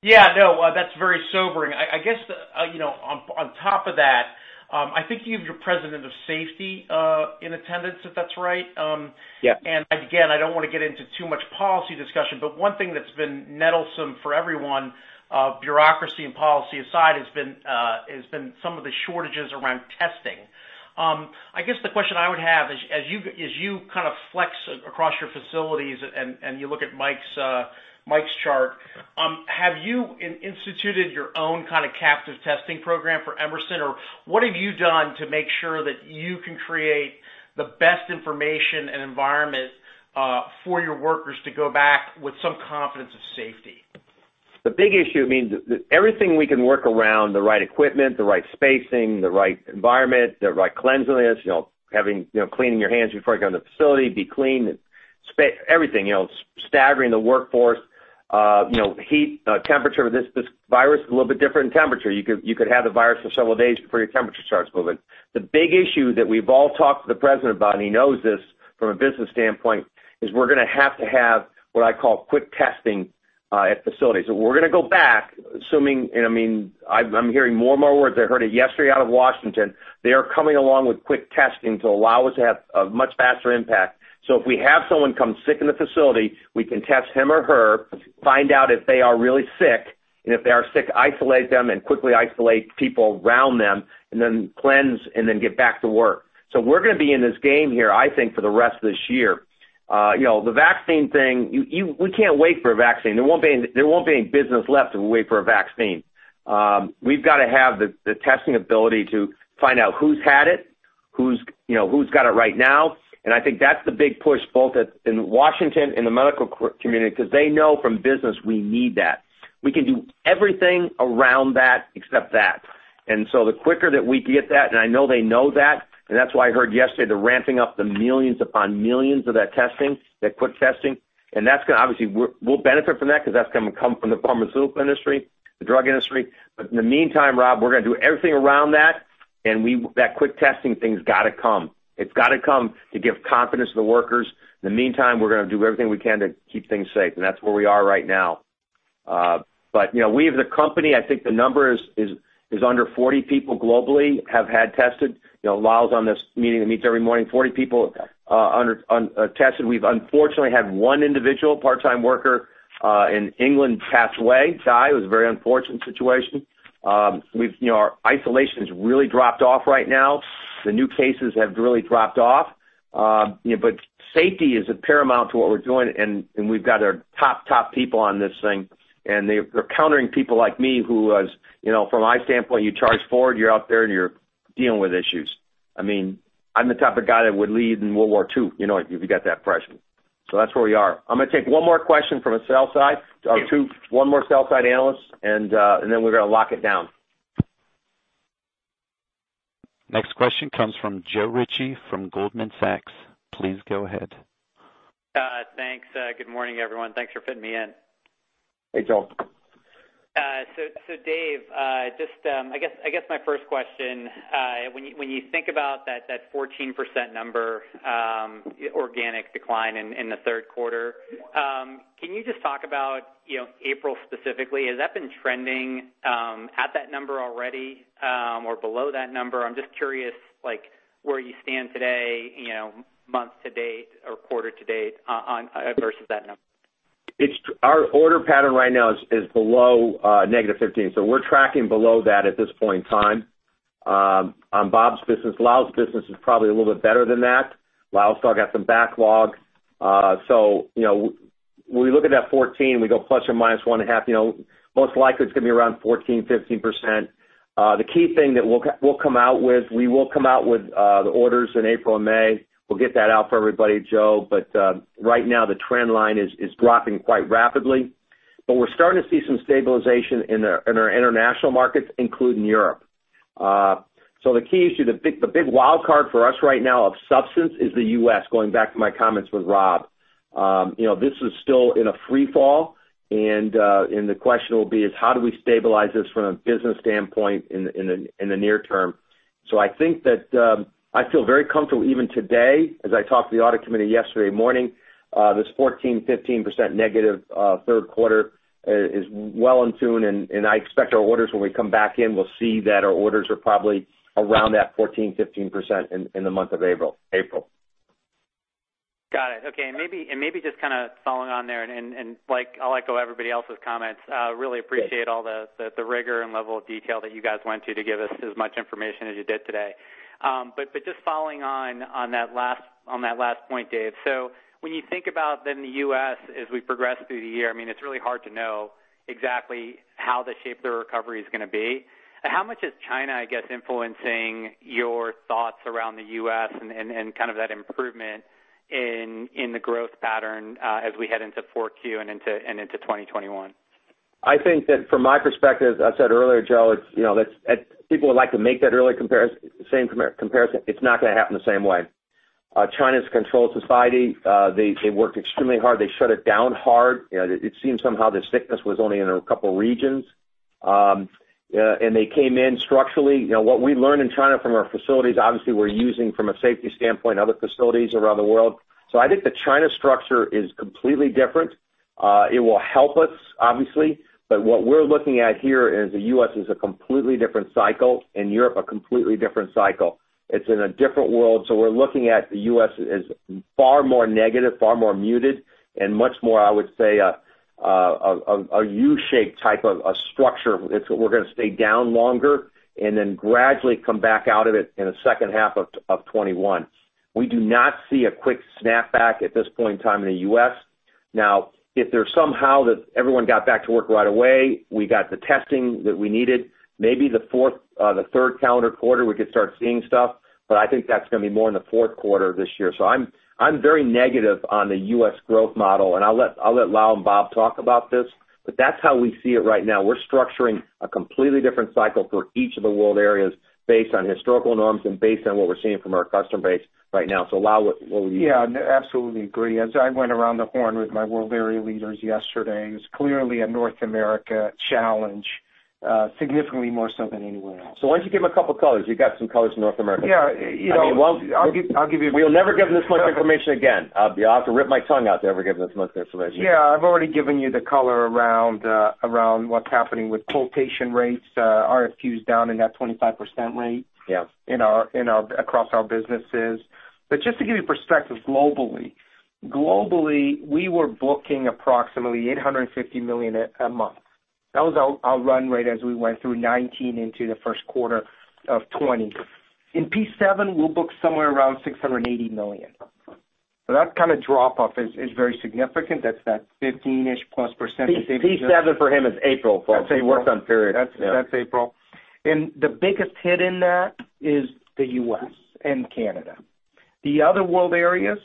Yeah, no, that's very sobering. I guess, on top of that, I think you have your president of safety in attendance, if that's right. Yeah. Again, I don't want to get into too much policy discussion, one thing that's been nettlesome for everyone, bureaucracy and policy aside, has been some of the shortages around testing. I guess the question I would have is as you kind of flex across your facilities and you look at Mike's chart, have you instituted your own kind of captive testing program for Emerson? What have you done to make sure that you can create the best information and environment for your workers to go back with some confidence of safety? The big issue means everything we can work around, the right equipment, the right spacing, the right environment, the right cleanliness, cleaning your hands before you go in the facility, be clean, everything. Staggering the workforce, heat, temperature. This virus is a little bit different in temperature. You could have the virus for several days before your temperature starts moving. The big issue that we've all talked to the President about, and he knows this from a business standpoint, is we're going to have to have what I call quick testing at facilities. We're going to go back, assuming, I'm hearing more and more words. I heard it yesterday out of Washington. They are coming along with quick testing to allow us to have a much faster impact. If we have someone come sick in the facility, we can test him or her, find out if they are really sick, and if they are sick, isolate them and quickly isolate people around them, and then cleanse and then get back to work. We're going to be in this game here, I think, for the rest of this year. The vaccine thing, we can't wait for a vaccine. There won't be any business left if we wait for a vaccine. We've got to have the testing ability to find out who's had it, who's got it right now, and I think that's the big push, both in Washington and the medical community, because they know from business we need that. We can do everything around that except that. The quicker that we can get that, and I know they know that, and that's why I heard yesterday they're ramping up the millions upon millions of that testing, that quick testing. That's going to obviously, we'll benefit from that because that's going to come from the pharmaceutical industry, the drug industry. In the meantime, Rob, we're going to do everything around that. That quick testing thing's got to come. It's got to come to give confidence to the workers. In the meantime, we're going to do everything we can to keep things safe, and that's where we are right now. We as a company, I think the number is under 40 people globally have had tested. Lal's on this meeting that meets every morning. 40 people tested. We've unfortunately had one individual, part-time worker in England pass away, die. It was a very unfortunate situation. Our isolation has really dropped off right now. The new cases have really dropped off. Safety is paramount to what we're doing, and we've got our top people on this thing, and they're countering people like me, who, from my standpoint, you charge forward, you're out there, and you're dealing with issues. I'm the type of guy that would lead in World War II if you got that pressure. That's where we are. I'm going to take one more question from the sell side, or two. One more sell side analyst, and then we're going to lock it down. Next question comes from Joe Ritchie from Goldman Sachs. Please go ahead. Thanks. Good morning, everyone. Thanks for fitting me in. Hey, Joe. Dave, I guess my first question, when you think about that 14% number organic decline in the third quarter, can you just talk about April specifically? Has that been trending at that number already or below that number? I'm just curious where you stand today month to date or quarter to date versus that number. Our order pattern right now is below -15%. We're tracking below that at this point in time on Bob's business. Lal's business is probably a little bit better than that. Lal's still got some backlog. When we look at that 14%, we go ±1.5%. Most likely, it's going to be around 14%-15%. The key thing that we'll come out with, we will come out with the orders in April and May. We'll get that out for everybody, Joe. Right now, the trend line is dropping quite rapidly. We're starting to see some stabilization in our international markets, including Europe. The key issue, the big wild card for us right now of substance is the U.S., going back to my comments with Rob. This is still in a free fall, and the question will be is how do we stabilize this from a business standpoint in the near term? I think that I feel very comfortable even today, as I talked to the audit committee yesterday morning, this 14%-15% negative third quarter is well in tune, and I expect our orders when we come back in, we'll see that our orders are probably around that 14%-15% in the month of April. Got it. Okay. Maybe just kind of following on there, and I'll let go of everybody else's comments. Really appreciate all the rigor and level of detail that you guys went to to give us as much information as you did today. Just following on that last point, David. When you think about then the U.S. as we progress through the year, it's really hard to know exactly how the shape of the recovery is going to be. How much is China, I guess, influencing your thoughts around the U.S. and kind of that improvement in the growth pattern as we head into 4Q and into 2021? I think that from my perspective, as I said earlier, Joe, people would like to make that same comparison. It's not going to happen the same way. China's a controlled society. They worked extremely hard. They shut it down hard. It seems somehow the sickness was only in a couple of regions. They came in structurally. What we learned in China from our facilities, obviously, we're using from a safety standpoint in other facilities around the world. I think the China structure is completely different. It will help us, obviously, but what we're looking at here is the U.S. is a completely different cycle, and Europe, a completely different cycle. It's in a different world. We're looking at the U.S. as far more negative, far more muted, and much more, I would say, a U-shaped type of structure. We're going to stay down longer and then gradually come back out of it in the second half of 2021. We do not see a quick snapback at this point in time in the U.S. If there's somehow that everyone got back to work right away, we got the testing that we needed, maybe the third calendar quarter, we could start seeing stuff. I think that's going to be more in the fourth quarter of this year. I'm very negative on the U.S. growth model, and I'll let Lal and Bob talk about this, but that's how we see it right now. We're structuring a completely different cycle for each of the world areas based on historical norms and based on what we're seeing from our customer base right now. Lal, what would you Yeah, absolutely agree. As I went around the horn with my world area leaders yesterday, it was clearly a North America challenge, significantly more so than anywhere else. Why don't you give them a couple of colors? You got some colors in North America. Yeah. I mean. I'll give you- We'll never give this much information again. I'll have to rip my tongue out to ever give this much information. Yeah, I've already given you the color around what's happening with quotation rates. RFQ is down in that 25% range. Yeah across our businesses. Just to give you perspective globally. Globally, we were booking approximately $850 million a month. That was our run rate as we went through 2019 into the first quarter of 2020. In P7, we'll book somewhere around $680 million. That kind of drop-off is very significant. That's that 15-ish plus percent that David just- P7 for him is April, folks. That's April. He works on periods. Yeah. That's April. The biggest hit in that is the U.S. and Canada. The other world areas,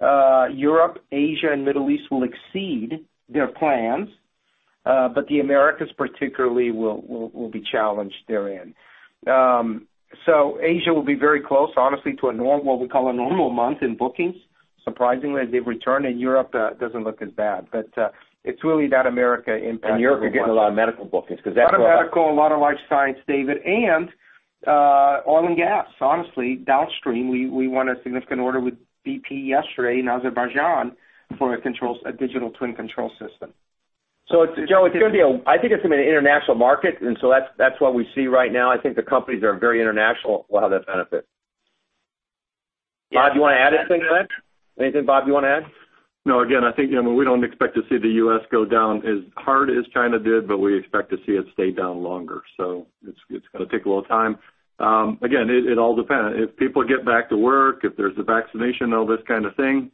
Europe, Asia, and Middle East will exceed their plans. The Americas particularly will be challenged therein. Asia will be very close, honestly, to what we call a normal month in bookings. Surprisingly, they've returned, and Europe doesn't look as bad. It's really that America impact that we're getting. Europe are getting a lot of medical bookings because that's. A lot of medical, a lot of life science, David, and oil and gas. Honestly, downstream. We won a significant order with BP yesterday in Azerbaijan for a digital twin control system. Joe, I think it's an international market, and so that's what we see right now. I think the companies that are very international will have that benefit. Bob, do you want to add anything to that? Anything Bob you want to add? No. Again, I think we don't expect to see the U.S. go down as hard as China did. We expect to see it stay down longer. It's going to take a little time. Again, it all depends. If people get back to work, if there's a vaccination, all this kind of thing,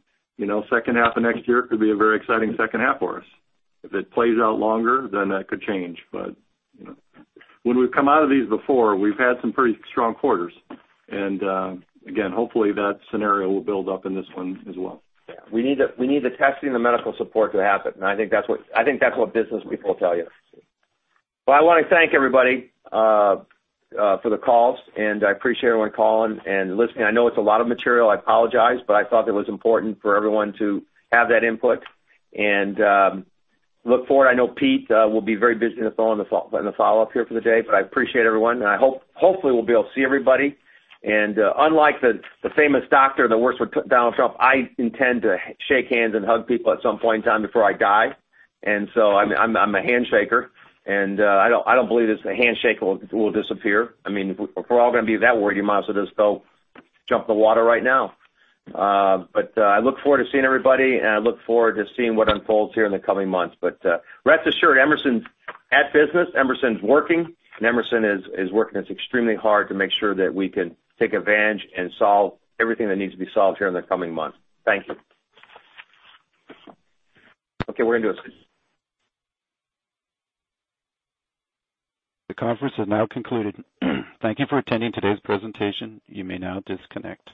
second half of next year could be a very exciting second half for us. If it plays out longer, that could change. When we've come out of these before, we've had some pretty strong quarters. Again, hopefully, that scenario will build up in this one as well. Yeah. We need the testing and the medical support to happen, and I think that's what business people will tell you. I want to thank everybody for the calls, and I appreciate everyone calling and listening. I know it's a lot of material, I apologize, but I thought it was important for everyone to have that input and look forward. I know Pete will be very busy on the phone on the follow-up here for the day. I appreciate everyone, and hopefully, we'll be able to see everybody. Unlike the famous doctor that works with Donald Trump, I intend to shake hands and hug people at some point in time before I die. I'm a handshaker, and I don't believe this handshake will disappear. If we're all going to be that worried, you might as well just go jump in the water right now. I look forward to seeing everybody, and I look forward to seeing what unfolds here in the coming months. Rest assured, Emerson's at business. Emerson's working, and Emerson is working extremely hard to make sure that we can take advantage and solve everything that needs to be solved here in the coming months. Thank you. Okay, we're going to do this. The conference has now concluded. Thank you for attending today's presentation. You may now disconnect.